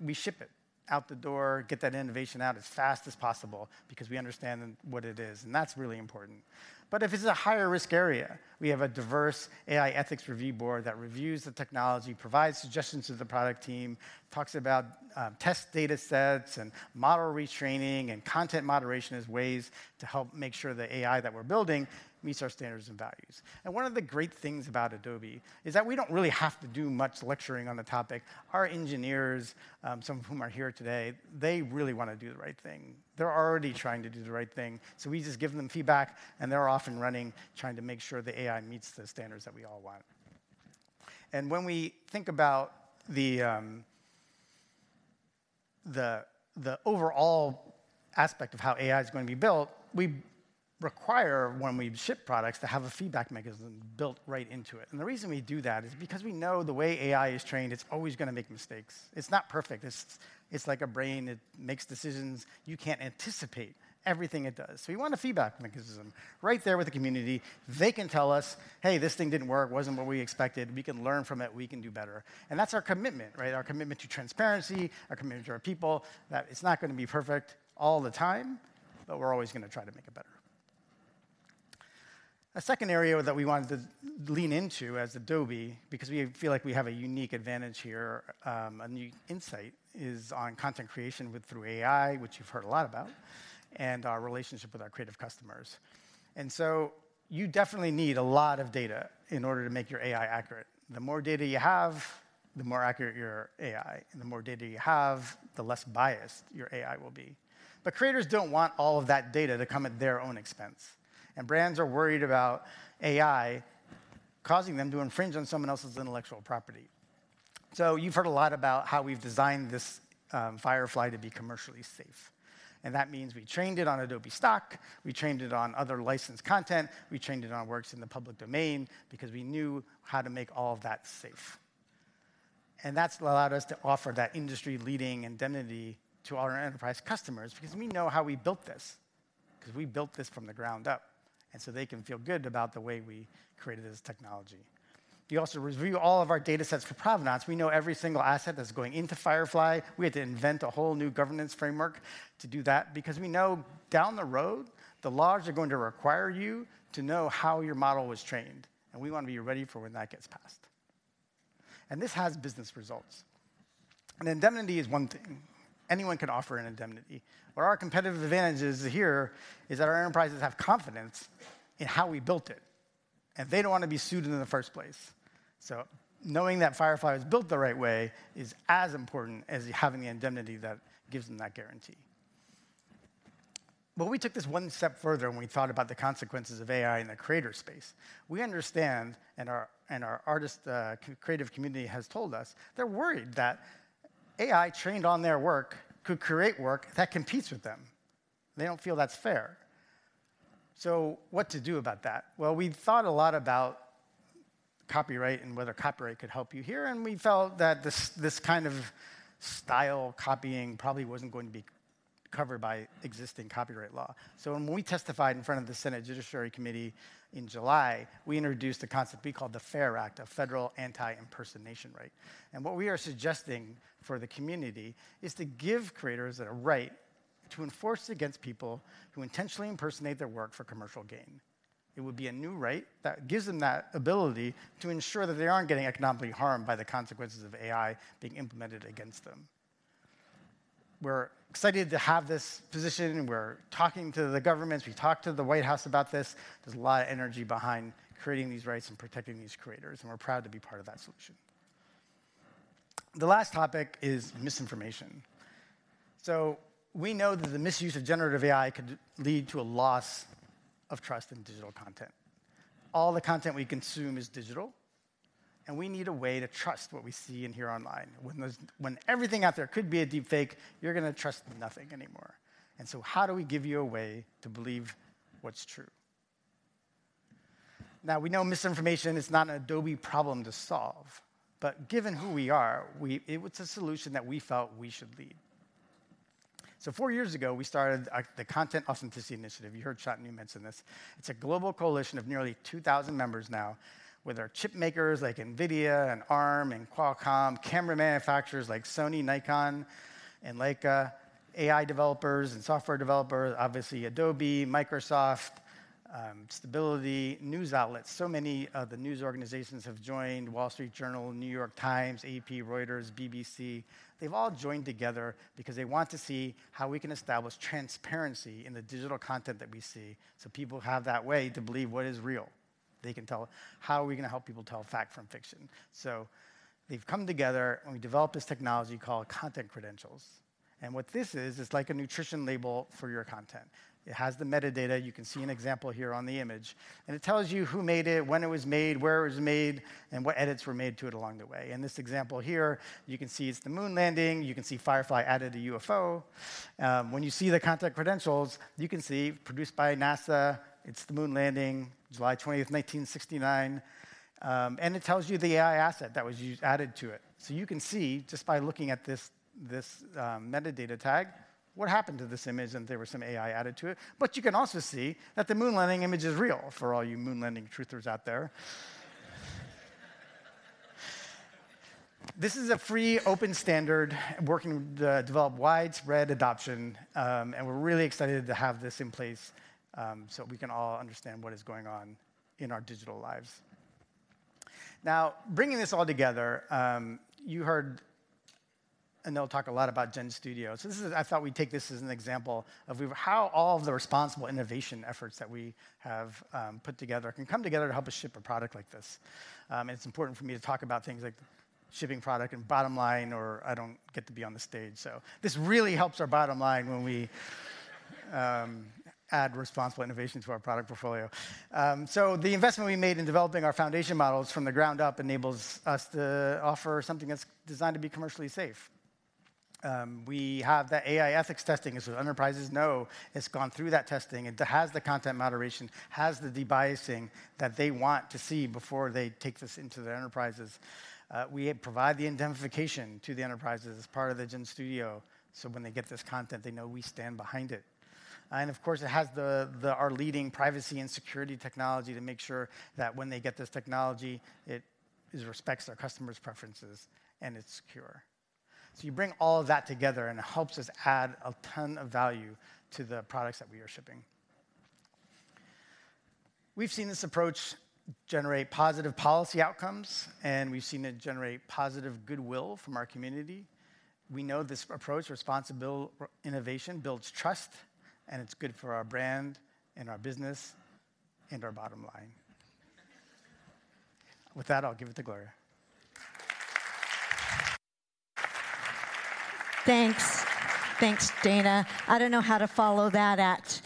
we ship it out the door, get that innovation out as fast as possible because we understand what it is, and that's really important. But if it's a higher risk area, we have a diverse AI ethics review board that reviews the technology, provides suggestions to the product team, talks about test data sets and model retraining and content moderation as ways to help make sure the AI that we're building meets our standards and values. And one of the great things about Adobe is that we don't really have to do much lecturing on the topic. Our engineers, some of whom are here today, they really wanna do the right thing. They're already trying to do the right thing, so we just give them feedback, and they're off and running, trying to make sure the AI meets the standards that we all want. When we think about the overall aspect of how AI is gonna be built, we require, when we ship products, to have a feedback mechanism built right into it. The reason we do that is because we know the way AI is trained, it's always gonna make mistakes. It's not perfect. It's like a brain. It makes decisions. You can't anticipate everything it does. So we want a feedback mechanism right there with the community. They can tell us, "Hey, this thing didn't work, wasn't what we expected." We can learn from it. We can do better. And that's our commitment, right? Our commitment to transparency, our commitment to our people, that it's not gonna be perfect all the time, but we're always gonna try to make it better. A second area that we wanted to lean into as Adobe, because we feel like we have a unique advantage here, a unique insight, is on content creation with through AI, which you've heard a lot about, and our relationship with our creative customers. And so you definitely need a lot of data in order to make your AI accurate. The more data you have, the more accurate your AI, and the more data you have, the less biased your AI will be. But creators don't want all of that data to come at their own expense, and brands are worried about AI causing them to infringe on someone else's intellectual property. So you've heard a lot about how we've designed this, Firefly to be commercially safe, and that means we trained it on Adobe Stock, we trained it on other licensed content, we trained it on works in the public domain because we knew how to make all of that safe. And that's allowed us to offer that industry-leading indemnity to all our enterprise customers, because we know how we built this, 'cause we built this from the ground up, and so they can feel good about the way we created this technology. We also review all of our datasets for provenance. We know every single asset that's going into Firefly. We had to invent a whole new governance framework to do that, because we know down the road, the laws are going to require you to know how your model was trained, and we want to be ready for when that gets passed. This has business results. Indemnity is one thing. Anyone can offer an indemnity, but our competitive advantages here is that our enterprises have confidence in how we built it, and they don't want to be sued in the first place. Knowing that Firefly is built the right way is as important as having the indemnity that gives them that guarantee. We took this one step further when we thought about the consequences of AI in the creator space. We understand, and our artistic creative community has told us, they're worried that AI trained on their work could create work that competes with them. They don't feel that's fair. So what to do about that? Well, we've thought a lot about copyright and whether copyright could help you here, and we felt that this kind of style copying probably wasn't going to be covered by existing copyright law. So when we testified in front of the Senate Judiciary Committee in July, we introduced a concept we called the FAIR Act, a Federal Anti-Impersonation Right. And what we are suggesting for the community is to give creators a right to enforce against people who intentionally impersonate their work for commercial gain. It would be a new right that gives them that ability to ensure that they aren't getting economically harmed by the consequences of AI being implemented against them. We're excited to have this position. We're talking to the governments. We've talked to the White House about this. There's a lot of energy behind creating these rights and protecting these creators, and we're proud to be part of that solution. The last topic is misinformation. So we know that the misuse of generative AI could lead to a loss of trust in digital content. All the content we consume is digital, and we need a way to trust what we see and hear online. When everything out there could be a deepfake, you're going to trust nothing anymore. And so how do we give you a way to believe what's true? Now, we know misinformation is not an Adobe problem to solve, but given who we are, we... It was a solution that we felt we should lead. So four years ago, we started the Content Authenticity Initiative. You heard Shantanu mention this. It's a global coalition of nearly 2,000 members now, with our chip makers like NVIDIA and Arm and Qualcomm, camera manufacturers like Sony, Nikon, and Leica, AI developers and software developers, obviously Adobe, Microsoft, Stability, news outlets. So many of the news organizations have joined, Wall Street Journal, New York Times, AP, Reuters, BBC. They've all joined together because they want to see how we can establish transparency in the digital content that we see, so people have that way to believe what is real. They can tell... How are we going to help people tell fact from fiction? So they've come together, and we developed this technology called Content Credentials. And what this is, it's like a nutrition label for your content. It has the metadata. You can see an example here on the image, and it tells you who made it, when it was made, where it was made, and what edits were made to it along the way. In this example here, you can see it's the moon landing. You can see Firefly added a UFO. When you see the Content Credentials, you can see "Produced by NASA." It's the moon landing, July 20, 1969. And it tells you the AI asset that was used, added to it. So you can see, just by looking at this metadata tag, what happened to this image, and there was some AI added to it. But you can also see that the moon landing image is real, for all you moon landing truthers out there. This is a free, open standard. Working to develop widespread adoption, and we're really excited to have this in place, so we can all understand what is going on in our digital lives. Now, bringing this all together, you heard Anil talk a lot about GenStudio. So this is I thought we'd take this as an example of how all of the responsible innovation efforts that we have put together can come together to help us ship a product like this. And it's important for me to talk about things like shipping product and bottom line, or I don't get to be on the stage. So this really helps our bottom line when we add responsible innovation to our product portfolio. So the investment we made in developing our foundation models from the ground up enables us to offer something that's designed to be commercially safe. We have the AI ethics testing, so enterprises know it's gone through that testing. It has the content moderation, has the debiasing that they want to see before they take this into their enterprises. We provide the indemnification to the enterprises as part of the GenStudio, so when they get this content, they know we stand behind it. And of course, it has our leading privacy and security technology to make sure that when they get this technology, it respects our customers' preferences and it's secure. So you bring all of that together, and it helps us add a ton of value to the products that we are shipping. We've seen this approach generate positive policy outcomes, and we've seen it generate positive goodwill from our community. We know this approach, responsible innovation, builds trust, and it's good for our brand and our business and our bottom line. With that, I'll give it to Gloria. Thanks. Thanks, Dana. I don't know how to follow that act.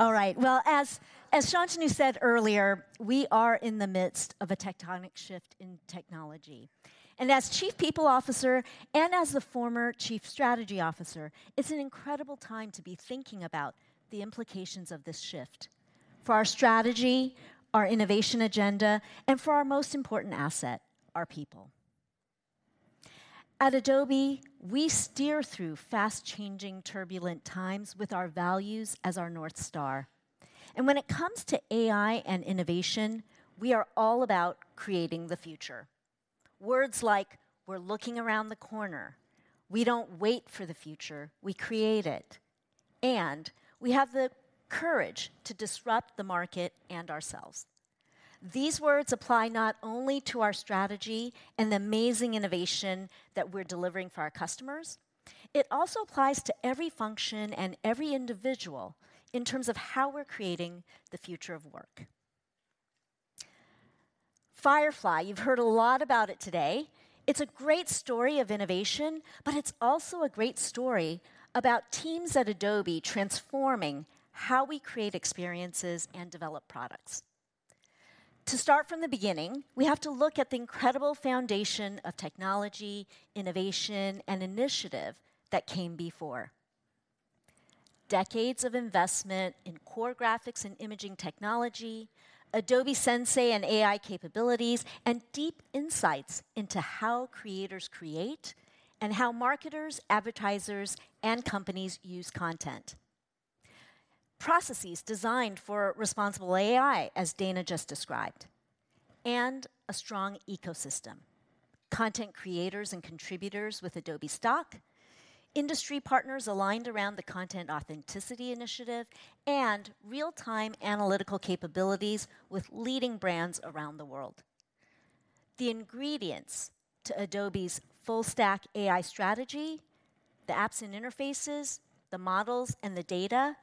All right, well, as Shantanu said earlier, we are in the midst of a tectonic shift in technology, and as Chief People Officer and as the former Chief Strategy Officer, it's an incredible time to be thinking about the implications of this shift for our strategy, our innovation agenda, and for our most important asset, our people. At Adobe, we steer through fast-changing, turbulent times with our values as our North Star. And when it comes to AI and innovation, we are all about creating the future. Words like, "We're looking around the corner," "We don't wait for the future, we create it," and, "We have the courage to disrupt the market and ourselves." These words apply not only to our strategy and the amazing innovation that we're delivering for our customers. It also applies to every function and every individual in terms of how we're creating the future of work. Firefly, you've heard a lot about it today. It's a great story of innovation, but it's also a great story about teams at Adobe transforming how we create experiences and develop products. To start from the beginning, we have to look at the incredible foundation of technology, innovation, and initiative that came before. Decades of investment in core graphics and imaging technology, Adobe Sensei and AI capabilities, and deep insights into how creators create and how marketers, advertisers, and companies use content. Processes designed for responsible AI, as Dana just described, and a strong ecosystem, content creators and contributors with Adobe Stock, industry partners aligned around the Content Authenticity Initiative, and real-time analytical capabilities with leading brands around the world. The ingredients to Adobe's full stack AI strategy, the apps and interfaces, the models, and the data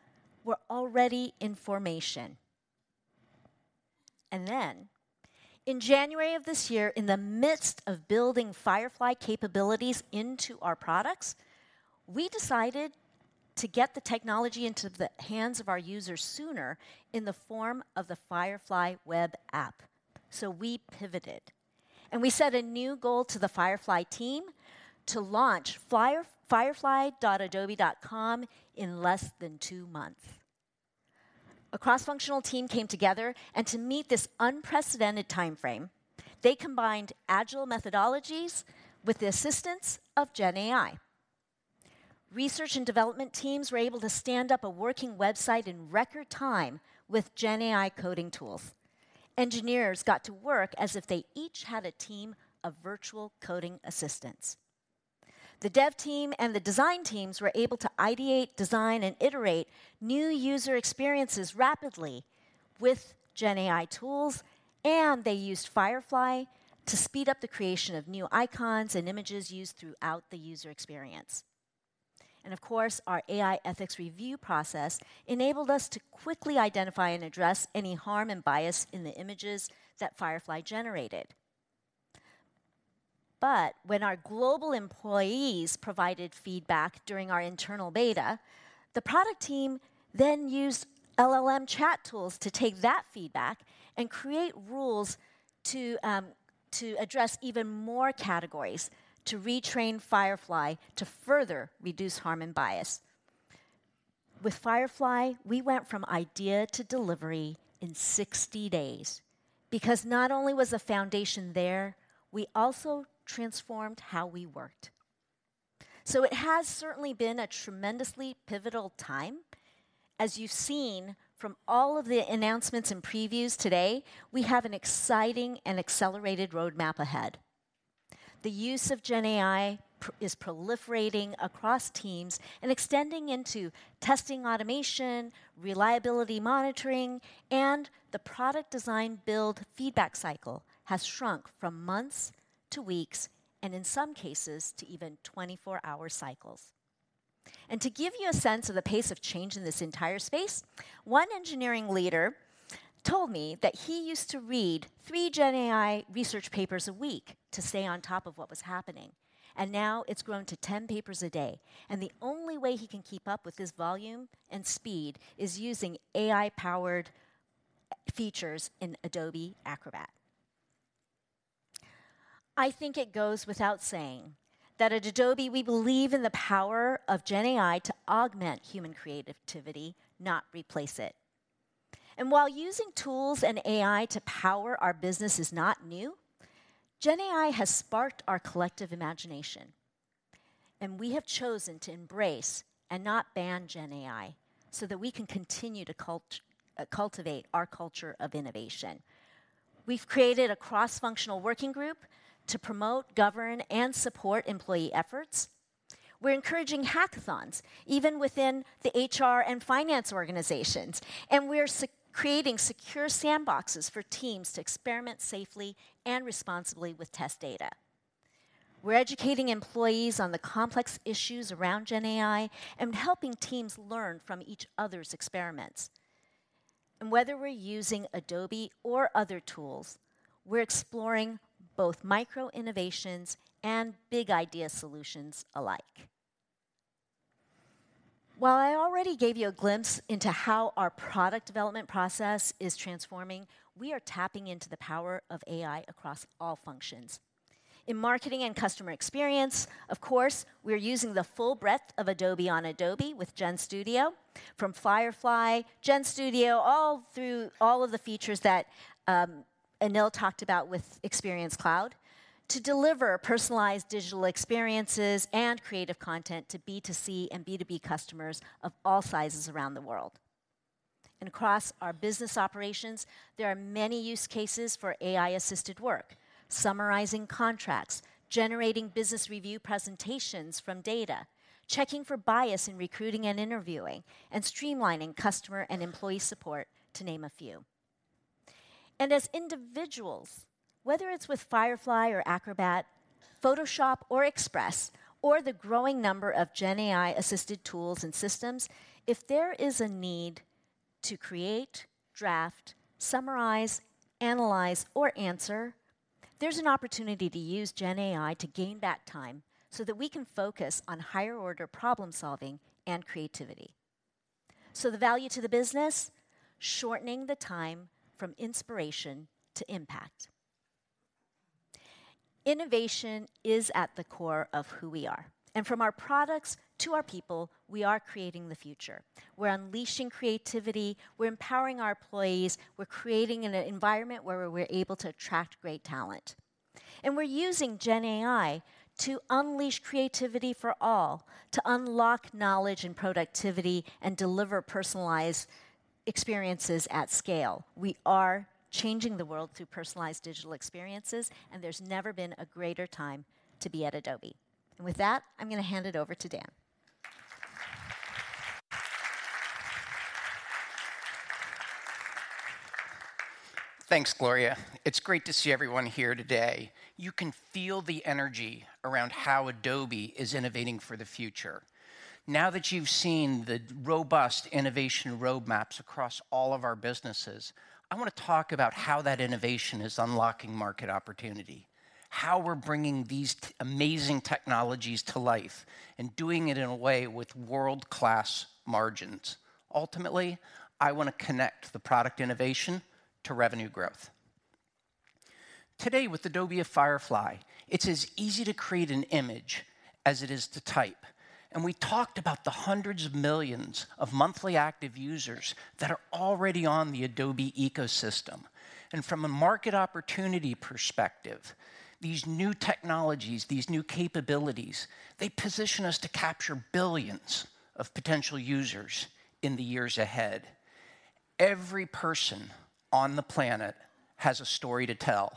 were already in formation. And then, in January of this year, in the midst of building Firefly capabilities into our products, we decided to get the technology into the hands of our users sooner in the form of the Firefly web app. So we pivoted, and we set a new goal to the Firefly team to launch Firefly.adobe.com in less than two months. A cross-functional team came together, and to meet this unprecedented timeframe, they combined agile methodologies with the assistance of Gen AI. Research and development teams were able to stand up a working website in record time with Gen AI coding tools. Engineers got to work as if they each had a team of virtual coding assistants. The dev team and the design teams were able to ideate, design, and iterate new user experiences rapidly with Gen AI tools, and they used Firefly to speed up the creation of new icons and images used throughout the user experience. And of course, our AI ethics review process enabled us to quickly identify and address any harm and bias in the images that Firefly generated. But when our global employees provided feedback during our internal beta, the product team then used LLM chat tools to take that feedback and create rules to, to address even more categories, to retrain Firefly to further reduce harm and bias. With Firefly, we went from idea to delivery in 60 days, because not only was the foundation there, we also transformed how we worked. So it has certainly been a tremendously pivotal time. As you've seen from all of the announcements and previews today, we have an exciting and accelerated roadmap ahead. The use of Gen AI is proliferating across teams and extending into testing automation, reliability monitoring, and the product design build feedback cycle has shrunk from months to weeks, and in some cases, to even 24-hour cycles. And to give you a sense of the pace of change in this entire space, one engineering leader told me that he used to read three Gen AI research papers a week to stay on top of what was happening, and now it's grown to 10 papers a day. The only way he can keep up with this volume and speed is using AI-powered features in Adobe Acrobat. I think it goes without saying that at Adobe, we believe in the power of Gen AI to augment human creativity, not replace it. And while using tools and AI to power our business is not new, Gen AI has sparked our collective imagination... and we have chosen to embrace and not ban Gen AI, so that we can continue to cultivate our culture of innovation. We've created a cross-functional working group to promote, govern, and support employee efforts. We're encouraging hackathons, even within the HR and finance organizations, and we're creating secure sandboxes for teams to experiment safely and responsibly with test data. We're educating employees on the complex issues around Gen AI and helping teams learn from each other's experiments. Whether we're using Adobe or other tools, we're exploring both micro-innovations and big idea solutions alike. While I already gave you a glimpse into how our product development process is transforming, we are tapping into the power of AI across all functions. In marketing and customer experience, of course, we're using the full breadth of Adobe on Adobe with GenStudio, from Firefly, GenStudio, all through all of the features that, Anil talked about with Experience Cloud, to deliver personalized digital experiences and creative content to B2C and B2B customers of all sizes around the world. Across our business operations, there are many use cases for AI-assisted work: summarizing contracts, generating business review presentations from data, checking for bias in recruiting and interviewing, and streamlining customer and employee support, to name a few. And as individuals, whether it's with Firefly or Acrobat, Photoshop or Express, or the growing number of Gen AI-assisted tools and systems, if there is a need to create, draft, summarize, analyze, or answer, there's an opportunity to use Gen AI to gain back time so that we can focus on higher-order problem-solving and creativity. So the value to the business? Shortening the time from inspiration to impact. Innovation is at the core of who we are, and from our products to our people, we are creating the future. We're unleashing creativity, we're empowering our employees, we're creating an environment where we're able to attract great talent. And we're using Gen AI to unleash creativity for all, to unlock knowledge and productivity, and deliver personalized experiences at scale. We are changing the world through personalized digital experiences, and there's never been a greater time to be at Adobe. With that, I'm going to hand it over to Dan. Thanks, Gloria. It's great to see everyone here today. You can feel the energy around how Adobe is innovating for the future. Now that you've seen the robust innovation roadmaps across all of our businesses, I want to talk about how that innovation is unlocking market opportunity, how we're bringing these amazing technologies to life, and doing it in a way with world-class margins. Ultimately, I want to connect the product innovation to revenue growth. Today, with Adobe Firefly, it's as easy to create an image as it is to type, and we talked about the hundreds of millions of monthly active users that are already on the Adobe ecosystem. From a market opportunity perspective, these new technologies, these new capabilities, they position us to capture billions of potential users in the years ahead. Every person on the planet has a story to tell.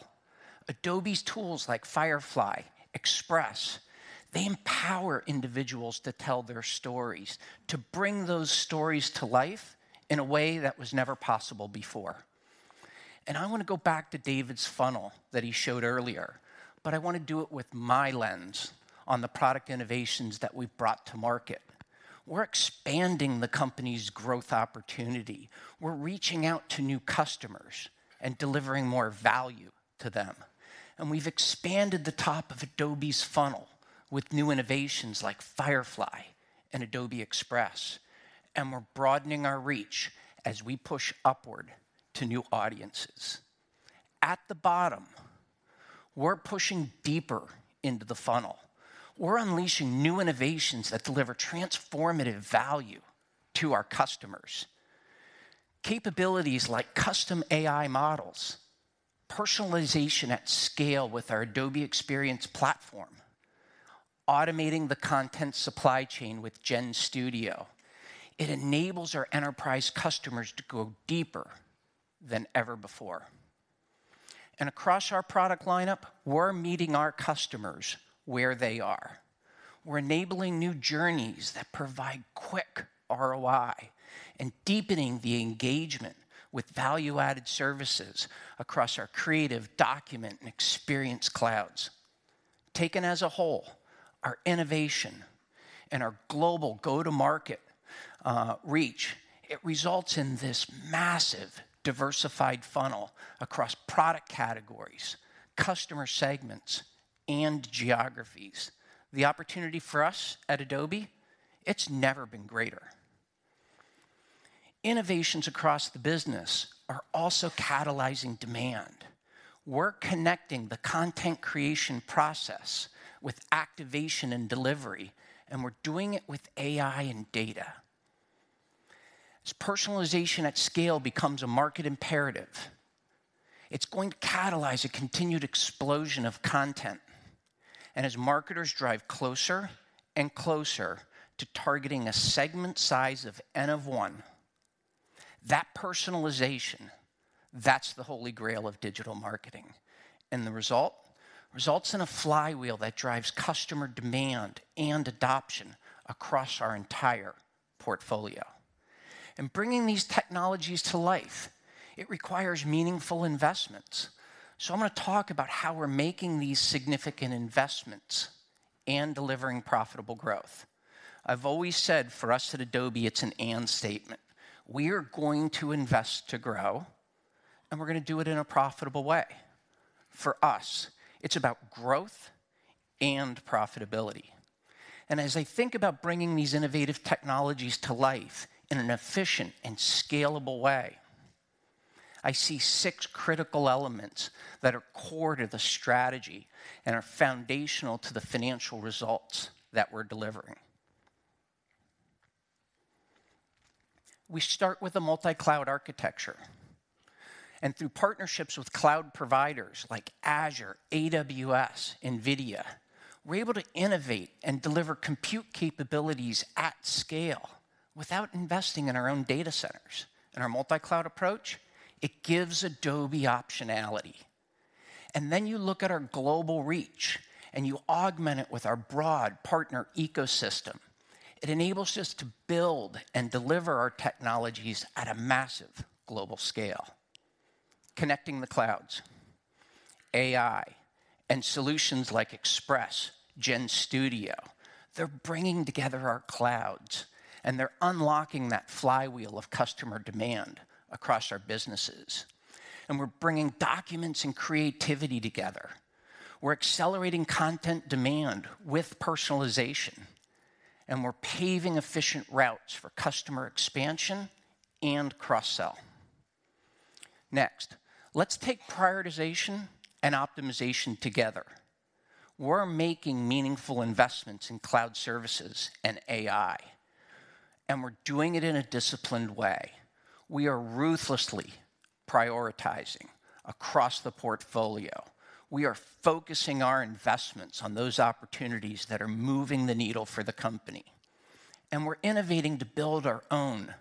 Adobe's tools, like Firefly, Express, empower individuals to tell their stories, to bring those stories to life in a way that was never possible before. I want to go back to David's funnel that he showed earlier, but I want to do it with my lens on the product innovations that we've brought to market. We're expanding the company's growth opportunity. We're reaching out to new customers and delivering more value to them. We've expanded the top of Adobe's funnel with new innovations like Firefly and Adobe Express, and we're broadening our reach as we push upward to new audiences. At the bottom, we're pushing deeper into the funnel. We're unleashing new innovations that deliver transformative value to our customers. Capabilities like custom AI models, personalization at scale with our Adobe Experience Platform, automating the content supply chain with GenStudio, it enables our enterprise customers to go deeper than ever before. Across our product lineup, we're meeting our customers where they are. We're enabling new journeys that provide quick ROI and deepening the engagement with value-added services across our Creative Cloud, Document Cloud, and Experience Cloud. Taken as a whole, our innovation and our global go-to-market reach, it results in this massive, diversified funnel across product categories, customer segments, and geographies. The opportunity for us at Adobe, it's never been greater. Innovations across the business are also catalyzing demand. We're connecting the content creation process with activation and delivery, and we're doing it with AI and data… As personalization at scale becomes a market imperative, it's going to catalyze a continued explosion of content. As marketers drive closer and closer to targeting a segment size of N of one, that personalization, that's the holy grail of digital marketing. The result? Results in a flywheel that drives customer demand and adoption across our entire portfolio. Bringing these technologies to life, it requires meaningful investments. I'm gonna talk about how we're making these significant investments and delivering profitable growth. I've always said, for us at Adobe, it's an and statement. We are going to invest to grow, and we're gonna do it in a profitable way. For us, it's about growth and profitability. As I think about bringing these innovative technologies to life in an efficient and scalable way, I see six critical elements that are core to the strategy and are foundational to the financial results that we're delivering. We start with a multi-cloud architecture, and through partnerships with cloud providers like Azure, AWS, NVIDIA, we're able to innovate and deliver compute capabilities at scale without investing in our own data centers. Our multi-cloud approach gives Adobe optionality. Then you look at our global reach, and you augment it with our broad partner ecosystem. It enables us to build and deliver our technologies at a massive global scale. Connecting the clouds, AI, and solutions like Express, GenStudio, they're bringing together our clouds, and they're unlocking that flywheel of customer demand across our businesses. We're bringing documents and creativity together. We're accelerating content demand with personalization, and we're paving efficient routes for customer expansion and cross-sell. Next, let's take prioritization and optimization together. We're making meaningful investments in cloud services and AI, and we're doing it in a disciplined way. We are ruthlessly prioritizing across the portfolio. We are focusing our investments on those opportunities that are moving the needle for the company, and we're innovating to build our own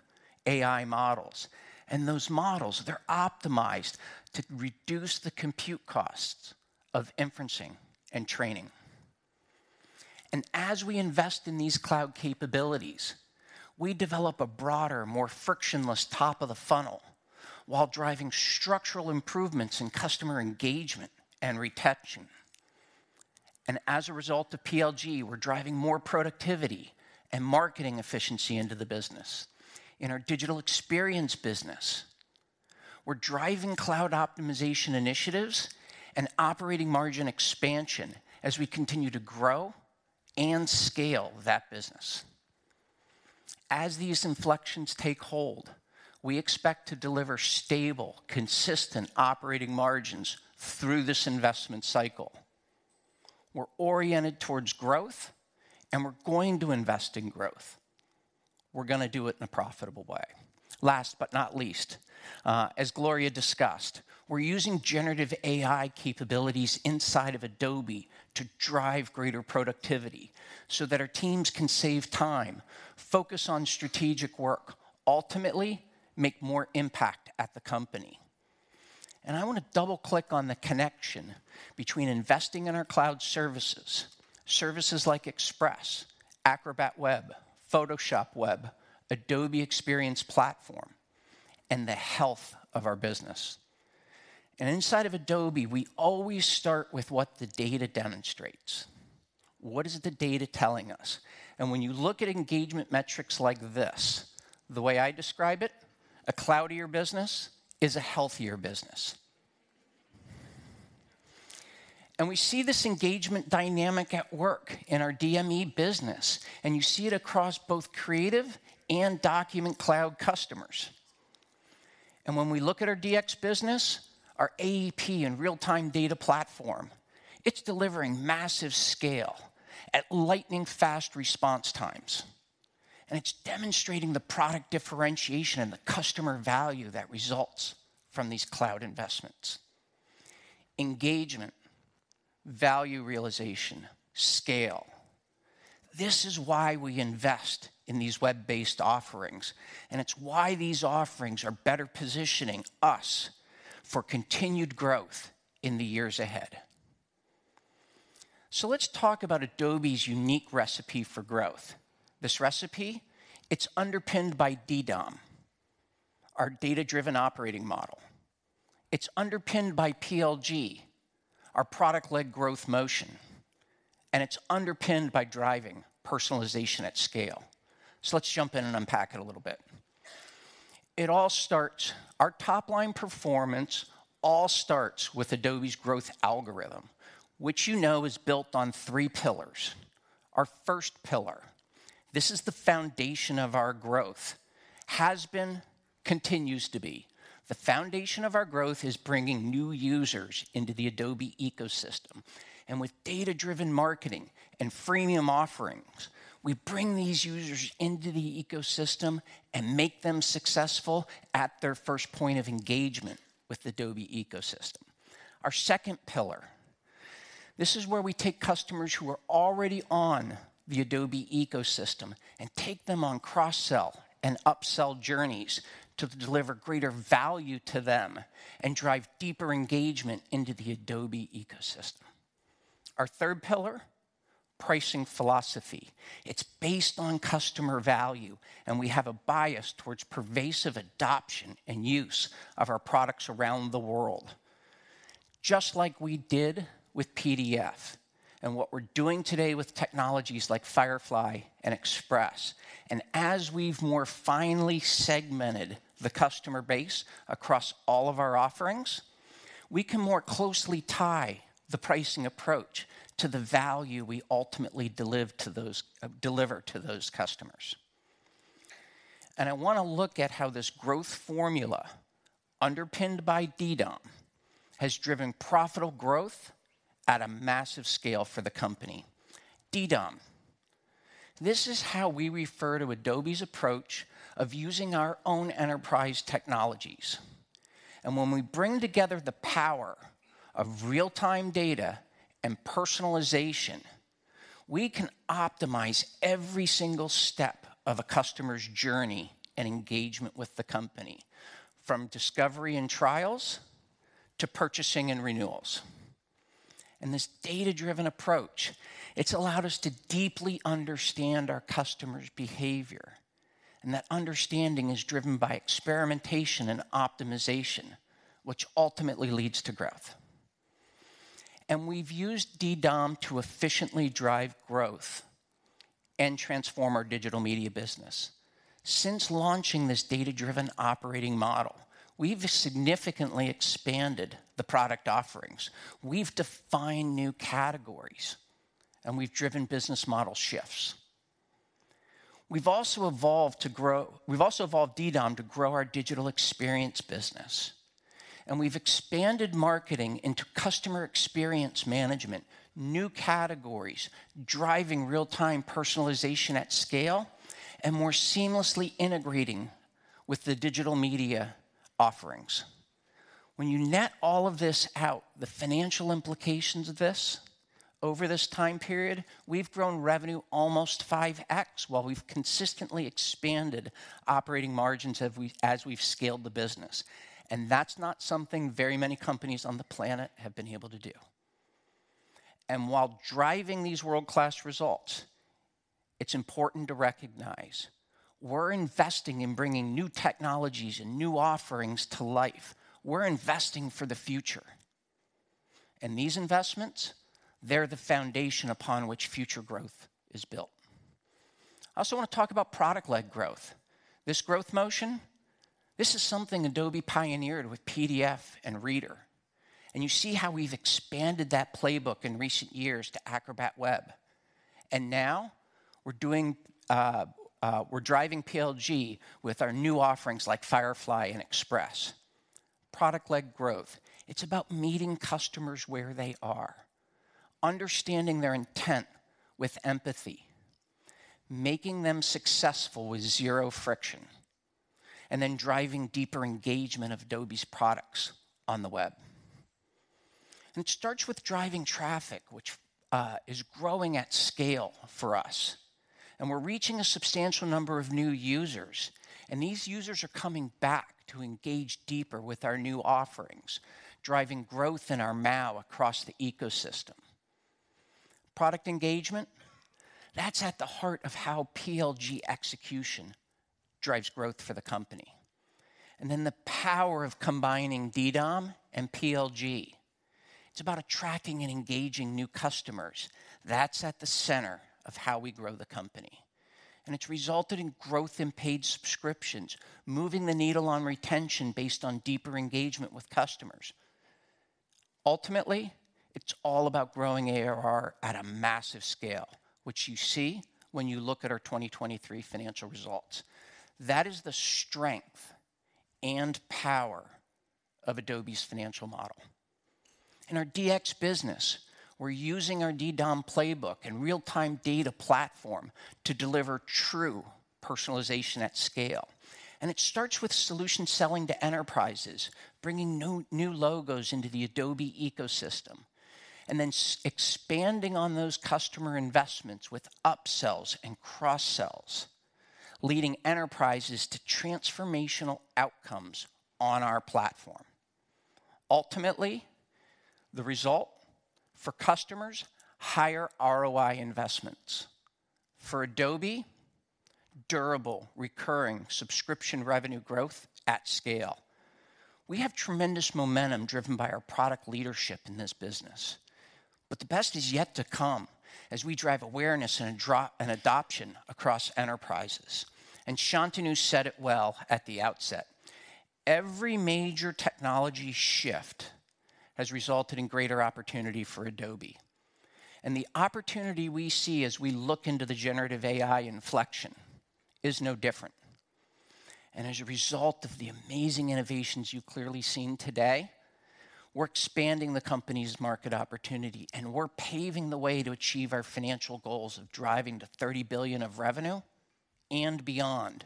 AI models. And those models, they're optimized to reduce the compute costs of inferencing and training. And as we invest in these cloud capabilities, we develop a broader, more frictionless top of the funnel, while driving structural improvements in customer engagement and retention. And as a result of PLG, we're driving more productivity and marketing efficiency into the business. In our digital experience business, we're driving cloud optimization initiatives and operating margin expansion as we continue to grow and scale that business. As these inflections take hold, we expect to deliver stable, consistent operating margins through this investment cycle. We're oriented towards growth, and we're going to invest in growth. We're gonna do it in a profitable way. Last but not least, as Gloria discussed, we're using generative AI capabilities inside of Adobe to drive greater productivity so that our teams can save time, focus on strategic work, ultimately make more impact at the company. And I want to double-click on the connection between investing in our cloud services, services like Express, Acrobat Web, Photoshop Web, Adobe Experience Platform, and the health of our business. And inside of Adobe, we always start with what the data demonstrates. What is the data telling us? And when you look at engagement metrics like this, the way I describe it, a cloudier business is a healthier business. And we see this engagement dynamic at work in our DME business, and you see it across both creative and document cloud customers. When we look at our DX business, our AEP and real-time data platform, it's delivering massive scale at lightning-fast response times, and it's demonstrating the product differentiation and the customer value that results from these cloud investments. Engagement, value realization, scale. This is why we invest in these web-based offerings, and it's why these offerings are better positioning us for continued growth in the years ahead. So let's talk about Adobe's unique recipe for growth. This recipe, it's underpinned by DDOM, our data-driven operating model. It's underpinned by PLG, our product-led growth motion, and it's underpinned by driving personalization at scale. So let's jump in and unpack it a little bit. Our top-line performance all starts with Adobe's growth algorithm, which you know is built on three pillars. Our first pillar, this is the foundation of our growth, continues to be. The foundation of our growth is bringing new users into the Adobe ecosystem, and with data-driven marketing and freemium offerings, we bring these users into the ecosystem and make them successful at their first point of engagement with the Adobe ecosystem. Our second pillar, this is where we take customers who are already on the Adobe ecosystem and take them on cross-sell and upsell journeys to deliver greater value to them and drive deeper engagement into the Adobe ecosystem. Our third pillar, pricing philosophy. It's based on customer value, and we have a bias towards pervasive adoption and use of our products around the world. Just like we did with PDF and what we're doing today with technologies like Firefly and Express, and as we've more finely segmented the customer base across all of our offerings, we can more closely tie the pricing approach to the value we ultimately deliver to those, deliver to those customers. And I want to look at how this growth formula, underpinned by DDOM, has driven profitable growth at a massive scale for the company. DDOM, this is how we refer to Adobe's approach of using our own enterprise technologies, and when we bring together the power of real-time data and personalization, we can optimize every single step of a customer's journey and engagement with the company, from discovery and trials to purchasing and renewals. This data-driven approach, it's allowed us to deeply understand our customers' behavior, and that understanding is driven by experimentation and optimization, which ultimately leads to growth. We've used DDOM to efficiently drive growth and transform our Digital Media business. Since launching this data-driven operating model, we've significantly expanded the product offerings, we've defined new categories, and we've driven business model shifts. We've also evolved DDOM to grow our digital experience business, and we've expanded marketing into customer experience management, new categories, driving real-time personalization at scale, and more seamlessly integrating with the Digital Media offerings. When you net all of this out, the financial implications of this over this time period, we've grown revenue almost 5x, while we've consistently expanded operating margins as we've scaled the business. And that's not something very many companies on the planet have been able to do. And while driving these world-class results, it's important to recognize we're investing in bringing new technologies and new offerings to life. We're investing for the future, and these investments, they're the foundation upon which future growth is built. I also want to talk about product-led growth. This growth motion, this is something Adobe pioneered with PDF and Reader, and you see how we've expanded that playbook in recent years to Acrobat Web. And now we're doing, we're driving PLG with our new offerings like Firefly and Express. Product-led growth, it's about meeting customers where they are, understanding their intent with empathy, making them successful with zero friction, and then driving deeper engagement of Adobe's products on the web. It starts with driving traffic, which is growing at scale for us, and we're reaching a substantial number of new users, and these users are coming back to engage deeper with our new offerings, driving growth in our MAU across the ecosystem. Product engagement, that's at the heart of how PLG execution drives growth for the company. And then the power of combining DDOM and PLG, it's about attracting and engaging new customers. That's at the center of how we grow the company, and it's resulted in growth in paid subscriptions, moving the needle on retention based on deeper engagement with customers. Ultimately, it's all about growing ARR at a massive scale, which you see when you look at our 2023 financial results. That is the strength and power of Adobe's financial model. In our DX business, we're using our DDOM playbook and real-time data platform to deliver true personalization at scale, and it starts with solution selling to enterprises, bringing new logos into the Adobe ecosystem, and then expanding on those customer investments with upsells and cross-sells, leading enterprises to transformational outcomes on our platform. Ultimately, the result for customers, higher ROI investments. For Adobe, durable, recurring subscription revenue growth at scale. We have tremendous momentum driven by our product leadership in this business, but the best is yet to come as we drive awareness and adoption across enterprises. Shantanu said it well at the outset, "Every major technology shift has resulted in greater opportunity for Adobe," and the opportunity we see as we look into the generative AI inflection is no different. As a result of the amazing innovations you've clearly seen today, we're expanding the company's market opportunity, and we're paving the way to achieve our financial goals of driving to $30 billion of revenue and beyond,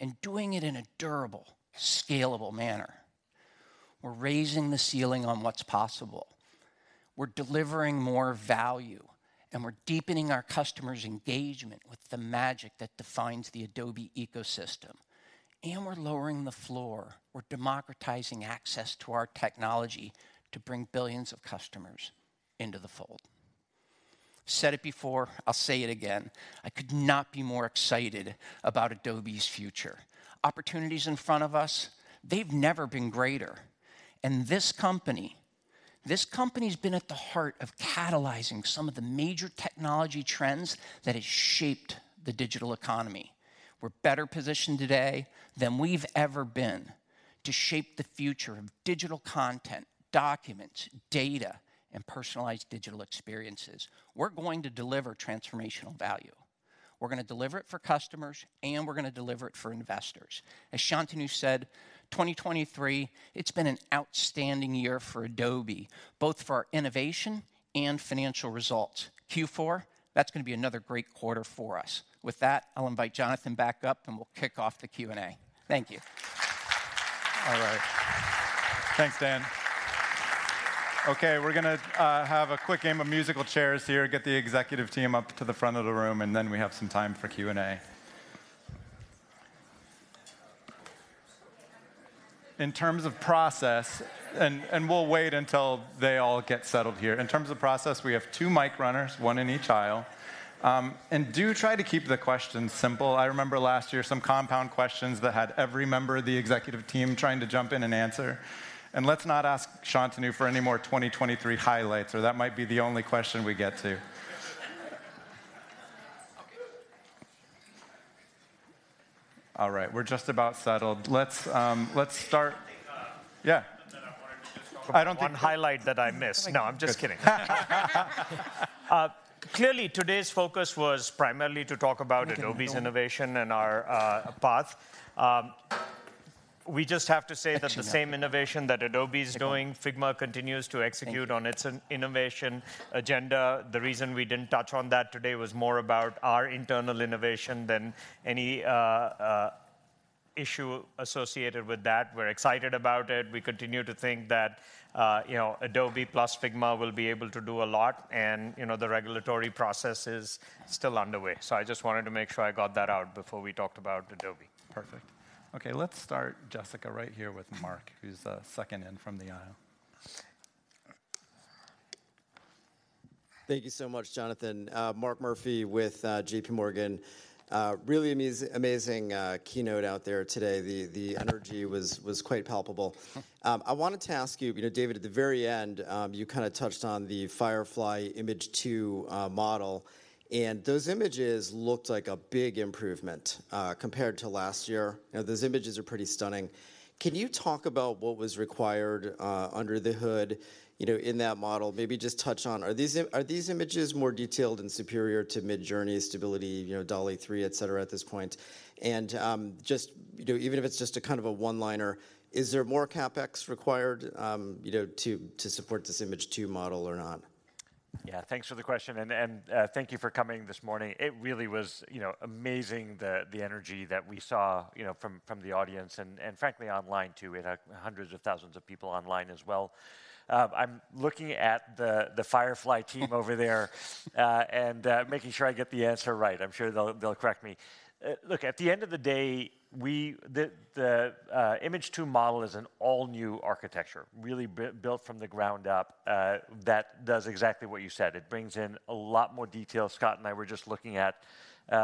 and doing it in a durable, scalable manner. We're raising the ceiling on what's possible. We're delivering more value, and we're deepening our customers' engagement with the magic that defines the Adobe ecosystem. We're lowering the floor. We're democratizing access to our technology to bring billions of customers into the fold. Said it before, I'll say it again, I could not be more excited about Adobe's future. Opportunities in front of us, they've never been greater, and this company, this company's been at the heart of catalyzing some of the major technology trends that have shaped the digital economy. We're better positioned today than we've ever been to shape the future of digital content, documents, data, and personalized digital experiences. We're going to deliver transformational value. We're going to deliver it for customers, and we're going to deliver it for investors. As Shantanu said, 2023, it's been an outstanding year for Adobe, both for our innovation and financial results. Q4, that's going to be another great quarter for us. With that, I'll invite Jonathan back up, and we'll kick off the Q&A. Thank you. All right. Thanks, Dan. Okay, we're going to have a quick game of musical chairs here, get the executive team up to the front of the room, and then we have some time for Q&A. In terms of process... We'll wait until they all get settled here. In terms of process, we have two mic runners, one in each aisle. And do try to keep the questions simple. I remember last year, some compound questions that had every member of the executive team trying to jump in and answer. And let's not ask Shantanu for any more 2023 highlights, or that might be the only question we get to. All right, we're just about settled. Let's start- I think. Yeah. That I wanted to just talk- I don't think- One highlight that I missed. No, I'm just kidding. Clearly, today's focus was primarily to talk about Adobe's innovation and our path. We just have to say that the same innovation that Adobe is doing, Figma continues to execute on its innovation agenda. The reason we didn't touch on that today was more about our internal innovation than any issue associated with that. We're excited about it. We continue to think that, you know, Adobe plus Figma will be able to do a lot, and, you know, the regulatory process is still underway. So I just wanted to make sure I got that out before we talked about Adobe. Perfect. Okay, let's start, Jessica, right here with Mark, who's second in from the aisle. Thank you so much, Jonathan. Mark Murphy, with JPMorgan. Really amazing keynote out there today. The energy was quite palpable. I wanted to ask you, you know, David, at the very end, you kind of touched on the Firefly Image 2 model, and those images looked like a big improvement compared to last year. You know, those images are pretty stunning. Can you talk about what was required under the hood, you know, in that model? Maybe just touch on, are these images more detailed and superior to Midjourney, Stability, you know, DALL-E 3, et cetera, at this point? And just, you know, even if it's just a kind of a one-liner, is there more CapEx required, you know, to support this Image 2 model or not? Yeah, thanks for the question, and thank you for coming this morning. It really was, you know, amazing, the energy that we saw, you know, from the audience and frankly, online too. We had hundreds of thousands of people online as well. I'm looking at the Firefly team over there and making sure I get the answer right. I'm sure they'll correct me. Look, at the end of the day, the Image 2 model is an all-new architecture, really built from the ground up, that does exactly what you said. It brings in a lot more detail. Scott and I were just looking at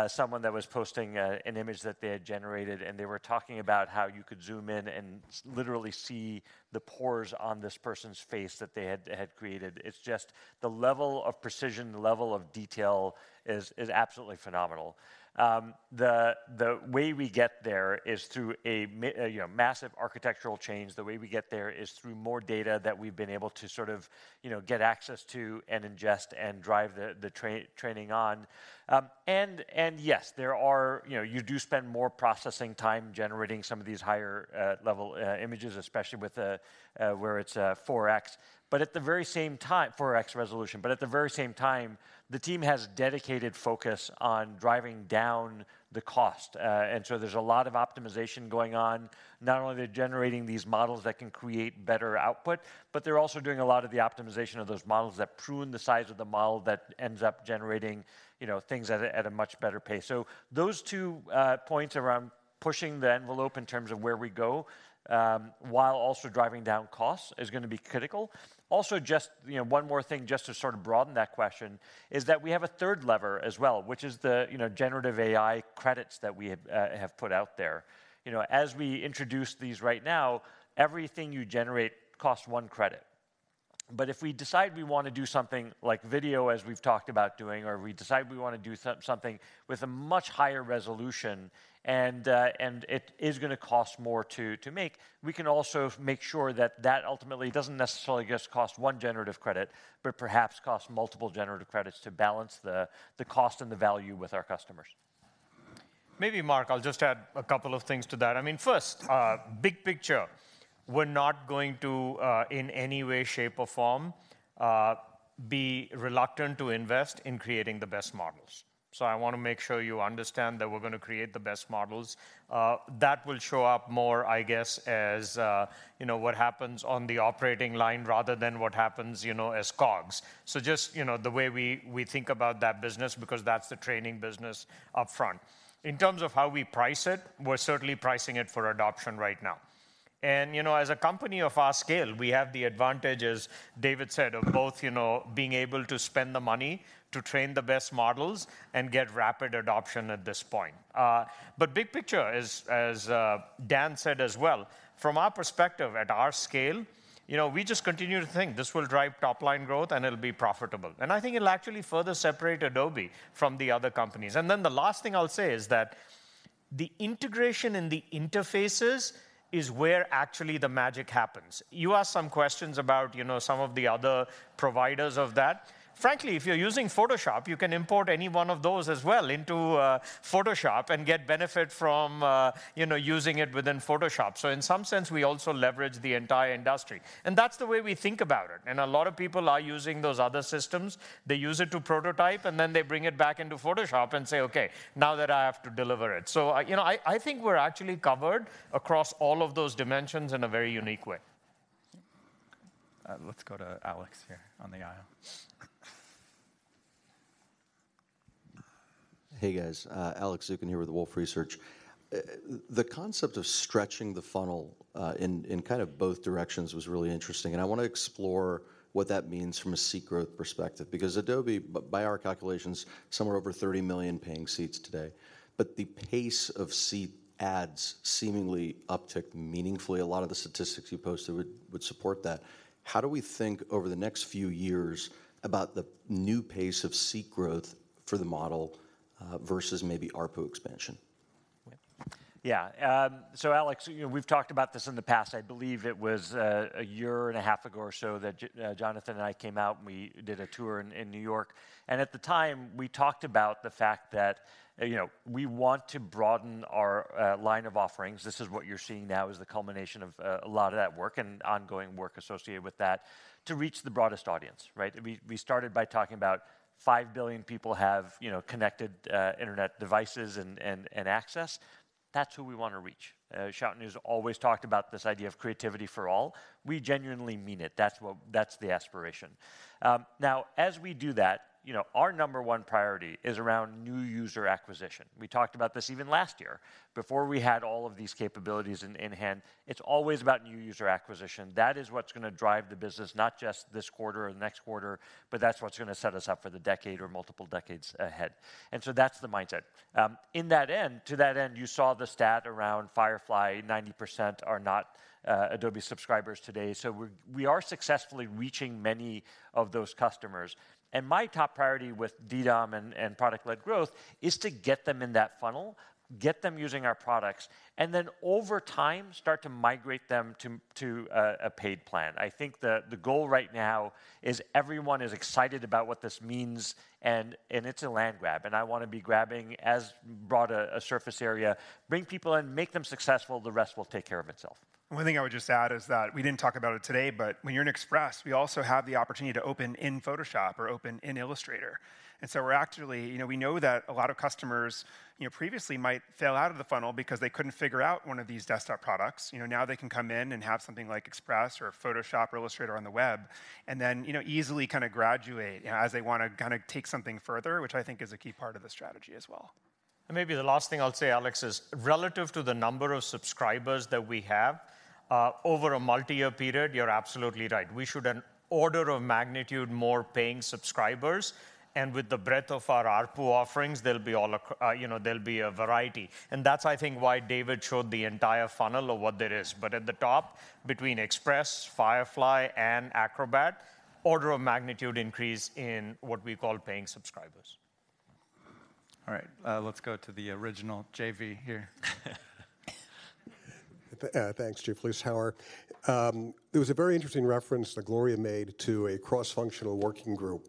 someone that was posting an image that they had generated, and they were talking about how you could zoom in and literally see the pores on this person's face that they had created. It's just the level of precision, the level of detail is absolutely phenomenal. The way we get there is through a you know massive architectural change. The way we get there is through more data that we've been able to sort of you know get access to and ingest and drive the training on. And yes, there are... You know, you do spend more processing time generating some of these higher level images, especially with the where it's 4x. At the very same time, the team has dedicated focus on driving down the cost, and so there's a lot of optimization going on. Not only are they generating these models that can create better output, but they're also doing a lot of the optimization of those models that prune the size of the model that ends up generating, you know, things at a much better pace. Those two points around pushing the envelope in terms of where we go, while also driving down costs, is going to be critical. Also, just, you know, one more thing, just to sort of broaden that question, is that we have a third lever as well, which is the, you know, generative AI credits that we have put out there. You know, as we introduce these right now, everything you generate costs one credit. But if we decide we want to do something like video, as we've talked about doing, or we decide we want to do something with a much higher resolution, and it is going to cost more to make, we can also make sure that that ultimately doesn't necessarily just cost one Generative Credit, but perhaps costs multiple Generative Credits to balance the cost and the value with our customers. Maybe, Mark, I'll just add a couple of things to that. I mean, first, big picture, we're not going to, in any way, shape, or form, be reluctant to invest in creating the best models. So I want to make sure you understand that we're going to create the best models. That will show up more, I guess, as, you know, what happens on the operating line rather than what happens, you know, as COGS. So just, you know, the way we think about that business, because that's the training business upfront. In terms of how we price it, we're certainly pricing it for adoption right now. You know, as a company of our scale, we have the advantage, as David said, of both, you know, being able to spend the money to train the best models and get rapid adoption at this point. But big picture, as Dan said as well, from our perspective, at our scale, you know, we just continue to think this will drive top-line growth, and it'll be profitable. And I think it'll actually further separate Adobe from the other companies. And then the last thing I'll say is that the integration and the interfaces is where actually the magic happens. You asked some questions about, you know, some of the other providers of that. Frankly, if you're using Photoshop, you can import any one of those as well into Photoshop and get benefit from using it within Photoshop. So in some sense, we also leverage the entire industry, and that's the way we think about it. And a lot of people are using those other systems. They use it to prototype, and then they bring it back into Photoshop and say, "Okay, now that I have to deliver it." So I, you know, I think we're actually covered across all of those dimensions in a very unique way. Let's go to Alex here on the aisle. Hey, guys. Alex Zukin here with Wolfe Research. The concept of stretching the funnel in kind of both directions was really interesting, and I want to explore what that means from a seat growth perspective. Because Adobe, by our calculations, somewhere over 30 million paying seats today, but the pace of seat adds seemingly uptick meaningfully. A lot of the statistics you posted would support that. How do we think over the next few years about the new pace of seat growth for the model versus maybe ARPU expansion? Yeah. So Alex, you know, we've talked about this in the past. I believe it was a year and a half ago or so that Jonathan and I came out, and we did a tour in New York. At the time, we talked about the fact that, you know, we want to broaden our line of offerings. This is what you're seeing now, is the culmination of a lot of that work and ongoing work associated with that to reach the broadest audience, right? We started by talking about 5 billion people have, you know, connected internet devices and access. That's who we want to reach. Shantanu's always talked about this idea of creativity for all. We genuinely mean it. That's the aspiration. Now, as we do that, you know, our number one priority is around new user acquisition. We talked about this even last year before we had all of these capabilities in hand. It's always about new user acquisition. That is what's going to drive the business, not just this quarter or the next quarter, but that's what's going to set us up for the decade or multiple decades ahead, and so that's the mindset. To that end, you saw the stat around Firefly. 90% are not Adobe subscribers today, so we are successfully reaching many of those customers. And my top priority with DDOM and product-led growth is to get them in that funnel, get them using our products, and then over time, start to migrate them to a paid plan. I think the goal right now is everyone is excited about what this means and it's a land grab, and I want to be grabbing as broad a surface area, bring people in, make them successful, the rest will take care of itself. One thing I would just add is that we didn't talk about it today, but when you're in Express, we also have the opportunity to open in Photoshop or open in Illustrator. And so we're actually, you know, we know that a lot of customers, you know, previously might fail out of the funnel because they couldn't figure out one of these desktop products. You know, now they can come in and have something like Express or Photoshop or Illustrator on the web, and then, you know, easily kind of graduate- Yeah... as they want to kind of take something further, which I think is a key part of the strategy as well. And maybe the last thing I'll say, Alex, is relative to the number of subscribers that we have, over a multi-year period, you're absolutely right. We should an order of magnitude more paying subscribers, and with the breadth of our ARPU offerings, there'll be all, you know, there'll be a variety. And that's, I think, why David showed the entire funnel of what that is. But at the top, between Express, Firefly, and Acrobat, order of magnitude increase in what we call paying subscribers. All right, let's go to the original JV here. Thanks. Jay Vleeschhouwer There was a very interesting reference that Gloria made to a cross-functional working group.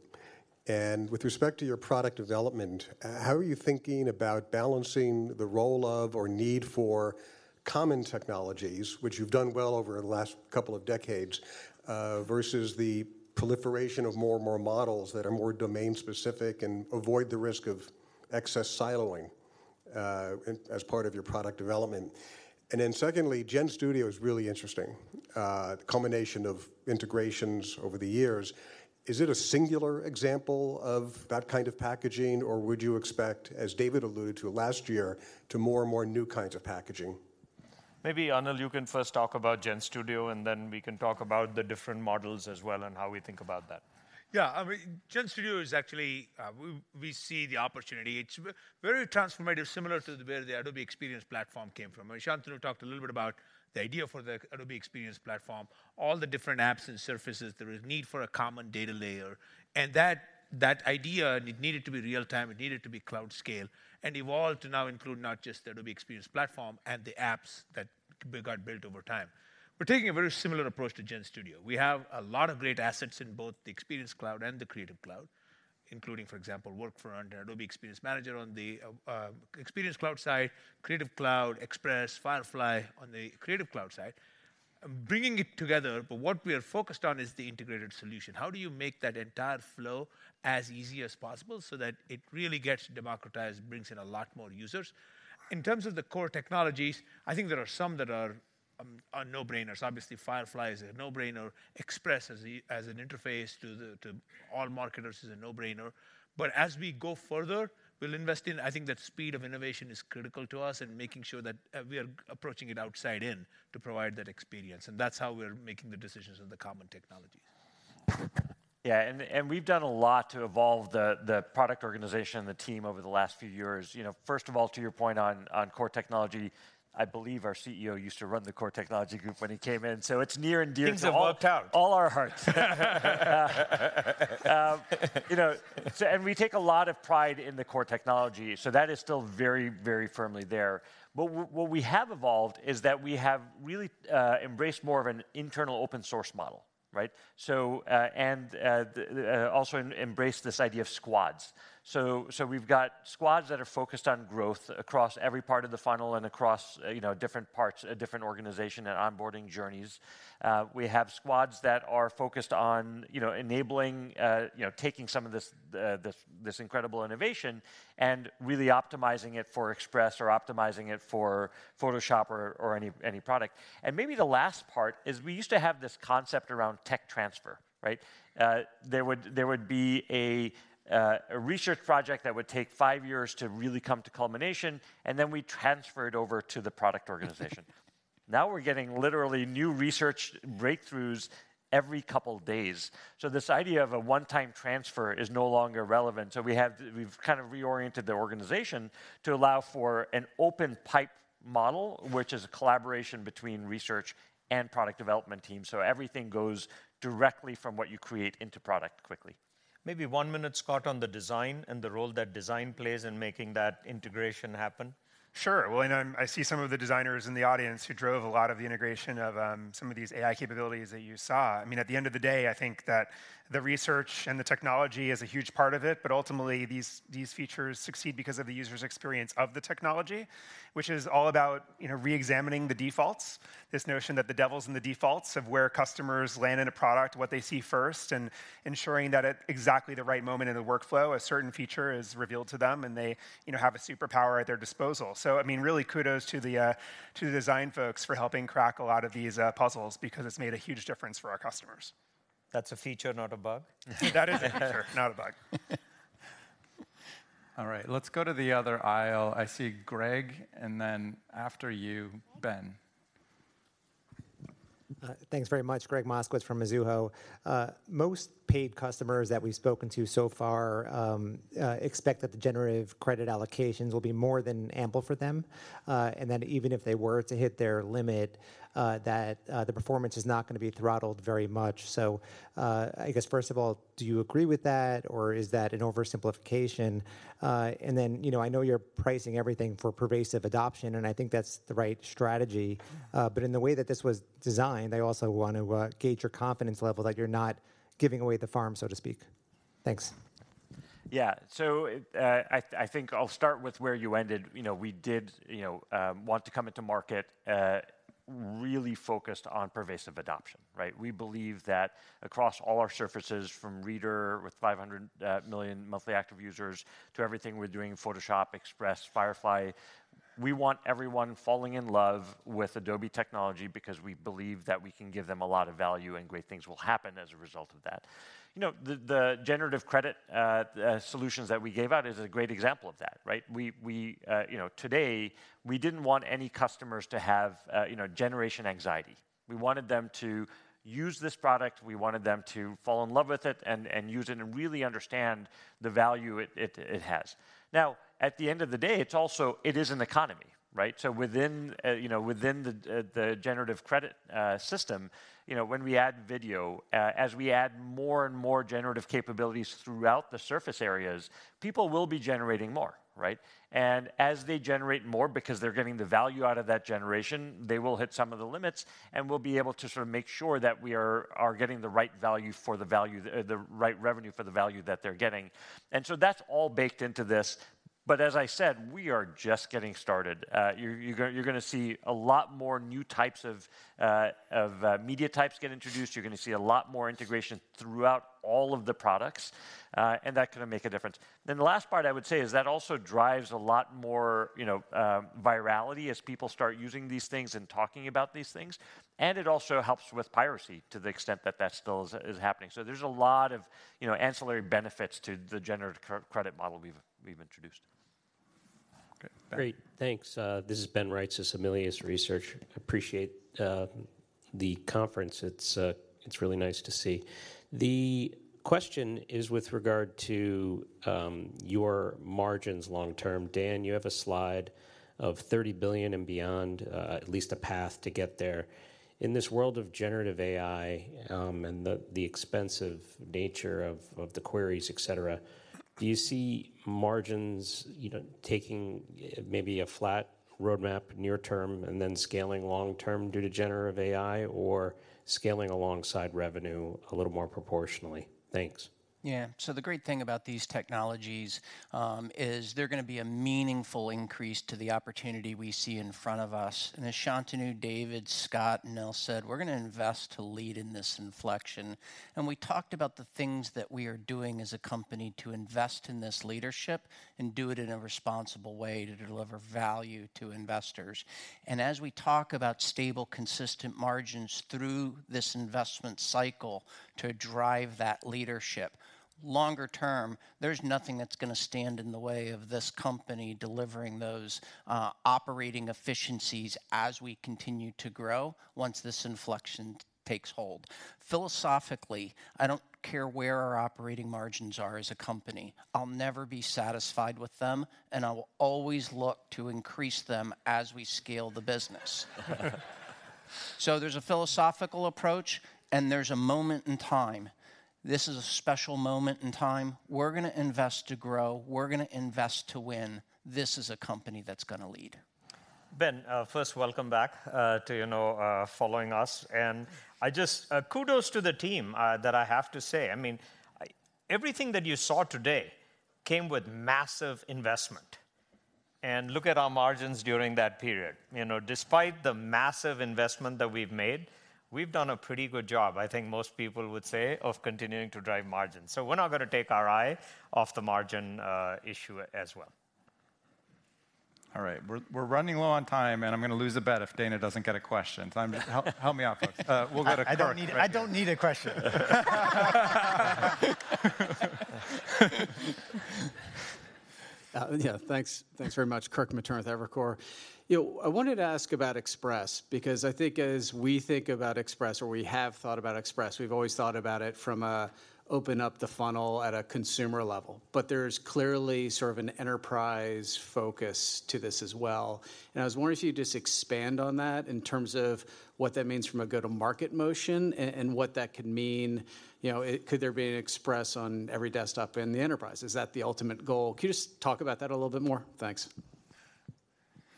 With respect to your product development, how are you thinking about balancing the role of or need for common technologies, which you've done well over the last couple of decades, versus the proliferation of more and more models that are more domain-specific and avoid the risk of excess siloing, as part of your product development? Then secondly, GenStudio is really interesting, the combination of integrations over the years. Is it a singular example of that kind of packaging, or would you expect, as David alluded to last year, to more and more new kinds of packaging? Maybe, Anil, you can first talk about GenStudio, and then we can talk about the different models as well and how we think about that. Yeah, I mean, GenStudio is actually. We see the opportunity. It's very transformative, similar to where the Adobe Experience Platform came from. Shantanu talked a little bit about the idea for the Adobe Experience Platform, all the different apps and surfaces. There is need for a common data layer, and that idea, it needed to be real time, it needed to be cloud scale, and evolved to now include not just the Adobe Experience Platform and the apps that got built over time. We're taking a very similar approach to GenStudio. We have a lot of great assets in both the Experience Cloud and the Creative Cloud. Including, for example, Workfront and Adobe Experience Manager on the Experience Cloud side, Creative Cloud, Express, Firefly on the Creative Cloud side. Bringing it together, but what we are focused on is the integrated solution. How do you make that entire flow as easy as possible so that it really gets democratized, brings in a lot more users? In terms of the core technologies, I think there are some that are no-brainers. Obviously, Firefly is a no-brainer. Express as an interface to all marketers is a no-brainer. But as we go further, we'll invest in, I think that speed of innovation is critical to us, and making sure that we are approaching it outside in to provide that experience, and that's how we're making the decisions on the common technologies. Yeah, we've done a lot to evolve the product organization and the team over the last few years. You know, first of all, to your point on core technology, I believe our CEO used to run the core technology group when he came in, so it's near and dear- Things have worked out.... to all our hearts. You know, so and we take a lot of pride in the core technology, so that is still very, very firmly there. But what we have evolved is that we have really embraced more of an internal open source model, right? So, and also embraced this idea of squads. So, we've got squads that are focused on growth across every part of the funnel and across, you know, different parts, different organization and onboarding journeys. We have squads that are focused on, you know, enabling, you know, taking some of this incredible innovation and really optimizing it for Express or optimizing it for Photoshop or any product. And maybe the last part is, we used to have this concept around tech transfer, right? There would be a research project that would take five years to really come to culmination, and then we'd transfer it over to the product organization. Now, we're getting literally new research breakthroughs every couple days. So this idea of a one-time transfer is no longer relevant. So we've kind of reoriented the organization to allow for an open pipe model, which is a collaboration between research and product development teams, so everything goes directly from what you create into product quickly. Maybe one minute, Scott, on the design and the role that design plays in making that integration happen. Sure. Well, and I see some of the designers in the audience who drove a lot of the integration of some of these AI capabilities that you saw. I mean, at the end of the day, I think that the research and the technology is a huge part of it, but ultimately, these features succeed because of the user's experience of the technology, which is all about, you know, reexamining the defaults. This notion that the devil's in the defaults of where customers land in a product, what they see first, and ensuring that at exactly the right moment in the workflow, a certain feature is revealed to them, and they, you know, have a superpower at their disposal. So, I mean, really kudos to the design folks for helping crack a lot of these puzzles, because it's made a huge difference for our customers. That's a feature, not a bug? That is a feature, not a bug. All right, let's go to the other aisle. I see Gregg, and then after you, Ben. Thanks very much. Gregg Moskowitz from Mizuho. Most paid customers that we've spoken to so far expect that the generative credit allocations will be more than ample for them, and that even if they were to hit their limit, that the performance is not gonna be throttled very much. So, I guess, first of all, do you agree with that, or is that an oversimplification? And then, you know, I know you're pricing everything for pervasive adoption, and I think that's the right strategy, but in the way that this was designed, I also want to gauge your confidence level that you're not giving away the farm, so to speak. Thanks. Yeah. I think I'll start with where you ended. You know, we did want to come into market really focused on pervasive adoption, right? We believe that across all our surfaces, from Reader, with 500 million monthly active users, to everything we're doing in Photoshop, Express, Firefly, we want everyone falling in love with Adobe technology because we believe that we can give them a lot of value, and great things will happen as a result of that. You know, the generative credit solutions that we gave out is a great example of that, right? We, you know, today, we didn't want any customers to have, you know, generation anxiety. We wanted them to use this product. We wanted them to fall in love with it and use it and really understand the value it has. Now, at the end of the day, it's also, it is an economy, right? So within, you know, within the Generative Credits system, you know, when we add video, as we add more and more generative capabilities throughout the surface areas, people will be generating more, right? And as they generate more, because they're getting the value out of that generation, they will hit some of the limits, and we'll be able to sort of make sure that we are getting the right value for the value, the right revenue for the value that they're getting. And so that's all baked into this. But as I said, we are just getting started. You're, you're gonna see a lot more new types of, you know, media types get introduced. You're gonna see a lot more integration throughout all of the products, and that gonna make a difference. The last part I would say is that also drives a lot more, you know, virality as people start using these things and talking about these things, and it also helps with piracy to the extent that that still is, is happening. There's a lot of, you know, ancillary benefits to the generative credit model we've, we've introduced. Okay, Ben. Great. Thanks. This is Ben Reitzes, Melius Research. Appreciate the conference. It's really nice to see. The question is with regard to your margins long term. Dan, you have a slide of $30 billion and beyond, at least a path to get there. In this world of generative AI, and the expensive nature of the queries, et cetera. Do you see margins, you know, taking maybe a flat roadmap near term, and then scaling long term due to generative AI, or scaling alongside revenue a little more proportionally? Thanks. Yeah. So the great thing about these technologies is they're gonna be a meaningful increase to the opportunity we see in front of us. And as Shantanu, David, Scott, and Anil said, we're gonna invest to lead in this inflection. And we talked about the things that we are doing as a company to invest in this leadership and do it in a responsible way to deliver value to investors. And as we talk about stable, consistent margins through this investment cycle to drive that leadership, longer term, there's nothing that's gonna stand in the way of this company delivering those operating efficiencies as we continue to grow, once this inflection takes hold. Philosophically, I don't care where our operating margins are as a company. I'll never be satisfied with them, and I will always look to increase them as we scale the business. There's a philosophical approach, and there's a moment in time. This is a special moment in time. We're gonna invest to grow. We're gonna invest to win. This is a company that's gonna lead. Ben, first, welcome back to, you know, following us. And I just kudos to the team that I have to say. I mean, everything that you saw today came with massive investment, and look at our margins during that period. You know, despite the massive investment that we've made, we've done a pretty good job, I think most people would say, of continuing to drive margins. So we're not gonna take our eye off the margin issue as well. All right. We're running low on time, and I'm gonna lose a bet if Dana doesn't get a question. So help, help me out, folks. We'll get a Kirk. I don't need, I don't need a question. Yeah, thanks. Thanks very much. Kirk Materne with Evercore. You know, I wanted to ask about Express, because I think as we think about Express, or we have thought about Express, we've always thought about it from a open up the funnel at a consumer level, but there's clearly sort of an enterprise focus to this as well. I was wondering if you could just expand on that in terms of what that means from a go-to-market motion and what that could mean... You know, could there be an Express on every desktop in the enterprise? Is that the ultimate goal? Can you just talk about that a little bit more? Thanks.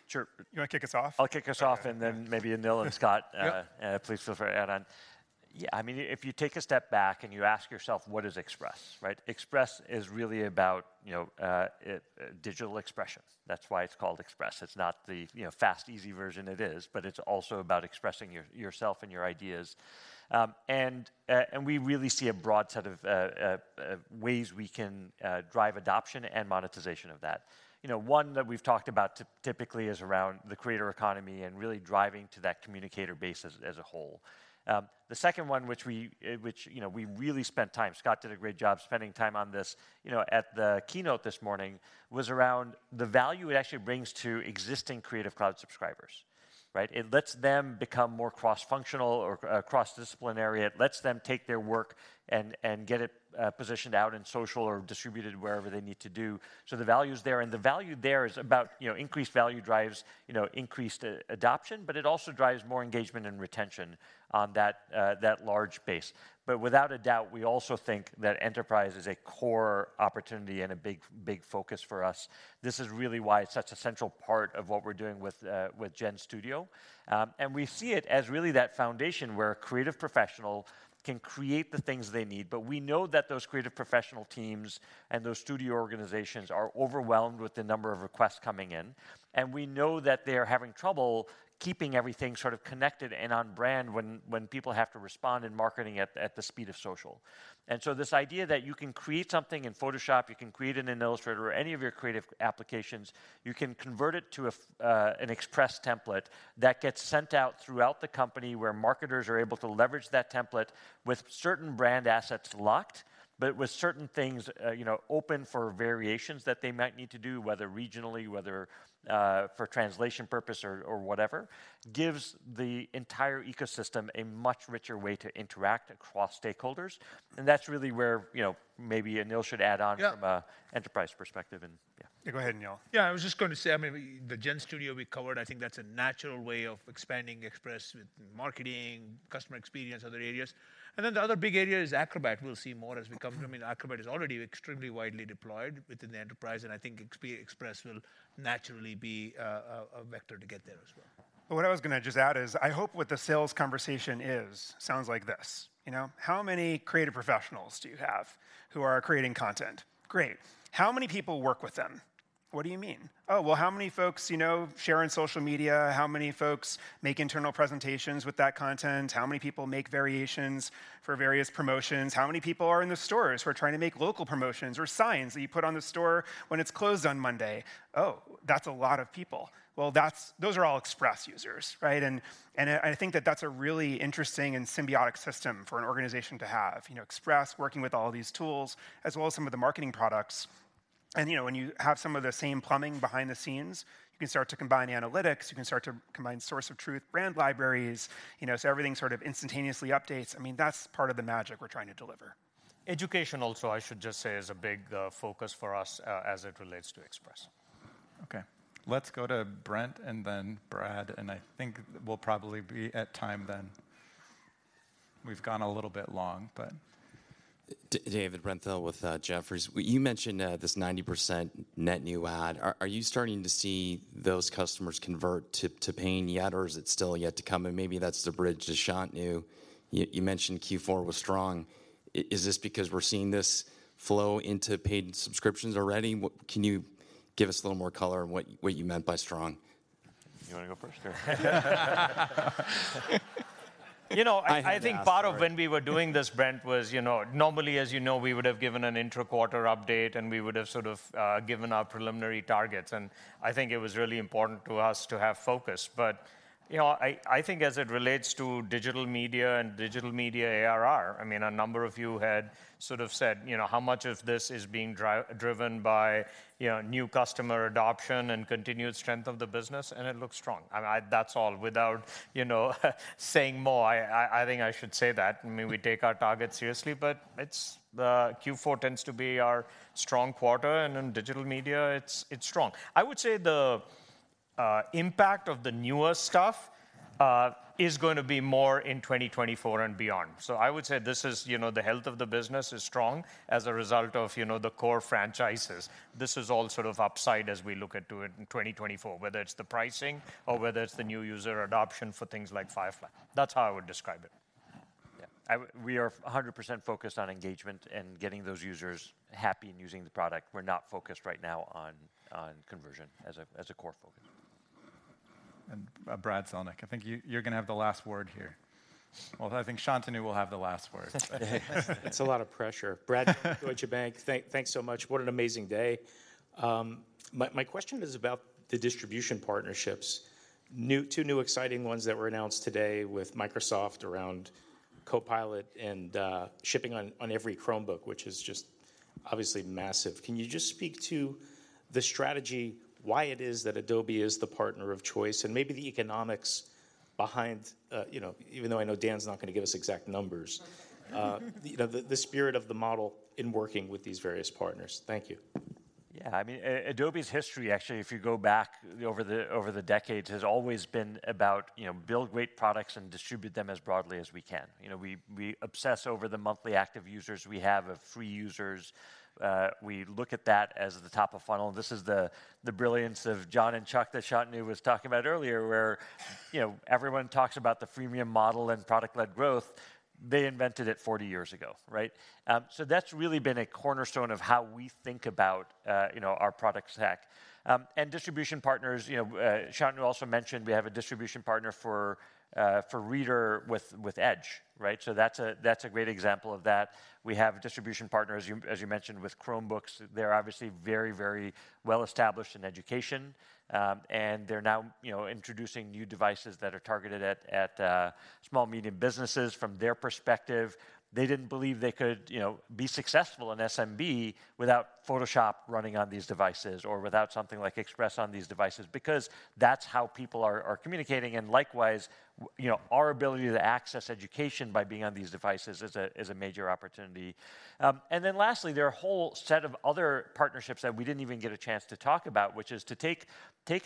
Sure. You wanna kick us off? I'll kick us off, and then maybe Anil and Scott- Yep please feel free to add on. Yeah, I mean, if you take a step back and you ask yourself, what is Express, right? Express is really about, you know, digital expressions. That's why it's called Express. It's not the, you know, fast, easy version. It is, but it's also about expressing yourself and your ideas. And we really see a broad set of ways we can drive adoption and monetization of that. You know, one that we've talked about typically is around the creator economy and really driving to that communicator base as a whole. The second one, which we, which, you know, we really spent time, Scott did a great job spending time on this, you know, at the keynote this morning, was around the value it actually brings to existing Creative Cloud subscribers, right? It lets them become more cross-functional or, cross-disciplinary. It lets them take their work and, and get it, positioned out in social or distributed wherever they need to do. So the value is there, and the value there is about, you know, increased value drives, you know, increased, adoption, but it also drives more engagement and retention on that, that large base. But without a doubt, we also think that enterprise is a core opportunity and a big, big focus for us. This is really why it's such a central part of what we're doing with, with GenStudio. We see it as really that foundation where a creative professional can create the things they need. But we know that those creative professional teams and those studio organizations are overwhelmed with the number of requests coming in, and we know that they are having trouble keeping everything sort of connected and on brand when people have to respond in marketing at the speed of social. And so this idea that you can create something in Photoshop, you can create it in Illustrator or any of your creative applications, you can convert it to an Express template that gets sent out throughout the company, where marketers are able to leverage that template with certain brand assets locked, but with certain things, you know, open for variations that they might need to do, whether regionally, whether for translation purpose or whatever, gives the entire ecosystem a much richer way to interact across stakeholders. And that's really where, you know, maybe Anil should add on- Yeah... from a enterprise perspective, and yeah. Go ahead, Anil. Yeah, I was just going to say, I mean, the GenStudio we covered, I think that's a natural way of expanding Express with marketing, customer experience, other areas. And then the other big area is Acrobat. We'll see more as we come to them. I mean, Acrobat is already extremely widely deployed within the enterprise, and I think Express will naturally be a vector to get there as well. What I was gonna just add is, I hope what the sales conversation is sounds like this, you know? "How many creative professionals do you have who are creating content? Great. How many people work with them?" "What do you mean?" "Oh, well, how many folks you know share on social media? How many folks make internal presentations with that content? How many people make variations for various promotions? How many people are in the stores who are trying to make local promotions or signs that you put on the store when it's closed on Monday?" "Oh, that's a lot of people." Well, those are all Express users, right? And, and I, I think that that's a really interesting and symbiotic system for an organization to have. You know, Express working with all these tools, as well as some of the marketing products. You know, when you have some of the same plumbing behind the scenes, you can start to combine analytics, you can start to combine source of truth, brand libraries, you know, so everything sort of instantaneously updates. I mean, that's part of the magic we're trying to deliver. Education also, I should just say, is a big focus for us, as it relates to Express. Okay. Let's go to Brent and then Brad, and I think we'll probably be at time then. We've gone a little bit long, but. Brent Thill with Jefferies. You mentioned this 90% net new ad. Are you starting to see those customers convert to paying yet, or is it still yet to come? And maybe that's the bridge to Shantanu. You mentioned Q4 was strong. Is this because we're seeing this flow into paid subscriptions already? Can you give us a little more color on what you meant by strong? You wanna go first or? You know- I think he asked first.... I, I think part of when we were doing this, Brent, was, you know, normally, as you know, we would have given an intra-quarter update, and we would have sort of, given our preliminary targets. And I think it was really important to us to have focus. But, you know, I, I think as it relates to Digital Media and Digital Media ARR, I mean, a number of you had sort of said, you know, "How much of this is being driven by, you know, new customer adoption and continued strength of the business?" And it looks strong. I mean, I-- that's all. Without, you know, saying more, I, I, I think I should say that. I mean, we take our targets seriously, but it's... The Q4 tends to be our strong quarter, and in Digital Media, it's, it's strong. I would say the impact of the newer stuff is going to be more in 2024 and beyond. So I would say this is, you know, the health of the business is strong as a result of, you know, the core franchises. This is all sort of upside as we look at to it in 2024, whether it's the pricing or whether it's the new user adoption for things like Firefly. That's how I would describe it. Yeah. We are 100% focused on engagement and getting those users happy and using the product. We're not focused right now on conversion as a core focus. Brad Zelnick, I think you, you're gonna have the last word here. Well, I think Shantanu will have the last word. That's a lot of pressure. Brad from Deutsche Bank. Thanks so much. What an amazing day! My question is about the distribution partnerships. Two new exciting ones that were announced today with Microsoft around Copilot and shipping on every Chromebook, which is just obviously massive. Can you just speak to the strategy, why it is that Adobe is the partner of choice, and maybe the economics behind you know... Even though I know Dan's not going to give us exact numbers... you know, the spirit of the model in working with these various partners. Thank you. Yeah, I mean, Adobe's history, actually, if you go back over the decades, has always been about, you know, build great products and distribute them as broadly as we can. You know, we obsess over the monthly active users we have of free users. We look at that as the top of funnel. This is the brilliance of John and Chuck that Shantanu was talking about earlier, where, you know, everyone talks about the freemium model and product-led growth. They invented it 40 years ago, right? So that's really been a cornerstone of how we think about, you know, our product stack. And distribution partners, you know, Shantanu also mentioned we have a distribution partner for Reader with Edge, right? So that's a great example of that. We have distribution partners, as you, as you mentioned, with Chromebooks. They're obviously very, very well-established in education, and they're now, you know, introducing new devices that are targeted at, at small, medium businesses. From their perspective, they didn't believe they could, you know, be successful in SMB without Photoshop running on these devices or without something like Express on these devices, because that's how people are, are communicating. And likewise, you know, our ability to access education by being on these devices is a major opportunity. And then lastly, there are a whole set of other partnerships that we didn't even get a chance to talk about, which is to take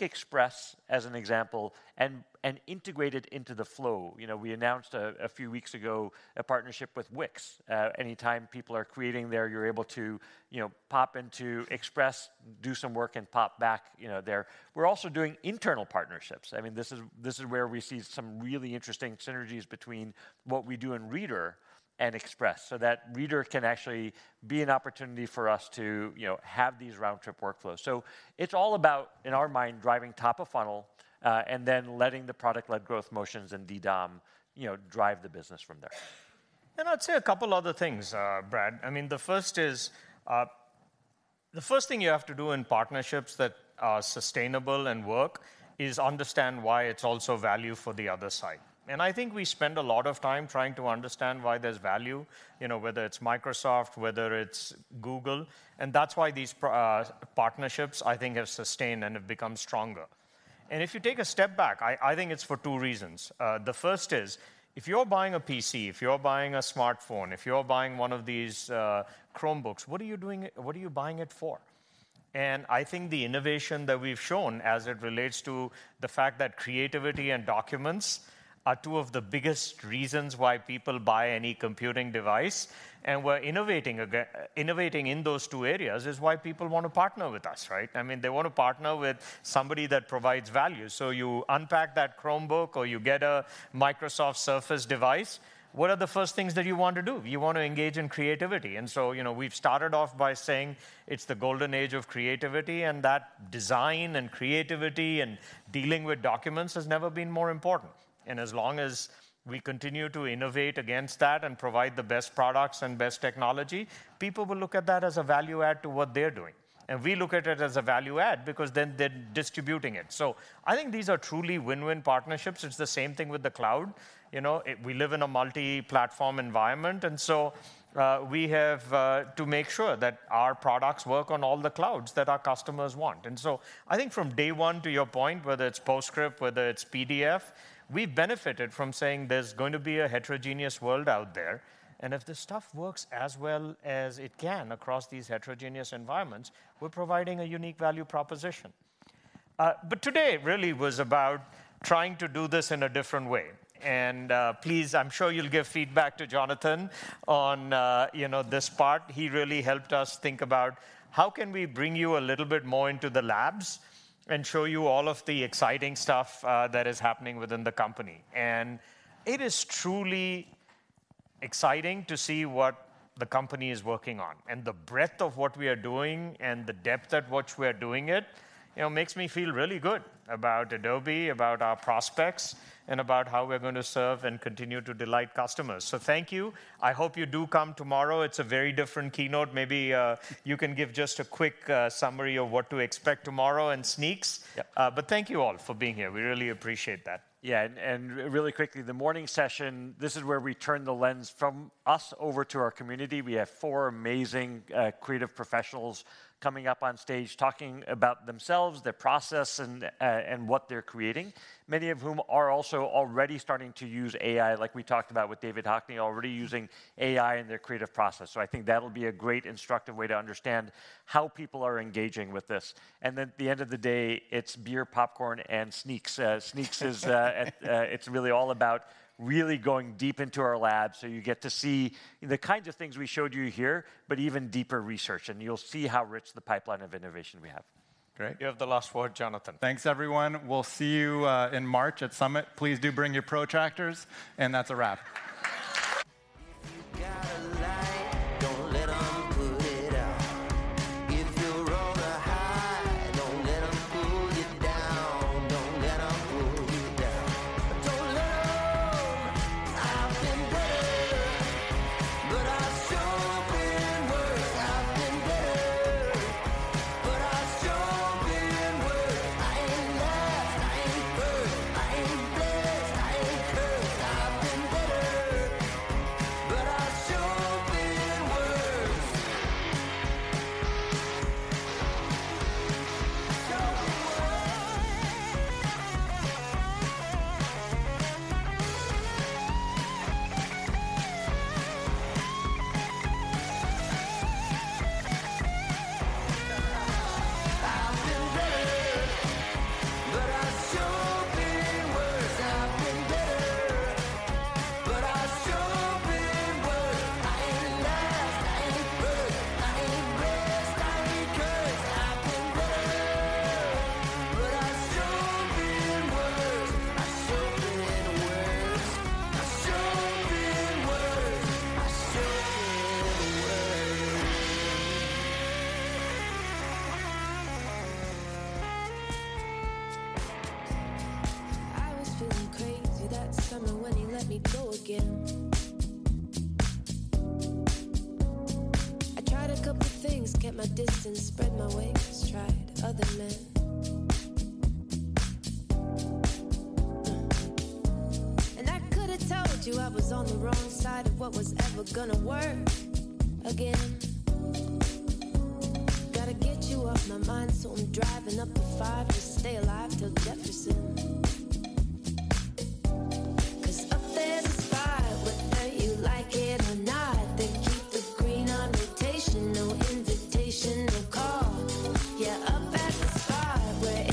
Express as an example and integrate it into the flow. You know, we announced a few weeks ago a partnership with Wix. Anytime people are creating there, you're able to, you know, pop into Express, do some work, and pop back, you know, there. We're also doing internal partnerships. I mean, this is, this is where we see some really interesting synergies between what we do in Reader and Express, so that Reader can actually be an opportunity for us to, you know, have these round-trip workflows. So it's all about, in our mind, driving top of funnel, and then letting the product-led growth motions and DDOM, you know, drive the business from there. And I'd say a couple other things, Brad. I mean, the first is, the first thing you have to do in partnerships that are sustainable and work is understand why it's also value for the other side. And I think we spend a lot of time trying to understand why there's value, you know, whether it's Microsoft, whether it's Google, and that's why these partnerships, I think, have sustained and have become stronger. And if you take a step back, I think it's for two reasons. The first is, if you're buying a PC, if you're buying a smartphone, if you're buying one of these, Chromebooks, what are you doing it—what are you buying it for? And I think the innovation that we've shown as it relates to the fact that creativity and documents are two of the biggest reasons why people buy any computing device, and we're innovating in those two areas, is why people want to partner with us, right? I mean, they want to partner with somebody that provides value. So you unpack that Chromebook or you get a Microsoft Surface device, what are the first things that you want to do? You want to engage in creativity. And so, you know, we've started off by saying it's the golden age of creativity, and that design and creativity and dealing with documents has never been more important. And as long as we continue to innovate against that and provide the best products and best technology, people will look at that as a value add to what they're doing. And we look at it as a value add because then they're distributing it. So I think these are truly win-win partnerships. It's the same thing with the cloud. You know, we live in a multi-platform environment, and so, we have, to make sure that our products work on all the clouds that our customers want. And so I think from day one, to your point, whether it's PostScript, whether it's PDF, we've benefited from saying there's going to be a heterogeneous world out there, and if this stuff works as well as it can across these heterogeneous environments, we're providing a unique value proposition. But today really was about trying to do this in a different way. And, please, I'm sure you'll give feedback to Jonathan on, you know, this part. He really helped us think about how can we bring you a little bit more into the labs and show you all of the exciting stuff that is happening within the company. It is truly exciting to see what the company is working on, and the breadth of what we are doing and the depth at which we are doing it, you know, makes me feel really good about Adobe, about our prospects, and about how we're going to serve and continue to delight customers. Thank you. I hope you do come tomorrow; it's a very different keynote. Maybe you can give just a quick summary of what to expect tomorrow in Sneaks. Yeah. Thank you all for being here. We really appreciate that. Yeah, really quickly, the morning session, this is where we turn the lens from us over to our community. We have four amazing creative professionals coming up on stage, talking about themselves, their process, and what they're creating. Many of whom are also already starting to use AI, like we talked about with David Hockney, already using AI in their creative process. So I think that'll be a great instructive way to understand how people are engaging with this. And then at the end of the day, it's beer, popcorn, and Sneaks. Sneaks is really all about going deep into our labs, so you get to see the kinds of things we showed you here, but even deeper research, and you'll see how rich the pipeline of innovation we have. Great. You have the last word, Jonathan. Thanks, everyone. We'll see you in March at Summit. Please do bring your protractors, and that's a wrap.